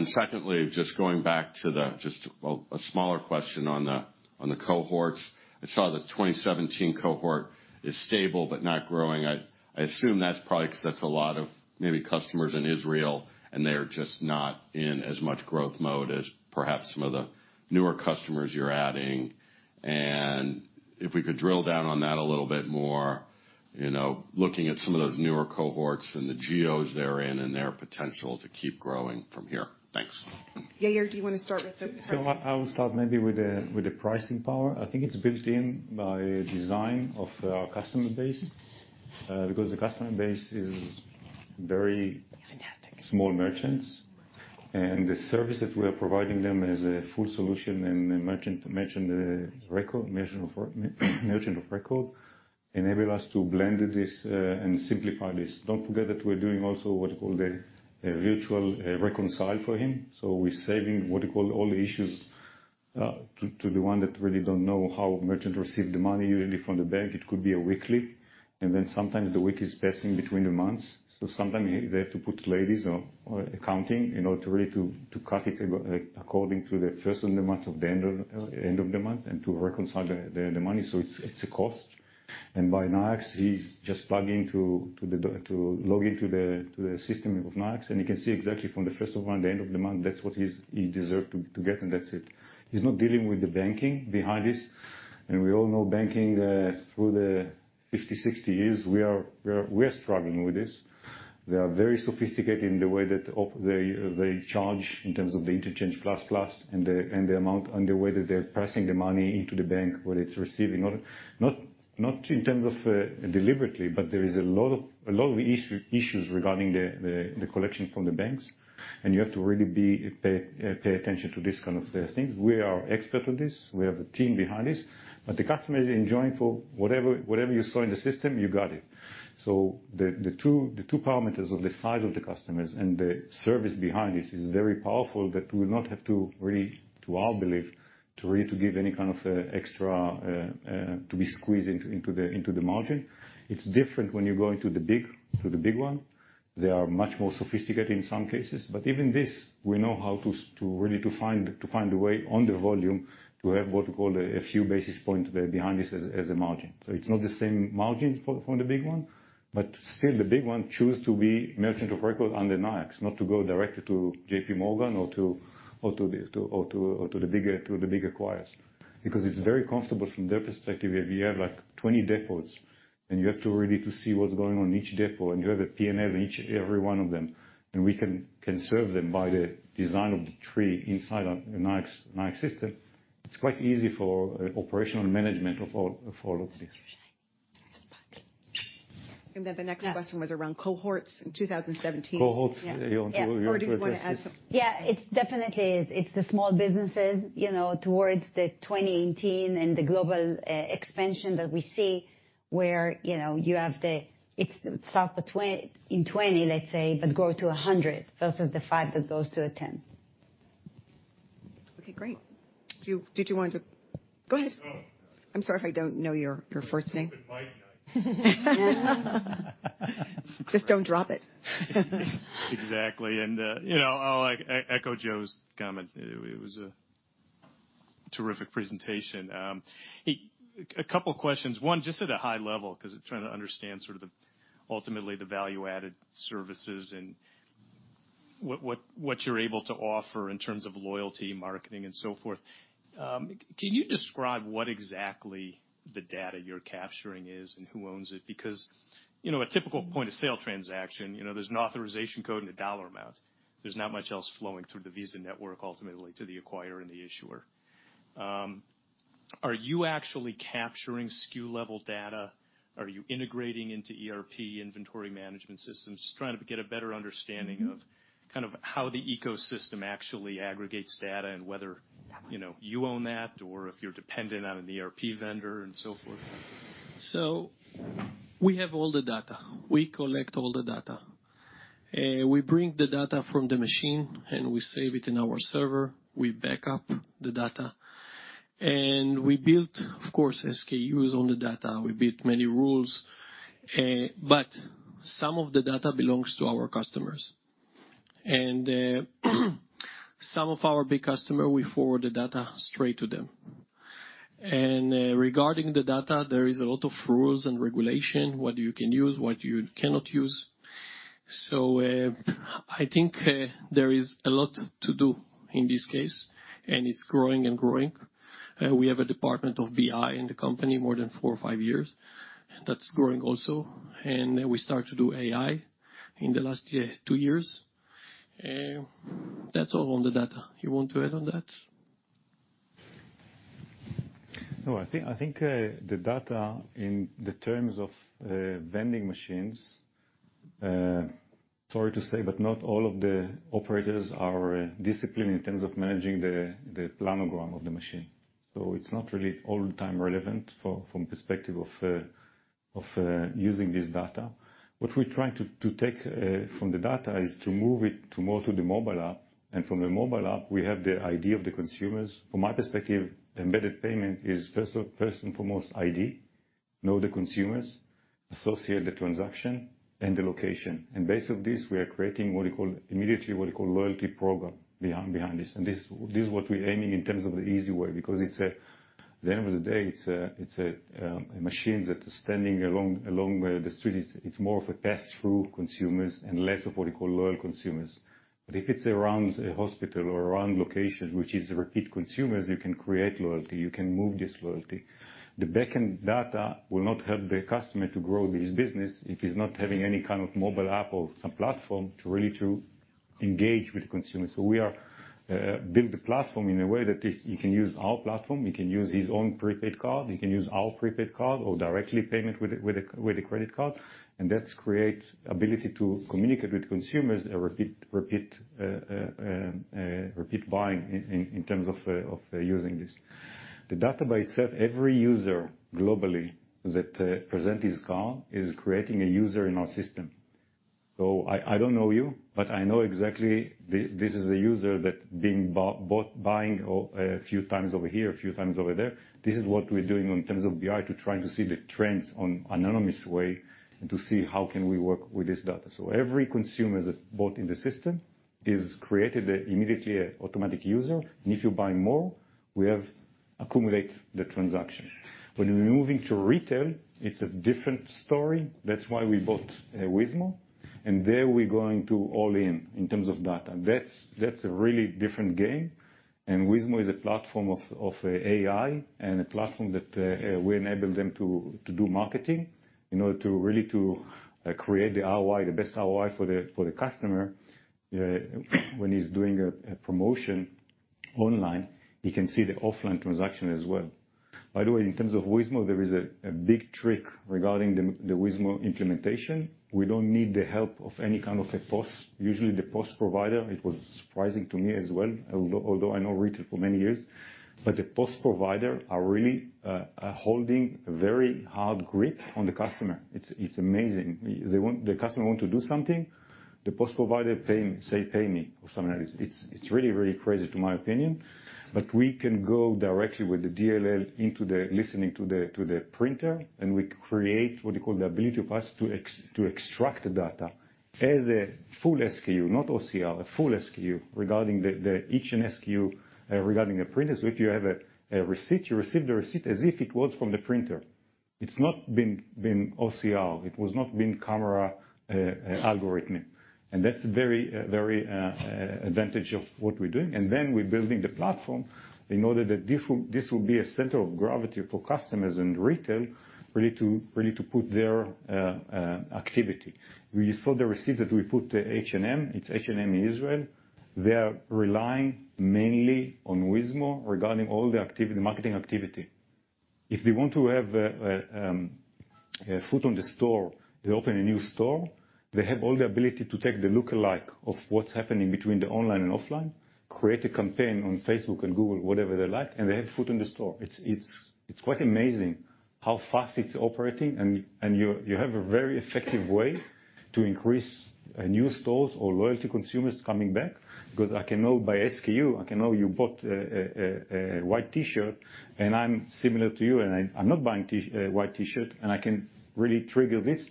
Speaker 8: Secondly, just a smaller question on the cohorts. I saw the 2017 cohort is stable but not growing. I assume that's probably 'cause that's a lot of maybe customers in Israel, and they're just not in as much growth mode as perhaps some of the newer customers you're adding. If we could drill down on that a little bit more, you know, looking at some of those newer cohorts and the geos they're in and their potential to keep growing from here. Thanks.
Speaker 1: Yair, do you wanna start with the-
Speaker 2: I will start maybe with the pricing power. I think it's built in by design of our customer base, because the customer base is very small merchants. The service that we are providing them is a full solution and a merchant of record, enable us to blend this and simplify this. Don't forget that we're doing also what you call the virtual reconcile for him. We're saving, what you call, all the issues to the one that really don't know how merchant receive the money usually from the bank. It could be a weekly, and then sometimes the week is passing between the months. Sometimes they have to put labor or accounting, you know, to really to cut it according to the first of the month or the end of the month and to reconcile the money. It's a cost. By Nayax, he's just plugging to to log into the system of Nayax, and you can see exactly from the first of the month to the end of the month that's what he's he deserve to get, and that's it. He's not dealing with the banking behind this. We all know banking through the 50, 60 years we are struggling with this. They are very sophisticated in the way that of. They charge in terms of the interchange plus plus and the amount and the way that they're processing the money into the bank, what it's receiving. Not in terms of deliberately, but there is a lot of issues regarding the collection from the banks. You have to really pay attention to this kind of things. We are expert on this. We have a team behind this. The customer is enjoying for whatever you saw in the system, you got it. The two parameters of the size of the customers and the service behind this is very powerful that we would not have to really, to our belief, really to give any kind of extra to be squeezed into the margin. It's different when you're going to the big one. They are much more sophisticated in some cases. Even this, we know how to really find a way on the volume to have what we call a few basis points behind this as a margin. It's not the same margin from the big one, but still the big one choose to be merchant of record under Nayax, not to go directly to JPMorgan or to the big acquirers. Because it's very comfortable from their perspective. If you have, like, 20 depots, and you have to really see what's going on in each depot, and you have a P&L in each and every one of them, then we can serve them by the design of the tree inside a Nayax system. It's quite easy for operational management of all of this.
Speaker 1: The next question was around cohorts in 2017.
Speaker 2: Cohorts?
Speaker 1: Yeah.
Speaker 2: You want to-
Speaker 1: Do you wanna add some?
Speaker 7: It definitely is. It's the small businesses, you know, towards 2018 and the global expansion that we see where, you know, you have it starts in 20, let's say, but grow to 100 versus the five that goes to a 10.
Speaker 1: Okay, great. Go ahead. I'm sorry if I don't know your first name.
Speaker 9: It's stupid Mike.
Speaker 1: Just don't drop it.
Speaker 9: Exactly. You know, I'll echo Joe's comment. It was a terrific presentation. A couple questions. One, just at a high level, 'cause I'm trying to understand sort of ultimately the value-added services and what you're able to offer in terms of loyalty, marketing and so forth. Can you describe what exactly the data you're capturing is and who owns it? Because, you know, a typical point-of-sale transaction, you know, there's an authorization code and a dollar amount. There's not much else flowing through the Visa network ultimately to the acquirer and the issuer. Are you actually capturing SKU level data? Are you integrating into ERP inventory management systems? Just trying to get a better understanding of kind of how the ecosystem actually aggregates data and whether, you know, you own that or if you're dependent on an ERP vendor and so forth.
Speaker 4: We have all the data. We collect all the data. We bring the data from the machine, and we save it in our server. We back up the data. We built, of course, SKUs on the data. We built many rules. But some of the data belongs to our customers. Some of our big customer, we forward the data straight to them. Regarding the data, there is a lot of rules and regulation, what you can use, what you cannot use. I think there is a lot to do in this case, and it's growing and growing. We have a department of BI in the company more than four or five years, and that's growing also. We start to do AI in the last two years. That's all on the data. You want to add on that?
Speaker 2: No. I think the data in terms of vending machines, sorry to say, but not all of the operators are disciplined in terms of managing the planogram of the machine. It's not really all the time relevant from perspective of using this data. What we're trying to take from the data is to move it to more to the mobile app, and from the mobile app, we have the idea of the consumers. From my perspective, embedded payment is first and foremost ID. Know the consumers, associate the transaction and the location. Based on this, we are creating what you call loyalty program behind this. This is what we're aiming in terms of the easy way, because at the end of the day, it's a machine that is standing along the street. It's more of a pass-through consumers and less of what you call loyal consumers. But if it's around a hospital or around location, which is repeat consumers, you can create loyalty, you can move this loyalty. The backend data will not help the customer to grow this business if he's not having any kind of mobile app or some platform to really engage with the consumer. We are building the platform in a way that is you can use our platform, you can use his own prepaid card, you can use our prepaid card or direct payment with a credit card, and that creates ability to communicate with consumers a repeat buying in terms of using this. The data by itself, every user globally that present his card is creating a user in our system. I don't know you, but I know exactly this is a user that being buying a few times over here, a few times over there. This is what we're doing in terms of BI to try to see the trends in an anonymous way and to see how can we work with this data. Every consumer that bought in the system is created immediately a automatic user. If you buy more, we have accumulate the transaction. When we're moving to retail, it's a different story. That's why we bought Weezmo. There we're going to all in in terms of data. That's a really different game. Weezmo is a platform of AI and a platform that we enable them to do marketing in order to really create the ROI, the best ROI for the customer. When he's doing a promotion online, he can see the offline transaction as well. By the way, in terms of Weezmo, there is a big trick regarding the Weezmo implementation. We don't need the help of any kind of POS. Usually, the POS provider, it was surprising to me as well, although I know retail for many years, but the POS provider are really holding a very hard grip on the customer. It's amazing. The customer want to do something, the POS provider pay him, say, "Pay me," or something like this. It's really crazy to my opinion. We can go directly with the DLL into the listening to the printer, and we create what you call the ability of us to extract the data as a full SKU, not OCR, a full SKU regarding each SKU regarding the printer. So if you have a receipt, you receive the receipt as if it was from the printer. It's not been OCR. It was not been camera algorithm. That's very advantage of what we're doing. We're building the platform in order that this will be a center of gravity for customers in retail really to put their activity. We saw the receipt that we put H&M. It's H&M in Israel. They are relying mainly on Weezmo regarding all the activity, marketing activity. If they want to have foot on the store, they open a new store, they have all the ability to take the lookalike of what's happening between the online and offline, create a campaign on Facebook and Google, whatever they like, and they have foot in the store. It's quite amazing how fast it's operating and you have a very effective way to increase new stores or loyalty consumers coming back. Because I can know by SKU, I can know you bought a white T-shirt, and I'm similar to you, and I'm not buying a white T-shirt, and I can really trigger this,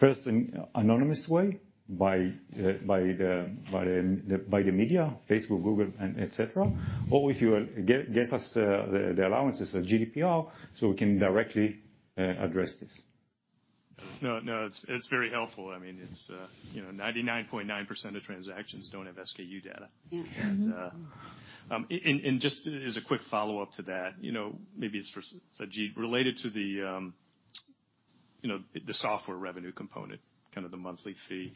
Speaker 2: first in anonymous way by the media, Facebook, Google, and et cetera, or if you give us the allowances of GDPR, so we can directly address this.
Speaker 9: No, it's very helpful. I mean, it's, you know, 99.9% of transactions don't have SKU data.
Speaker 7: Mm-hmm.
Speaker 9: Just as a quick follow-up to that, you know, maybe it's for Sagit, related to the, you know, the software revenue component, kind of the monthly fee,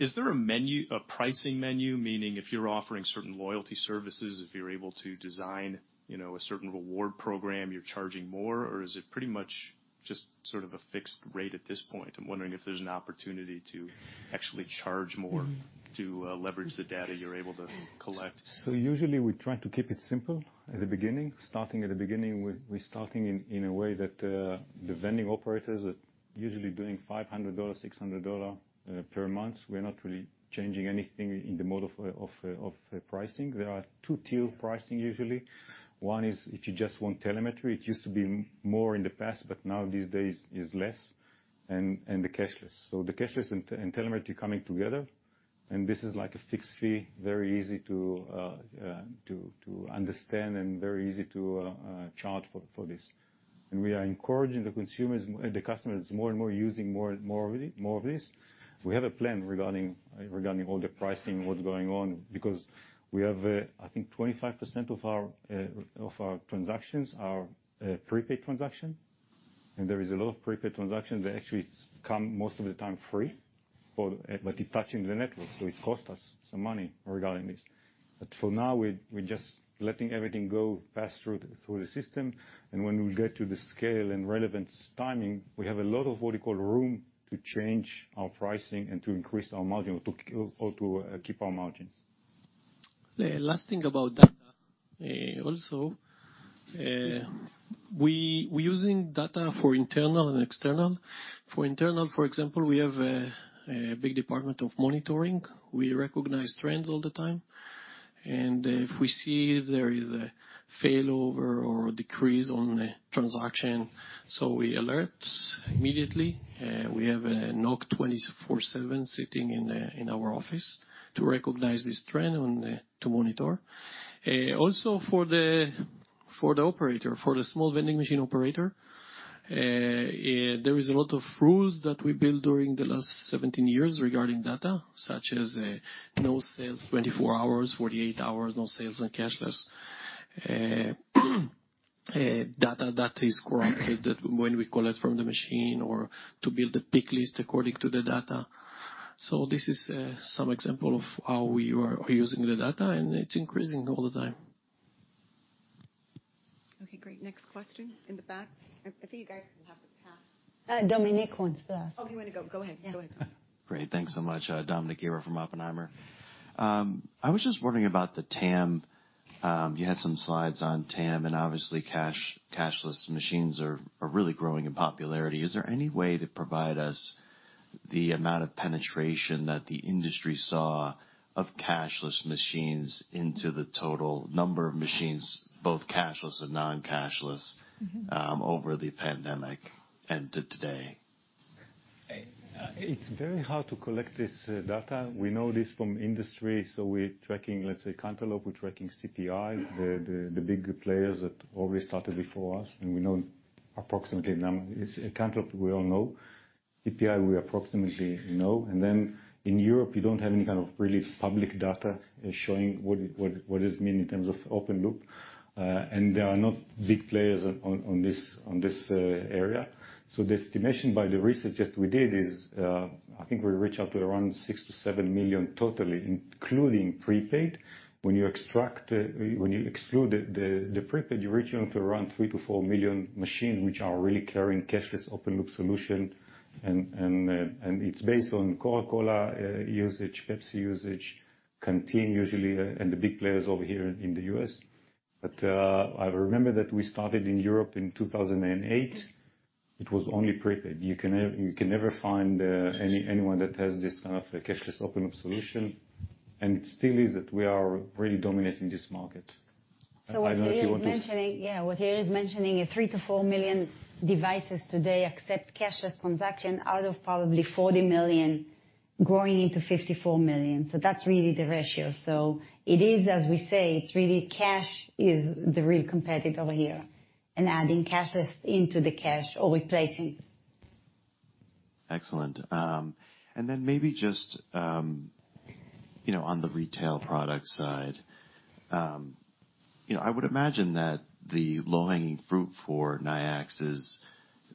Speaker 9: Is there a menu, a pricing menu? Meaning if you're offering certain loyalty services, if you're able to design, you know, a certain reward program, you're charging more, or is it pretty much just sort of a fixed rate at this point? I'm wondering if there's an opportunity to actually charge more.
Speaker 7: Mm-hmm.
Speaker 9: To leverage the data you're able to collect.
Speaker 2: Usually, we try to keep it simple at the beginning. Starting at the beginning, we're starting in a way that the vending operators are usually doing $500-$600 per month. We're not really changing anything in the model of pricing. There are two-tier pricing usually. One is if you just want telemetry. It used to be more in the past, but now these days is less. The cashless and telemetry coming together. This is like a fixed fee, very easy to understand and very easy to charge for this. We are encouraging the customers more and more using more of it, more of this. We have a plan regarding all the pricing, what's going on, because we have, I think 25% of our transactions are prepaid transaction. There is a lot of prepaid transactions that actually come most of the time free, but it touching the network, so it cost us some money regarding this. For now, we're just letting everything go pass through the system. When we get to the scale and relevance timing, we have a lot of what you call room to change our pricing and to increase our margin or to keep our margins.
Speaker 4: The last thing about data, also, we're using data for internal and external. For internal, for example, we have a big department of monitoring. We recognize trends all the time. If we see there is a failover or a decrease on a transaction, so we alert immediately. We have a NOC 24/7 sitting in our office to recognize this trend to monitor. Also for the operator, for the small vending machine operator, there is a lot of rules that we built during the last 17 years regarding data, such as no sales, 24 hours, 48 hours, no sales on cashless. Data that is corrupted when we collect from the machine or to build a pick list according to the data. This is some example of how we are using the data, and it's increasing all the time.
Speaker 1: Okay, great. Next question in the back. I think you guys will have to pass.
Speaker 7: Dominick wants to ask.
Speaker 1: Oh, you want to go? Go ahead.
Speaker 10: Great. Thanks so much, Dominick here from Oppenheimer. I was just wondering about the TAM. You had some slides on TAM, and obviously, cashless machines are really growing in popularity. Is there any way to provide us the amount of penetration that the industry saw of cashless machines into the total number of machines, both cashless and non-cashless, over the pandemic and to today?
Speaker 2: It's very hard to collect this data. We know this from industry, so we're tracking, let's say, Cantaloupe, we're tracking CPI, the big players that already started before us, and we know approximately. It's Cantaloupe, we all know. CPI, we approximately know. In Europe, you don't have any kind of really public data showing what this means in terms of open loop. There are not big players on this area. The estimation by the research that we did is, I think we reach up to around 6 million-7 million total, including prepaid. When you exclude the prepaid, you reach up to around 3 million-4 million machines, which are really carrying cashless open loop solution. It's based on Coca-Cola usage, Pepsi usage, Canteen usually, and the big players over here in the U.S. I remember that we started in Europe in 2008. It was only prepaid. You can never find anyone that has this kind of a cashless open loop solution. It still is that we are really dominating this market. I don't know if you want to.
Speaker 7: What Yair is mentioning is 3 million-4 million devices today accept cashless transaction out of probably 40 million growing into 54 million. That's really the ratio. It is, as we say, it's really cash is the real competitor here, and adding cashless into the cash or replacing.
Speaker 10: Excellent. Maybe just, you know, on the retail product side, you know, I would imagine that the low-hanging fruit for Nayax is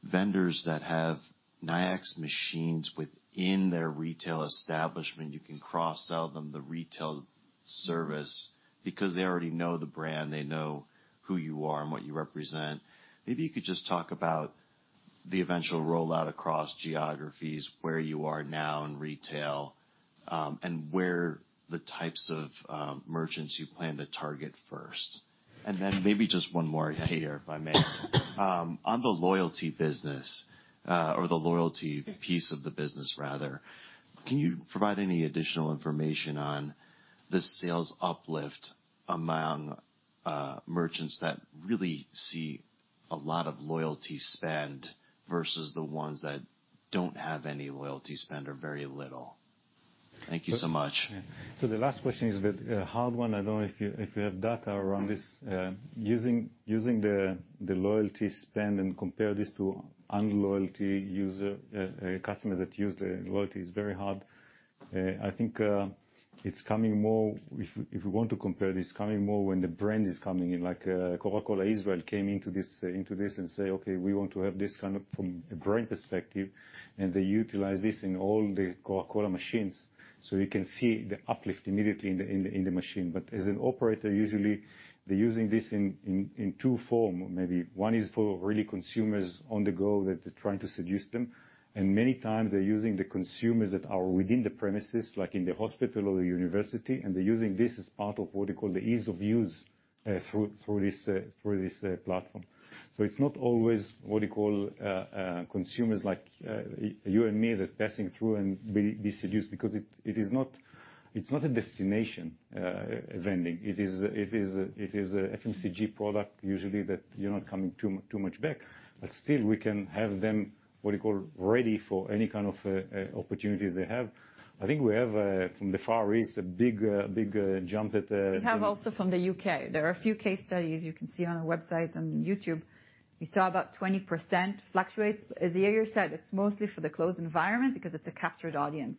Speaker 10: vendors that have Nayax machines within their retail establishment. You can cross-sell them the retail service because they already know the brand, they know who you are and what you represent. Maybe you could just talk about the eventual rollout across geographies, where you are now in retail, and where the types of, merchants you plan to target first. Maybe just one more here, if I may. On the loyalty business, or the loyalty piece of the business, rather, can you provide any additional information on the sales uplift among, merchants that really see a lot of loyalty spend versus the ones that don't have any loyalty spend or very little? Thank you so much.
Speaker 2: The last question is a bit hard one. I don't know if you have data around this. Using the loyalty spend and compare this to non-loyalty users, customers that use the loyalty is very hard. I think it's coming more. If we want to compare, it's coming more when the brand is coming in, like Coca-Cola Israel came into this and said, "Okay, we want to have this kind of from a brand perspective." They utilize this in all the Coca-Cola machines. You can see the uplift immediately in the machine. As an operator, usually they're using this in two forms, maybe. One is for really consumers on the go that they're trying to seduce them. Many times, they're using the consumers that are within the premises, like in the hospital or the university, and they're using this as part of what you call the ease of use, through this platform. It's not always what you call, consumers like you and me that are passing through and be seduced because it is not a destination vending. It is a FMCG product usually that you're not coming too much back. Still we can have them, what you call ready for any kind of opportunity they have. I think we have from the Far East, a big jump that
Speaker 5: We have also from the U.K. There are a few case studies you can see on our website on YouTube. You saw about 20% fluctuates. As Yair said, it's mostly for the closed environment because it's a captured audience.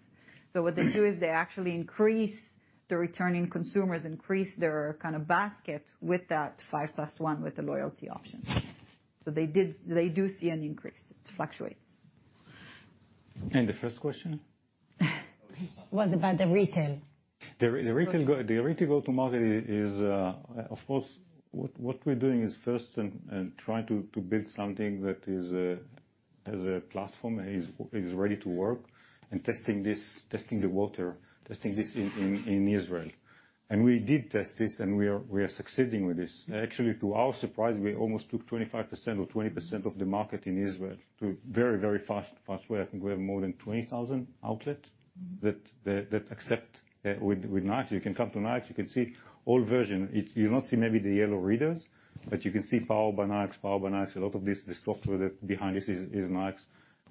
Speaker 5: What they do is they actually increase the returning consumers, increase their kind of basket with that five plus one with the loyalty option. They do see an increase. It fluctuates.
Speaker 2: The first question?
Speaker 7: Was about the retail.
Speaker 2: The retail go-to-market is, of course, what we're doing is first and trying to build something that is has a platform, is ready to work and testing the water in Israel. We did test this, and we are succeeding with this. Actually, to our surprise, we almost took 25% or 20% of the market in Israel to very, very fast way. I think we have more than 20,000 outlets that accept with Nayax. You can come to Nayax, you can see all versions. You'll not see maybe the yellow readers, but you can see powered by Nayax, powered by Nayax. A lot of this, the software behind this is Nayax.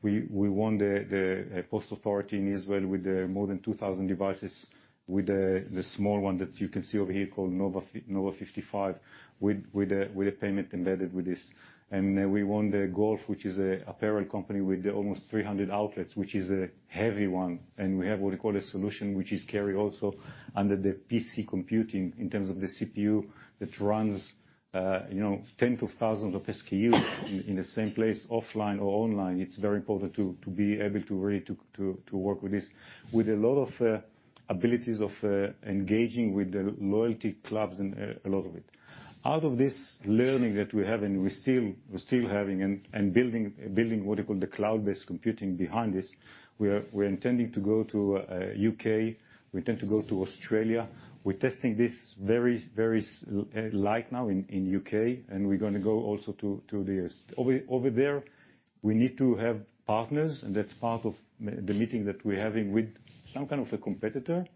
Speaker 2: We won the Postal Authority in Israel with more than 2,000 devices with the small one that you can see over here called Nova 55 with the payment embedded with this. We won the Golf which is an apparel company with almost 300 outlets, which is a heavy one. We have what you call a solution, which is carry also under the PC computing in terms of the CPU that runs, you know, 10 to thousands of SKU in the same place, offline or online. It's very important to work with this. With a lot of abilities of engaging with the loyalty clubs and a lot of it. Out of this learning that we're having, we're still having and building what you call the cloud-based computing behind this, we're intending to go to U.K., we intend to go to Australia. We're testing this very slightly now in U.K., and we're gonna go also to the U.S. Over there, we need to have partners, and that's part of the meeting that we're having with some kind of a competitor.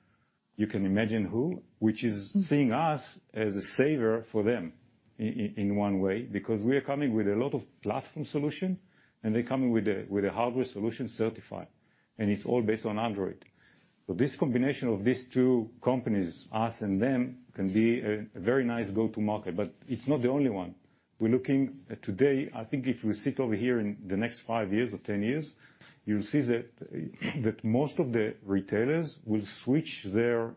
Speaker 2: You can imagine who, which is seeing us as a saver for them in one way, because we are coming with a lot of platform solution, and they're coming with a hardware solution certified, and it's all based on Android. This combination of these two companies, us and them, can be a very nice go-to-market, but it's not the only one. We're looking. Today, I think if you sit over here in the next five years or 10 years, you'll see that most of the retailers will switch their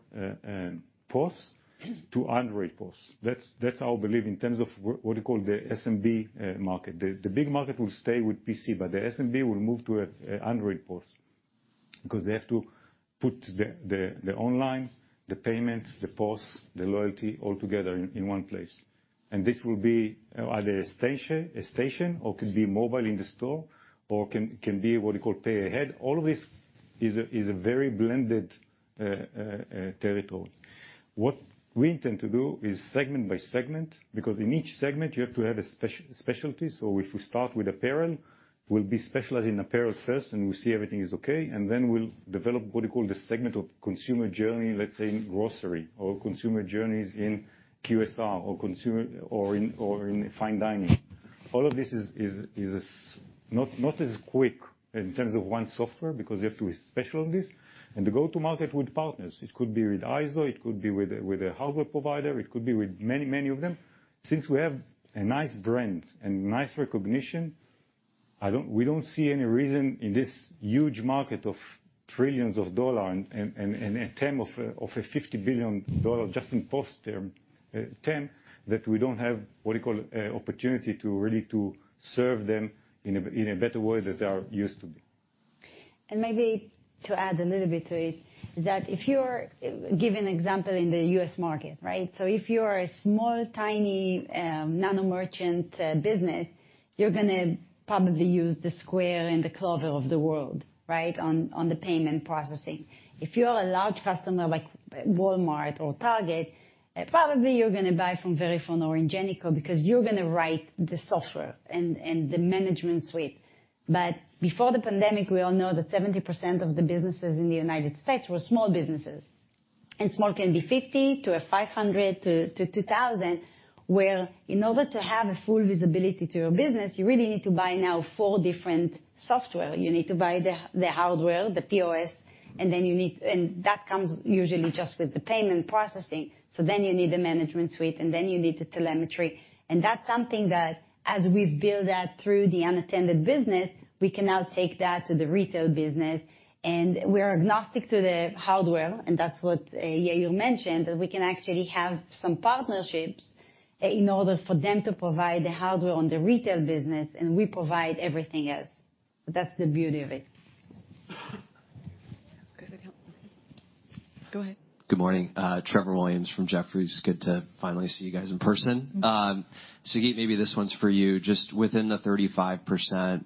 Speaker 2: POS to Android POS. That's our belief in terms of what you call the SMB market. The big market will stay with PC, but the SMB will move to a Android POS because they have to put the online, the payment, the POS, the loyalty all together in one place. This will be either a station or could be mobile in the store, or can be what you call pay ahead. All this is a very blended territory. What we intend to do is segment by segment, because in each segment you have to have a specialty. If we start with apparel, we'll be specialized in apparel first, and we see everything is okay, and then we'll develop what you call the segment of consumer journey, let's say, in grocery or consumer journeys in QSR or consumer or in fine dining. All of this is not as quick in terms of one software because you have to be special on this. To go-to-market with partners, it could be with ISO, it could be with a hardware provider, it could be with many of them. Since we have a nice brand and nice recognition, we don't see any reason in this huge market of trillions of dollars and a TAM of $50 billion just in POS terms that we don't have what you call opportunity to really serve them in a better way than they are used to be.
Speaker 7: Maybe to add a little bit to it. Give an example in the U.S. market, right? If you are a small, tiny, nano merchant business, you're gonna probably use the Square and the Clover of the world, right? On the payment processing. If you're a large customer like Walmart or Target, probably you're gonna buy from Verifone or Ingenico because you're gonna write the software and the management suite. Before the pandemic, we all know that 70% of the businesses in the United States were small businesses. Small can be 50 to 500 to 2,000, where in order to have a full visibility to your business, you really need to buy now four different software. You need to buy the hardware, the POS, and then you need. That comes usually just with the payment processing. You need the management suite, and then you need the telemetry. That's something that as we build that through the unattended business, we can now take that to the retail business, and we are agnostic to the hardware, and that's what Yair mentioned, that we can actually have some partnerships in order for them to provide the hardware on the retail business, and we provide everything else. That's the beauty of it.
Speaker 1: That's good. Go ahead.
Speaker 11: Good morning, Trevor Williams from Jefferies. It's good to finally see you guys in person. Sagit, maybe this one's for you. Just within the 35%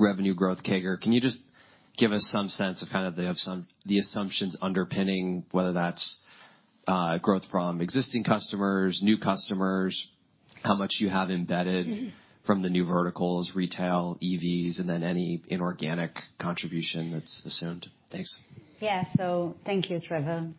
Speaker 11: revenue growth CAGR. Can you just give us some sense of kind of the assumptions underpinning whether that's growth from existing customers, new customers, how much you have embedded.
Speaker 7: Mm-hmm.
Speaker 11: From the new verticals, retail, EVs, and then any inorganic contribution that's assumed? Thanks.
Speaker 7: Yeah. Thank you, Trevor.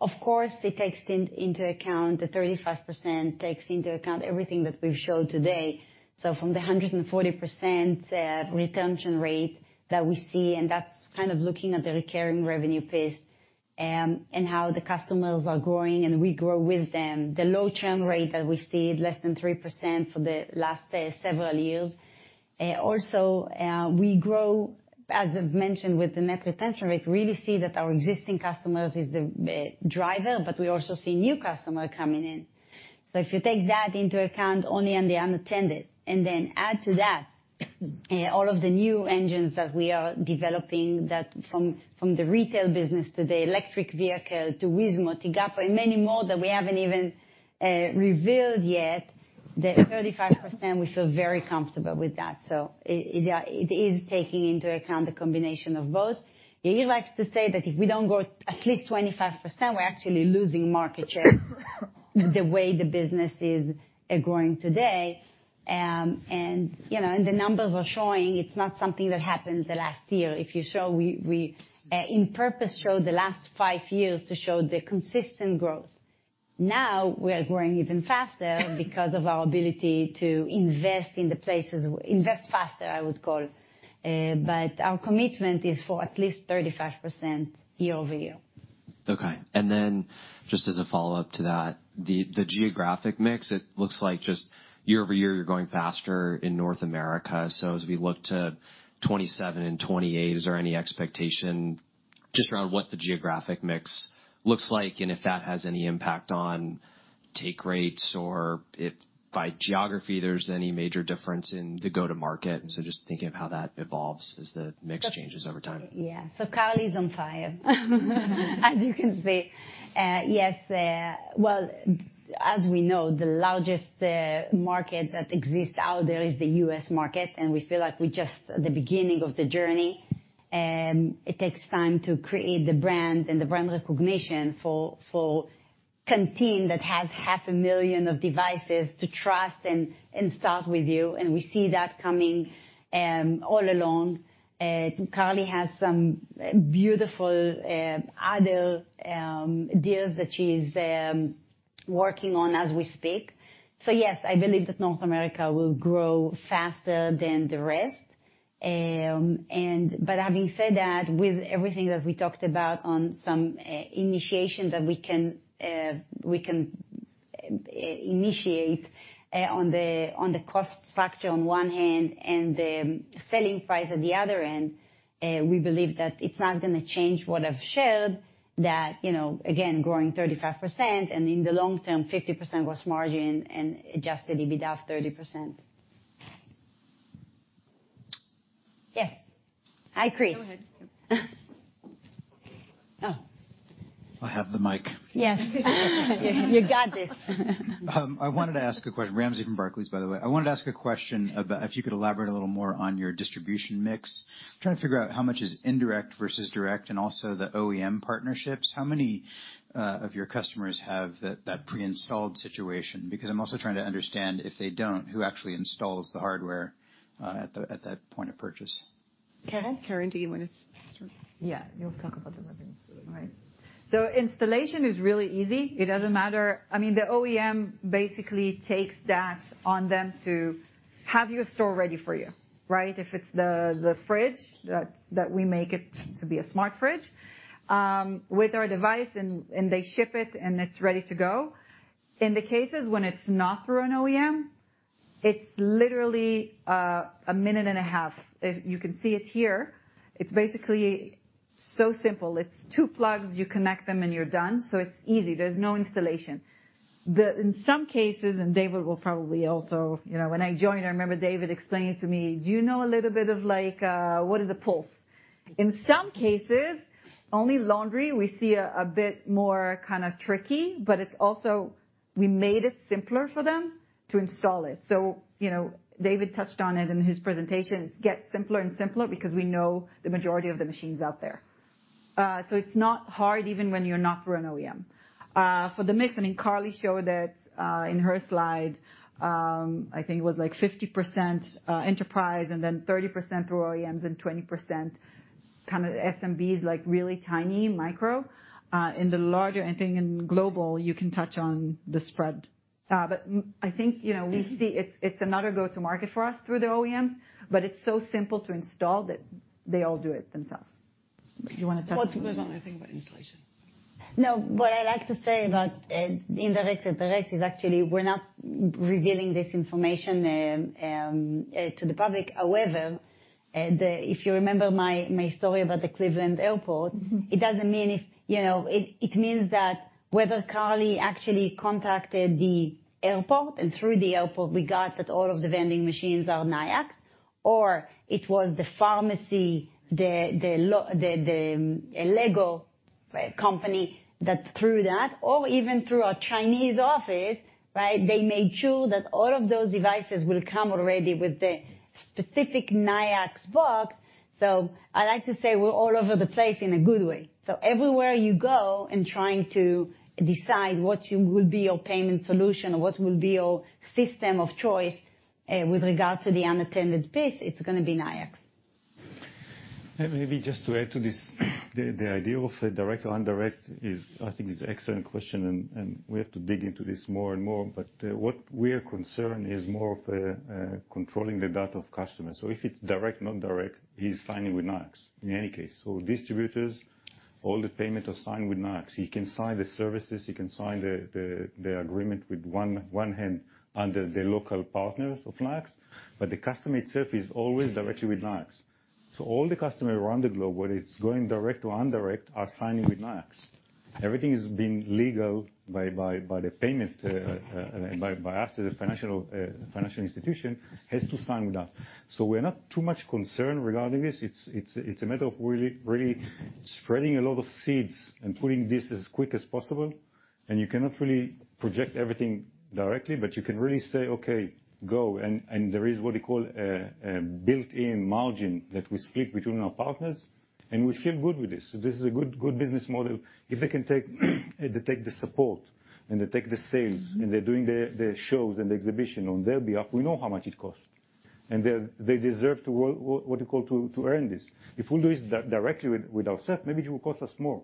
Speaker 7: Of course, it takes into account the 35% takes into account everything that we've showed today. From the 140%, retention rate that we see, and that's kind of looking at the recurring revenue base and how the customers are growing, and we grow with them. The low churn rate that we see, less than 3% for the last several years. We grow, as I've mentioned, with the net retention rate, really see that our existing customers is the driver, but we also see new customer coming in. If you take that into account only on the unattended, and then add to that, all of the new engines that we are developing that from the retail business to the electric vehicle to Weezmo, to Tigapo, and many more that we haven't even revealed yet, the 35%, we feel very comfortable with that. It is taking into account a combination of both. Yair likes to say that if we don't grow at least 25%, we're actually losing market share, the way the business is growing today. You know, the numbers are showing it's not something that happened the last year. If you saw, we on purpose showed the last five years to show the consistent growth. Now we are growing even faster because of our ability to invest in the places. Our commitment is for at least 35% year-over-year.
Speaker 11: Okay. Just as a follow-up to that, the geographic mix, it looks like just year-over-year, you're growing faster in North America. As we look to 2027 and 2028, is there any expectation just around what the geographic mix looks like and if that has any impact on take rates or if by geography, there's any major difference in the go-to-market? Just thinking of how that evolves as the mix changes over time.
Speaker 7: Yeah. Carly's on fire. As you can see, yes. Well, as we know, the largest market that exists out there is the U.S. market, and we feel like we're just at the beginning of the journey. It takes time to create the brand and the brand recognition for a team that has half a million of devices to trust and start with you. We see that coming all along. Carly has some beautiful other deals that she's working on as we speak. Yes, I believe that North America will grow faster than the rest. Having said that, with everything that we talked about on some initiation that we can initiate on the cost structure on one hand, and the selling price at the other end, we believe that it's not gonna change what I've shared. That, you know, again, growing 35%, and in the long term, 50% gross margin and Adjusted EBITDA of 30%. Yes. Hi, Chris.
Speaker 1: Go ahead.
Speaker 7: Oh.
Speaker 12: I have the mic.
Speaker 7: Yes. You got this.
Speaker 12: Ramsey from Barclays, by the way. I wanted to ask a question about if you could elaborate a little more on your distribution mix. I'm trying to figure out how much is indirect versus direct and also the OEM partnerships. How many of your customers have that pre-installed situation? Because I'm also trying to understand if they don't, who actually installs the hardware at that point of purchase.
Speaker 7: Keren?
Speaker 6: Keren, do you wanna start?
Speaker 7: Yeah, you'll talk about the revenue stream.
Speaker 5: All right. Installation is really easy. It doesn't matter. I mean, the OEM basically takes that on them to have your store ready for you, right? If it's the fridge that we make it to be a smart fridge, with our device and they ship it, and it's ready to go. In the cases when it's not through an OEM, it's literally a minute and a half. You can see it here. It's basically so simple. It's two plugs. You connect them, and you're done. It's easy. There's no installation. In some cases, David will probably also. You know, when I joined, I remember David explaining to me, "Do you know a little bit of, like, what is a pulse?" In some cases only laundry we see a bit more kinda tricky, but we also made it simpler for them to install it. You know, David touched on it in his presentation. It gets simpler and simpler because we know the majority of the machines out there. It's not hard even when you're not through an OEM. For the mix, I think Carly showed that in her slide. I think it was like 50% enterprise and then 30% through OEMs and 20% kind of SMBs, like, really tiny micro. In the larger, I think in global, you can touch on the spread. I think, you know, we see it's another go-to-market for us through the OEMs, but it's so simple to install that they all do it themselves. Do you wanna touch on-
Speaker 1: Well, go on. I think about installation.
Speaker 7: No. What I like to say about indirect and direct is actually we're not revealing this information to the public. However, if you remember my story about the Cleveland Airport-
Speaker 5: Mm-hmm.
Speaker 7: You know, it means that whether Carly actually contacted the airport, and through the airport, we got that all of the vending machines are Nayax, or it was the pharmacy, the LEGO by a company that through that, or even through our Chinese office, right? They made sure that all of those devices will come already with the specific Nayax box. I'd like to say we're all over the place in a good way. Everywhere you go in trying to decide what will be your payment solution or what will be your system of choice, with regard to the unattended piece, it's gonna be Nayax.
Speaker 2: Maybe just to add to this. The idea of a direct or indirect is, I think, excellent question, and we have to dig into this more and more. What we are concerned is more of controlling the data of customers. If it's direct, not direct, he's signing with Nayax in any case. Distributors, all the payment are signed with Nayax. He can sign the services, he can sign the agreement with one hand under the local partners of Nayax. The customer itself is always directly with Nayax. All the customer around the globe, whether it's going direct or indirect, are signing with Nayax. Everything is being legal by the payment and by us as a financial institution has to sign that. We're not too much concerned regarding this. It's a matter of really spreading a lot of seeds and putting this as quick as possible. You cannot really project everything directly, but you can really say, "Okay, go." There is what you call a built-in margin that we split between our partners, and we feel good with this. This is a good business model. If they take the support and they take the sales, and they're doing the shows and the exhibition on their behalf, we know how much it costs. They deserve to work, what you call, to earn this. If we do it directly with ourselves, maybe it will cost us more.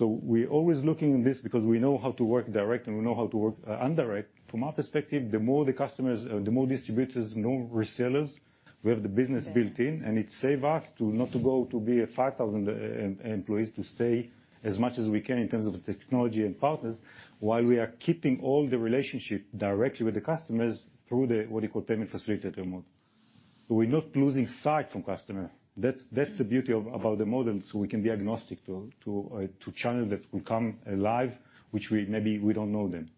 Speaker 2: We're always looking in this because we know how to work direct and we know how to work indirect. From our perspective, the more the customers or the more distributors or resellers we have the business built in, and it saves us to not go to be a 5,000 employees. To stay as much as we can in terms of the technology and partners, while we are keeping all the relationship directly with the customers through the, what you call, payment facilitator mode. We're not losing sight from customer. That's the beauty of about the model, so we can be agnostic to channel that will come alive, which we maybe we don't know them.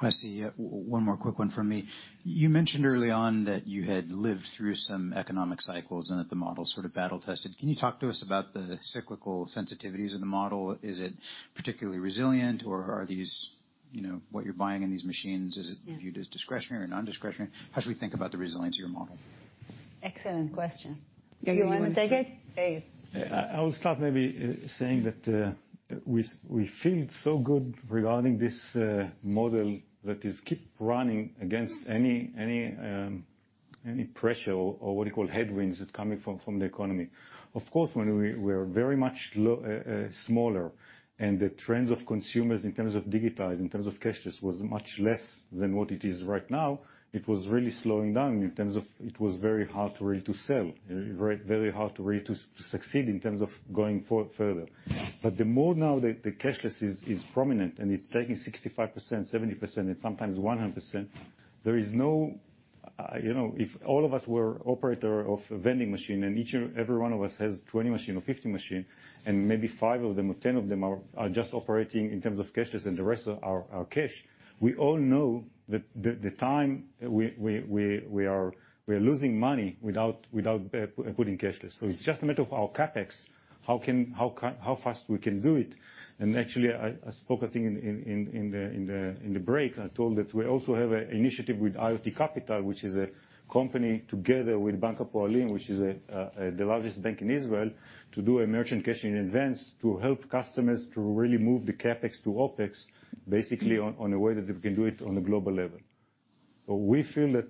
Speaker 12: I see. Yeah. One more quick one from me. You mentioned early on that you had lived through some economic cycles and that the model's sort of battle tested. Can you talk to us about the cyclical sensitivities of the model? Is it particularly resilient or are these, you know, what you're buying in these machines, is it viewed as discretionary or non-discretionary? How should we think about the resilience of your model?
Speaker 7: Excellent question. You wanna take it Yair?
Speaker 2: I will start maybe saying that we feel so good regarding this model that is keep running against any pressure or what you call headwinds that coming from the economy. Of course, when we're very much smaller and the trends of consumers in terms of digitized, in terms of cashless was much less than what it is right now, it was really slowing down in terms of it was very hard really to sell. Very hard to really succeed in terms of going further. The more now the cashless is prominent and it's taking 65%, 70% and sometimes 100%, there is no. You know, if all of us were operator of a vending machine, and each of every one of us has 20 machine or 50 machine, and maybe five of them or 10 of them are just operating in terms of cashless and the rest are cash, we all know that the time we are losing money without putting cashless. It's just a matter of our CapEx, how fast we can do it. Actually, I spoke, I think, in the break. I told that we also have an initiative with Nayax Capital, which is a company together with Bank Hapoalim, which is a the largest bank in Israel, to do a merchant cash in advance to help customers to really move the CapEx to OpEx, basically on a way that they can do it on a global level. We feel that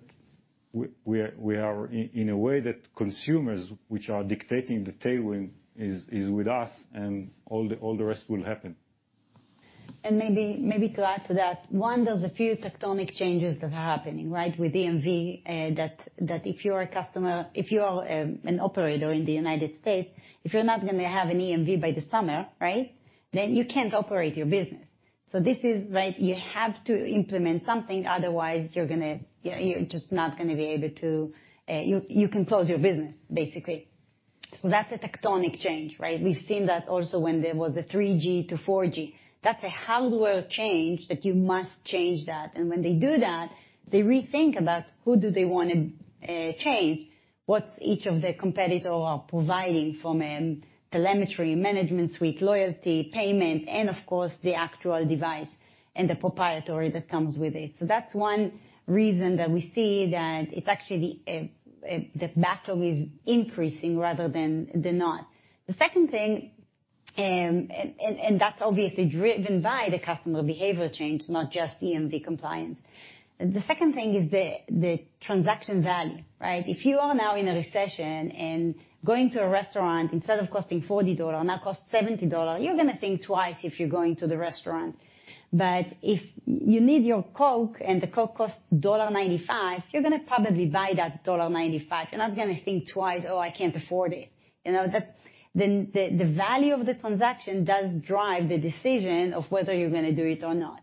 Speaker 2: we are in a way that consumers, which are dictating the tailwind, is with us and all the rest will happen.
Speaker 7: Maybe to add to that, one of the few tectonic changes that are happening, right? With EMV, that if you are an operator in the United States, if you're not gonna have an EMV by the summer, right? Then you can't operate your business. This is, right, you have to implement something otherwise you're just not gonna be able to. You can close your business, basically. That's a tectonic change, right? We've seen that also when there was a 3G to 4G, that's a hardware change that you must change. When they do that, they rethink about who do they wanna change, what each of their competitor are providing from a telemetry management suite, loyalty, payment, and of course the actual device and the proprietary that comes with it. That's one reason that we see that it's actually the battle is increasing rather than not. The second thing that's obviously driven by the customer behavior change, not just EMV compliance. The second thing is the transaction value, right? If you are now in a recession and going to a restaurant, instead of costing $40, now it costs $70, you're gonna think twice if you're going to the restaurant. If you need your Coke and the Coke costs $1.95, you're gonna probably buy that $1.95. You're not gonna think twice, "Oh, I can't afford it." You know? That the value of the transaction does drive the decision of whether you're gonna do it or not.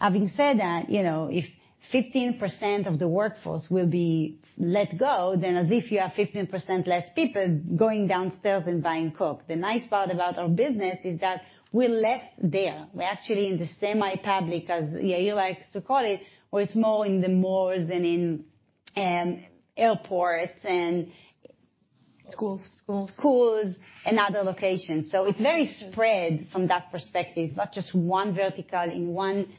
Speaker 7: Having said that, you know, if 15% of the workforce will be let go, then as if you have 15% less people going downstairs and buying Coke. The nice part about our business is that we're less there. We're actually in the semi-public, as Yair likes to call it, or it's more in the malls than in airports and-
Speaker 6: Schools.
Speaker 7: schools and other locations. It's very spread from that perspective, not just one vertical in one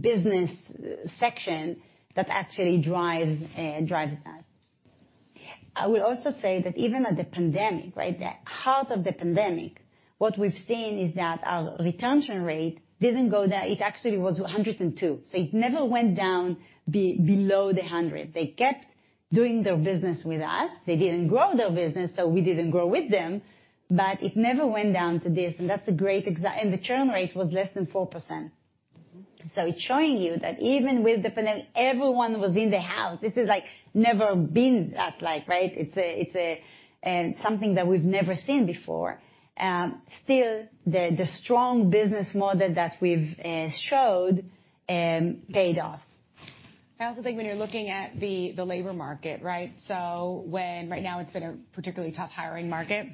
Speaker 7: business section that actually drives us. I will also say that even at the pandemic, right? The heart of the pandemic, what we've seen is that our retention rate didn't go down. It actually was 102%. It never went down below 100%. They kept doing their business with us. They didn't grow their business, so we didn't grow with them. But it never went down to this, and that's a great and the churn rate was less than 4%.
Speaker 6: Mm-hmm.
Speaker 7: It's showing you that even with the pandemic everyone was in the house, this is like never been that high, right? It's a something that we've never seen before. Still the strong business model that we've showed paid off.
Speaker 5: I also think when you're looking at the labor market, right? When right now it's been a particularly tough hiring market,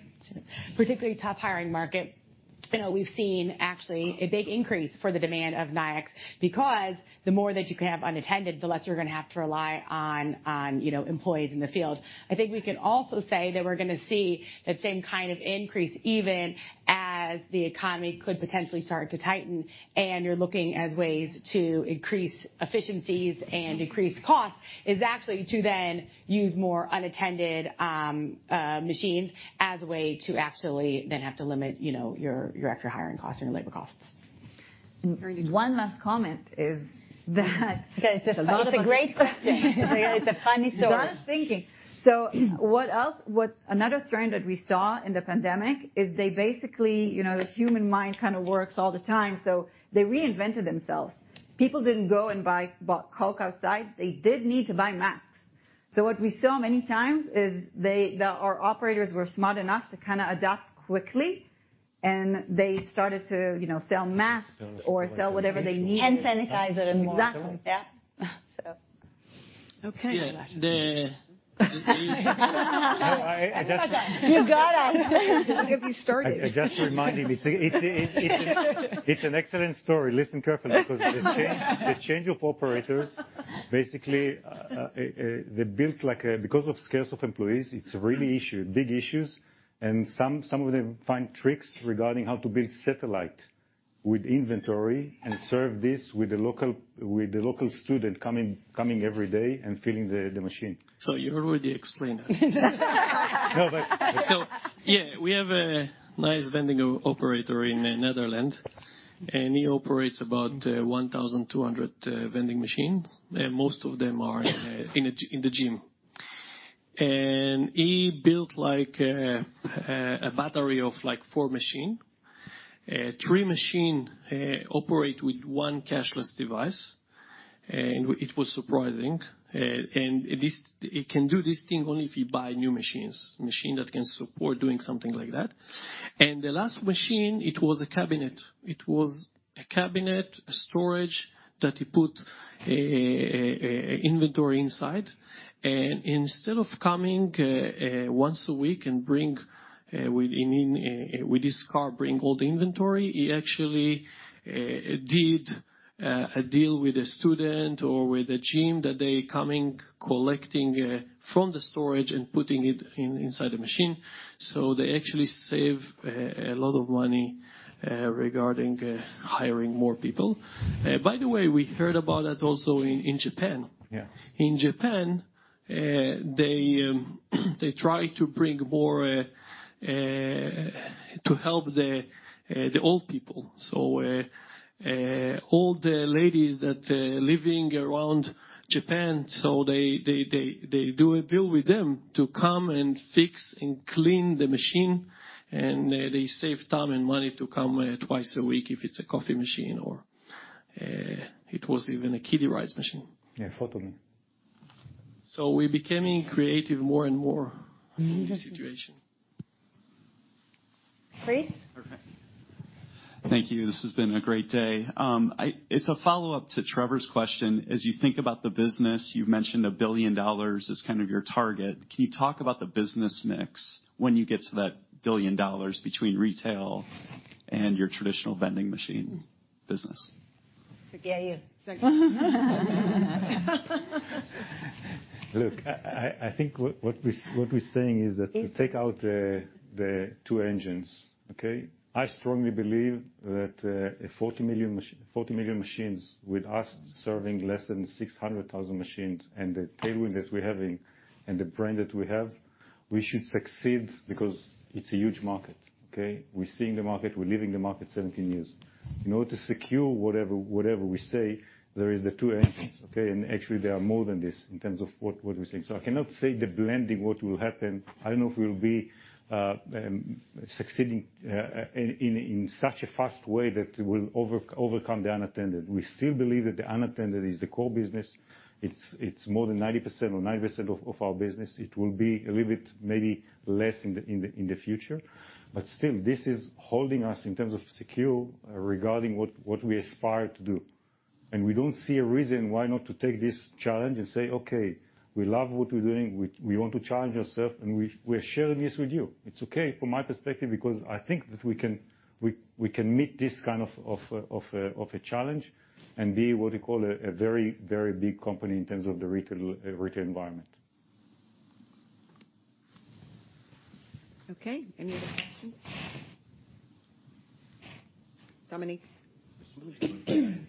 Speaker 5: you know, we've seen actually a big increase for the demand of Nayax because the more that you can have unattended, the less you're gonna have to rely on, you know, employees in the field. I think we can also say that we're gonna see that same kind of increase, even as the economy could potentially start to tighten and you're looking for ways to increase efficiencies and decrease costs. It is actually to then use more unattended machines as a way to absolutely then have to limit, you know, your extra hiring costs and your labor costs.
Speaker 6: One last comment is that.
Speaker 7: Okay. It's a great question. It's a funny story.
Speaker 6: I was thinking. Another trend that we saw in the pandemic is they basically, you know, the human mind kind of works all the time, so they reinvented themselves. People didn't go and bought Coke outside. They did need to buy masks. What we saw many times is our operators were smart enough to kinda adapt quickly, and they started to, you know, sell masks or sell whatever they needed.
Speaker 7: Hand sanitizer and more.
Speaker 6: Exactly. Yeah.
Speaker 1: Okay.
Speaker 2: No, I just-
Speaker 5: You got us. If you started.
Speaker 2: Just reminding me. It's an excellent story. Listen carefully because the change of operators, basically, they built because of scarcity of employees, it's really issue, big issues and some of them find tricks regarding how to build satellite with inventory and serve this with the local student coming every day and filling the machine.
Speaker 4: You already explained that.
Speaker 2: No.
Speaker 4: Yeah, we have a nice vending operator in Netherlands, and he operates about 1,200 vending machines. Most of them are in the gym. He built like a battery of like four machines. Three machines operate with one cashless device. It was surprising. It can do this thing only if you buy new machines that can support doing something like that. The last machine was a cabinet. It was a cabinet storage that he put inventory inside. Instead of coming once a week and bringing all the inventory with his car, he actually did a deal with a student or with a gym that they come collecting from the storage and putting it inside the machine. They actually save a lot of money, regarding hiring more people. By the way, we heard about that also in Japan.
Speaker 2: Yeah.
Speaker 4: In Japan, they try to bring more to help the old people. Old ladies that living around Japan, so they do a deal with them to come and fix and clean the machine, and they save time and money to come twice a week if it's a coffee machine or it was even a kiddie rides machine.
Speaker 2: Yeah, photo.
Speaker 4: We're becoming creative more and more in this situation.
Speaker 1: Chris?
Speaker 13: Perfect. Thank you. This has been a great day. It's a follow-up to Trevor's question. As you think about the business, you've mentioned $1 billion is kind of your target. Can you talk about the business mix when you get to that $1 billion between retail and your traditional vending machines business?
Speaker 7: It's for you.
Speaker 2: Look, I think what we're saying is that if you take out the two engines, okay? I strongly believe that 40 million machines with us serving less than 600,000 machines and the tailwind that we're having and the brand that we have, we should succeed because it's a huge market, okay? We're seeing the market, we're leading the market 17 years. In order to secure whatever we say, there is the two engines, okay? Actually there are more than this in terms of what we're saying. I cannot say the blending, what will happen. I don't know if we'll be succeeding in such a fast way that we'll overcome the unattended. We still believe that the unattended is the core business. It's more than 90% or 90% of our business. It will be a little bit maybe less in the future. Still, this is holding us in terms of secure regarding what we aspire to do. We don't see a reason why not to take this challenge and say, "Okay, we love what we're doing. We want to challenge ourself, and we are sharing this with you." It's okay from my perspective because I think that we can meet this kind of a challenge and be what you call a very big company in terms of the retail environment.
Speaker 1: Okay. Any other questions? Dominick?
Speaker 10: I just wanted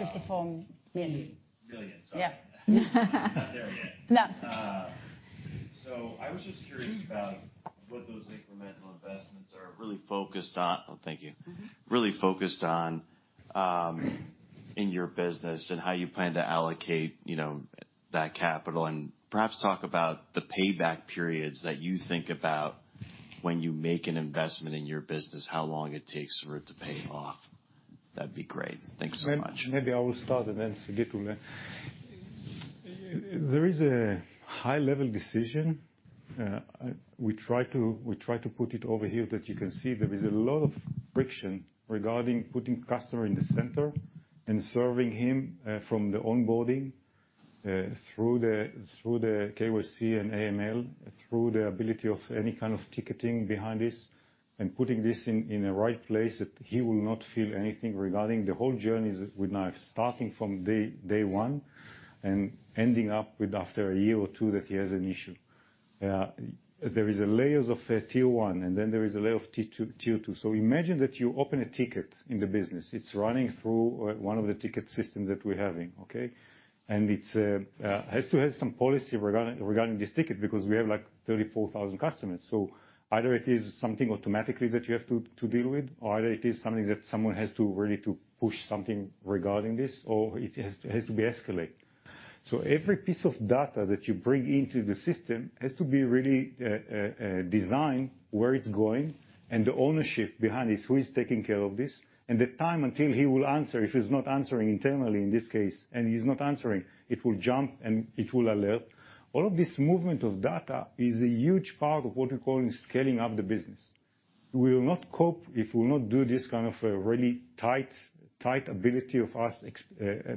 Speaker 10: to ask, there's actually an investment slide. I think it's R&D. It might be R&D spend $54 billion.
Speaker 7: $54 million.
Speaker 10: Million. Sorry.
Speaker 7: Yeah.
Speaker 10: Not there yet.
Speaker 7: No.
Speaker 10: I was just curious about what those incremental investments are really focused on? Oh, thank you. Really focused on in your business, and how you plan to allocate, you know, that capital. Perhaps talk about the payback periods that you think about when you make an investment in your business, how long it takes for it to pay off. That'd be great. Thanks so much.
Speaker 2: Maybe I will start and then Sagit will. There is a high-level decision. We try to put it over here that you can see. There is a lot of friction regarding putting customer in the center and serving him from the onboarding through the KYC and AML, through the ability of any kind of ticketing behind this, and putting this in a right place that he will not feel anything regarding the whole journey with Nayax, starting from day one and ending up with after a year or two that he has an issue. There is a layers of tier one, and then there is a layer of tier two. Imagine that you open a ticket in the business. It's running through one of the ticket system that we're having, okay? It has to have some policy regarding this ticket because we have, like, 34,000 customers. Either it is something automatically that you have to deal with, or either it is something that someone has to really to push something regarding this, or it has to be escalate. Every piece of data that you bring into the system has to be really designed where it's going and the ownership behind this, who is taking care of this, and the time until he will answer. If he's not answering internally in this case, and he's not answering, it will jump, and it will alert. All of this movement of data is a huge part of what you call scaling up the business. We will not cope if we will not do this kind of a really tight ability of us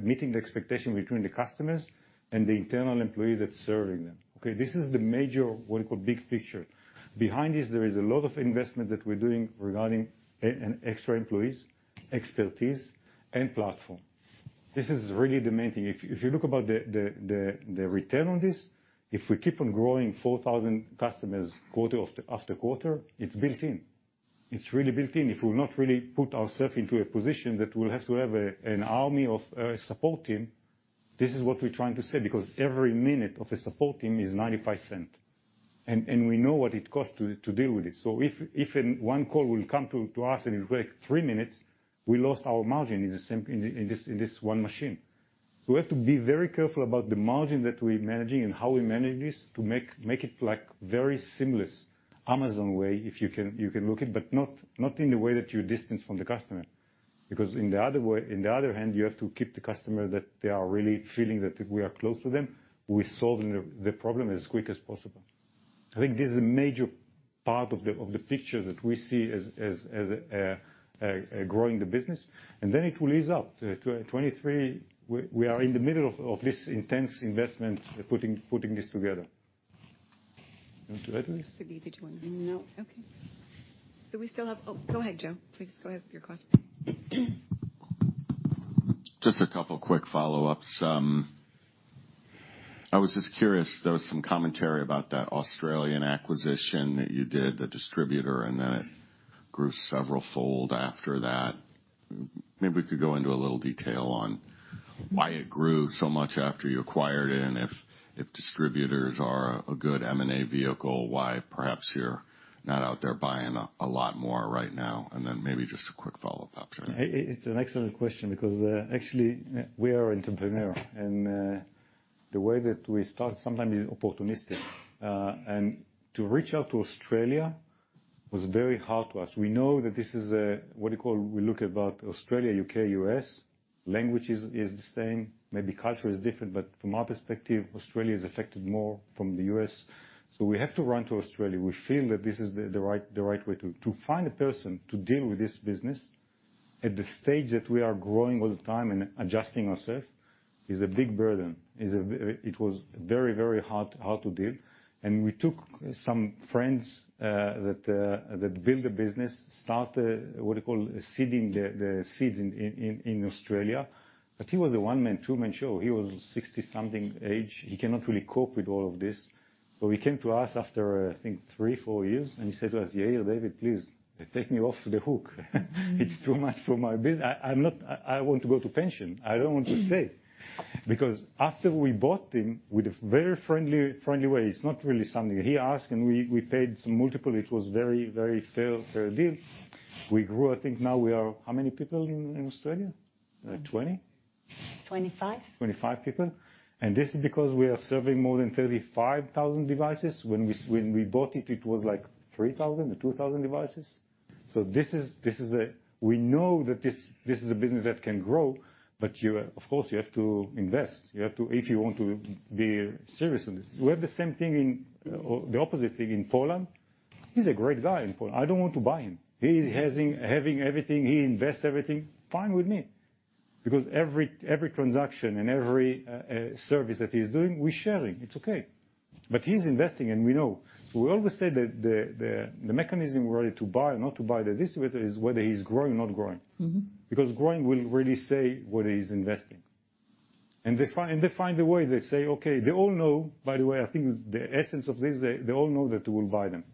Speaker 2: meeting the expectation between the customers and the internal employee that's serving them, okay. This is the major, what you call, big picture. Behind this, there is a lot of investment that we're doing regarding AI and extra employees, expertise, and platform. This is really the main thing. If you look at the return on this, if we keep on growing 4,000 customers quarter after quarter, it's built in. It's really built in. If we've not really put ourselves into a position that we'll have to have an army of support team, this is what we're trying to say. Because every minute of a support team is $0.95, and we know what it costs to deal with this. If one call will come to us, and it will take three minutes, we lost our margin in this one machine. We have to be very careful about the margin that we're managing and how we manage this to make it, like, very seamless. Amazon way, if you can look it, but not in the way that you're distanced from the customer. Because on the other hand, you have to keep the customer that they are really feeling that we are close to them. We're solving the problem as quick as possible. I think this is a major part of the picture that we see as growing the business, and then it will ease up. 2023, we are in the middle of this intense investment, putting this together. You want to add anything?
Speaker 1: Sagit, did you want to?
Speaker 7: No.
Speaker 1: Okay. Oh, go ahead, Joe. Please go ahead with your question.
Speaker 8: Just a couple quick follow-ups. I was just curious. There was some commentary about that Australian acquisition that you did, the distributor, and then it grew several-fold after that. Maybe we could go into a little detail on why it grew so much after you acquired it, and if distributors are a good M&A vehicle, why perhaps you're not out there buying a lot more right now. Maybe just a quick follow-up after that.
Speaker 2: It's an excellent question because actually we are entrepreneurs, and the way that we start sometimes is opportunistic. To reach out to Australia was very hard for us. We know that this is a, what do you call? We look about Australia, U.K., U.S. Language is the same. Maybe culture is different, but from our perspective, Australia is affected more from the U.S. We have to run to Australia. We feel that this is the right way to find a person to deal with this business at the stage that we are growing all the time and adjusting ourselves is a big burden. It was very hard to deal. We took some friends that built the business, start, what do you call, seeding the seeds in Australia. He was a one-man, two-man show. He was 60-something age. He cannot really cope with all of this. He came to us after, I think, three, four years, and he said to us, "Yeah, David, please take me off the hook. It's too much. I want to go to pension. I don't want to stay." Because after we bought him, with a very friendly way, it's not really something. He asked, and we paid some multiple. It was very fair deal. We grew. I think now we are how many people in Australia? 20?
Speaker 7: 25.
Speaker 2: 25 people. This is because we are serving more than 35,000 devices. When we bought it was, like, 3,000 and 2,000 devices. This is a business that can grow, but you, of course, you have to invest. You have to if you want to be serious in this. We have the same thing, the opposite thing in Poland. He's a great guy in Poland. I don't want to buy him. He's having everything, he invests everything, fine with me. Because every transaction and every service that he's doing, we're sharing, it's okay. He's investing, and we know. We always say that the mechanism really to buy or not to buy the distributor is whether he's growing or not growing.
Speaker 7: Mm-hmm.
Speaker 2: Because growing will really say whether he's investing. They find a way. They say, "Okay." They all know, by the way, I think the essence of this, they all know that we'll buy them.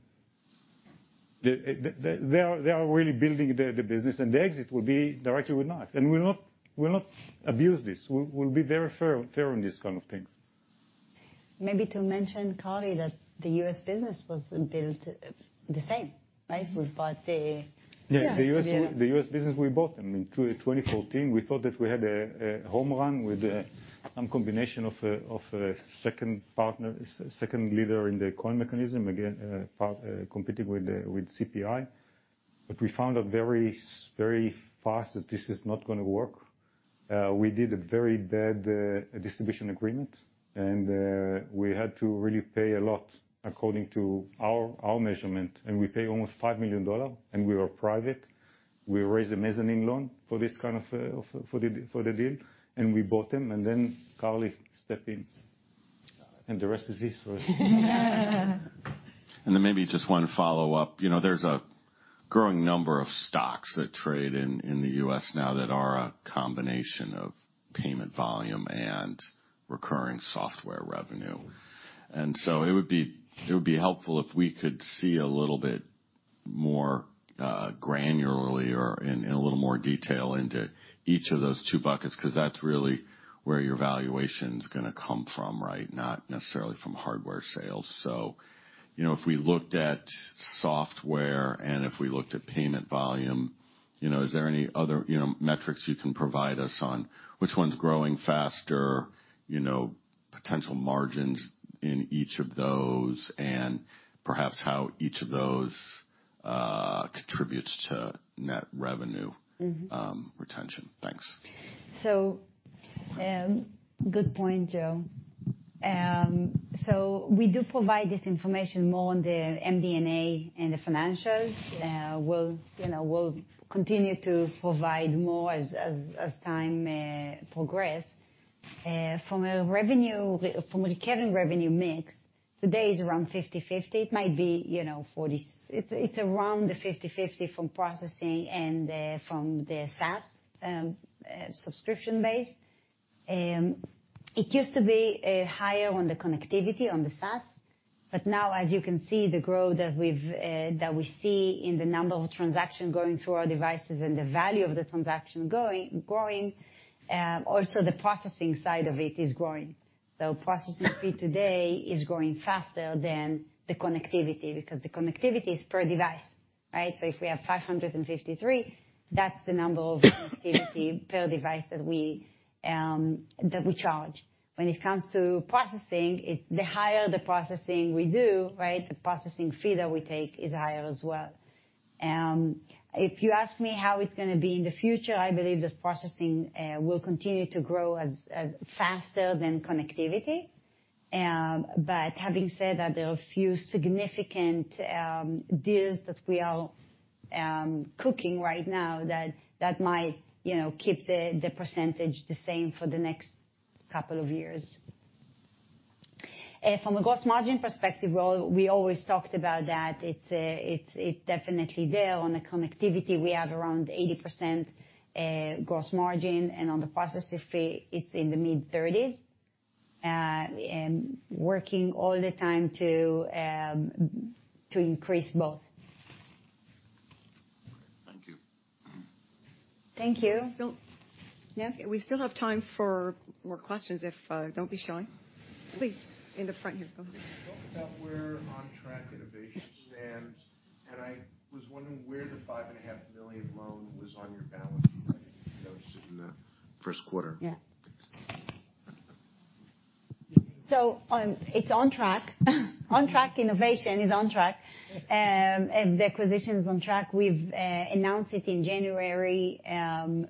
Speaker 2: They are really building the business, and the exit will be directly with us. We'll not abuse this. We'll be very fair on these kind of things.
Speaker 7: Maybe to mention, Carly, that the U.S. business was built the same, right? We bought the-
Speaker 6: Yeah.
Speaker 7: Yeah.
Speaker 2: The U.S. business, we bought them in 2014. We thought that we had a home run with some combination of a second partner, second leader in the coin mechanism, again, part competing with CPI. We found out very fast that this is not gonna work. We did a very bad distribution agreement, and we had to really pay a lot according to our measurement, and we paid almost $5 million, and we were private. We raised a mezzanine loan for this kind of, for the deal. We bought them, and then Carly stepped in. The rest is history.
Speaker 8: Maybe just one follow-up. You know, there's a growing number of stocks that trade in the U.S. now that are a combination of payment volume and recurring software revenue. It would be helpful if we could see a little bit more granularly or in a little more detail into each of those two buckets, because that's really where your valuation's gonna come from, right? Not necessarily from hardware sales. You know, if we looked at software and if we looked at payment volume, you know, is there any other metrics you can provide us on which one's growing faster, you know, potential margins in each of those, and perhaps how each of those contributes to net revenue.
Speaker 7: Mm-hmm.
Speaker 8: Retention. Thanks.
Speaker 7: Good point, Joe. We do provide this information more on the MD&A and the financials. We'll, you know, continue to provide more as time progresses. From a recurring revenue mix, today it's around 50/50. It's around 50/50 from processing and from the SaaS subscription base. It used to be higher on the connectivity on the SaaS, but now as you can see, the growth that we see in the number of transactions going through our devices and the value of the transaction growing, also the processing side of it is growing. Processing fee today is growing faster than the connectivity because the connectivity is per device, right? If we have 553, that's the number of connectivity per device that we charge. When it comes to processing, it's the higher the processing we do, right, the processing fee that we take is higher as well. If you ask me how it's gonna be in the future, I believe that processing will continue to grow as faster than connectivity. Having said that, there are a few significant deals that we are cooking right now that might, you know, keep the percentage the same for the next couple of years. From a gross margin perspective, well, we always talked about that. It's definitely there. On the connectivity, we have around 80% gross margin, and on the processing fee, it's in the mid-30%. Working all the time to increase both.
Speaker 8: Thank you.
Speaker 7: Thank you.
Speaker 1: Still.
Speaker 7: Yeah.
Speaker 1: We still have time for more questions. Don't be shy. Please, in the front here. Go ahead.
Speaker 9: You talked about where On Track Innovations stands, and I was wondering where the $5.5 million loan was on your balance sheet. I didn't notice it in the first quarter.
Speaker 7: Yeah, it's on track. On Track Innovations is on track. The acquisition is on track. We've announced it in January.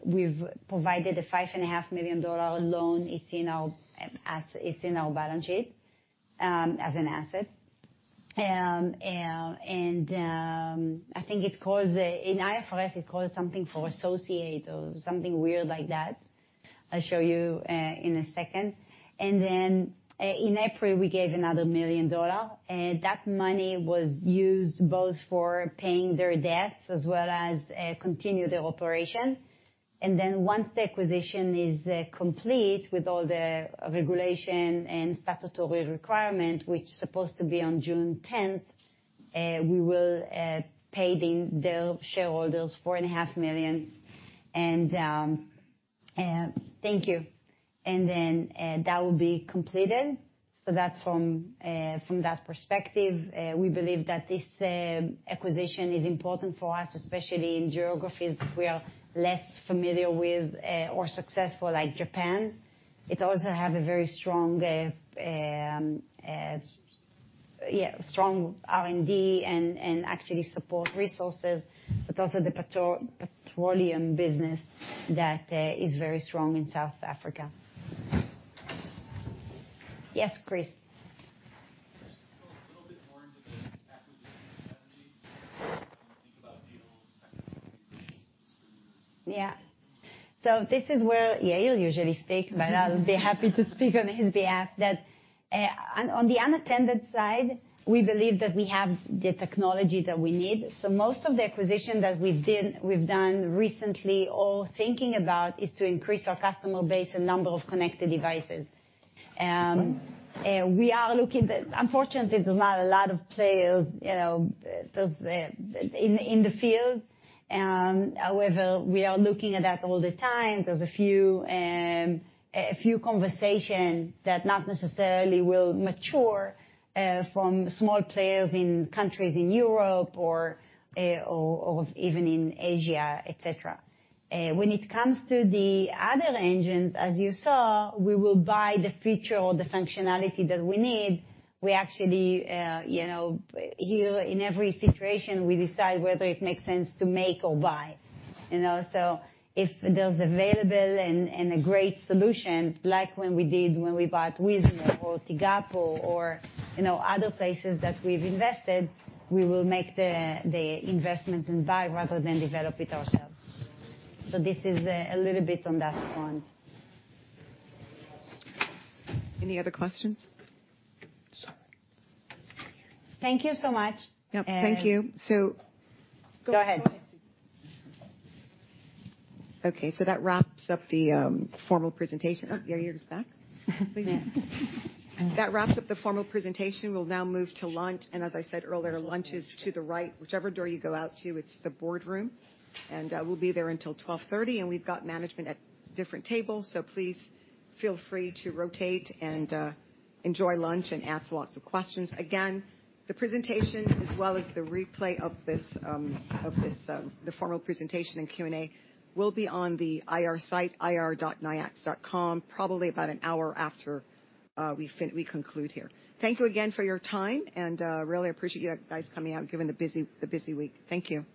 Speaker 7: We've provided a $5.5 million loan. It's in our balance sheet as an asset. I think it's called in IFRS something for associate or something weird like that. I'll show you in a second. In April, we gave another $1 million. That money was used both for paying their debts as well as continue their operation. Once the acquisition is complete with all the regulation and statutory requirement, which is supposed to be on June 10th, we will pay their shareholders $4.5 million. Thank you. That will be completed. That's from that perspective. We believe that this acquisition is important for us, especially in geographies that we are less familiar with or successful like Japan. It also have a very strong strong R&D and actually support resources, but also the petroleum business that is very strong in South Africa. Yes, Chris. Yeah. This is where Yair usually speaks, but I'll be happy to speak on his behalf. That on the unattended side, we believe that we have the technology that we need, so most of the acquisition that we've done recently or thinking about is to increase our customer base and number of connected devices. We are looking but unfortunately there's not a lot of players, you know, those in the field. However, we are looking at that all the time. There's a few conversations that not necessarily will mature from small players in countries in Europe or even in Asia, et cetera. When it comes to the other engines, as you saw, we will buy the feature or the functionality that we need. We actually, you know, in every situation, we decide whether it makes sense to make or buy, you know. If there's available and a great solution, like when we bought Weezmo or Tigapo or, you know, other places that we've invested, we will make the investment and buy rather than develop it ourselves. This is a little bit on that front.
Speaker 1: Any other questions?
Speaker 7: Thank you so much.
Speaker 1: Yep, thank you.
Speaker 7: Go ahead.
Speaker 1: Okay, that wraps up the formal presentation. Oh, Yair's back.
Speaker 7: Yeah.
Speaker 1: That wraps up the formal presentation. We'll now move to lunch, and as I said earlier, lunch is to the right. Whichever door you go out to, it's the boardroom, and we'll be there until 12:30 P.M., and we've got management at different tables, so please feel free to rotate and enjoy lunch and ask lots of questions. Again, the presentation as well as the replay of this, the formal presentation and Q&A will be on the IR site, ir.nayax.com, probably about an hour after we conclude here. Thank you again for your time, and really appreciate you guys coming out, given the busy week. Thank you.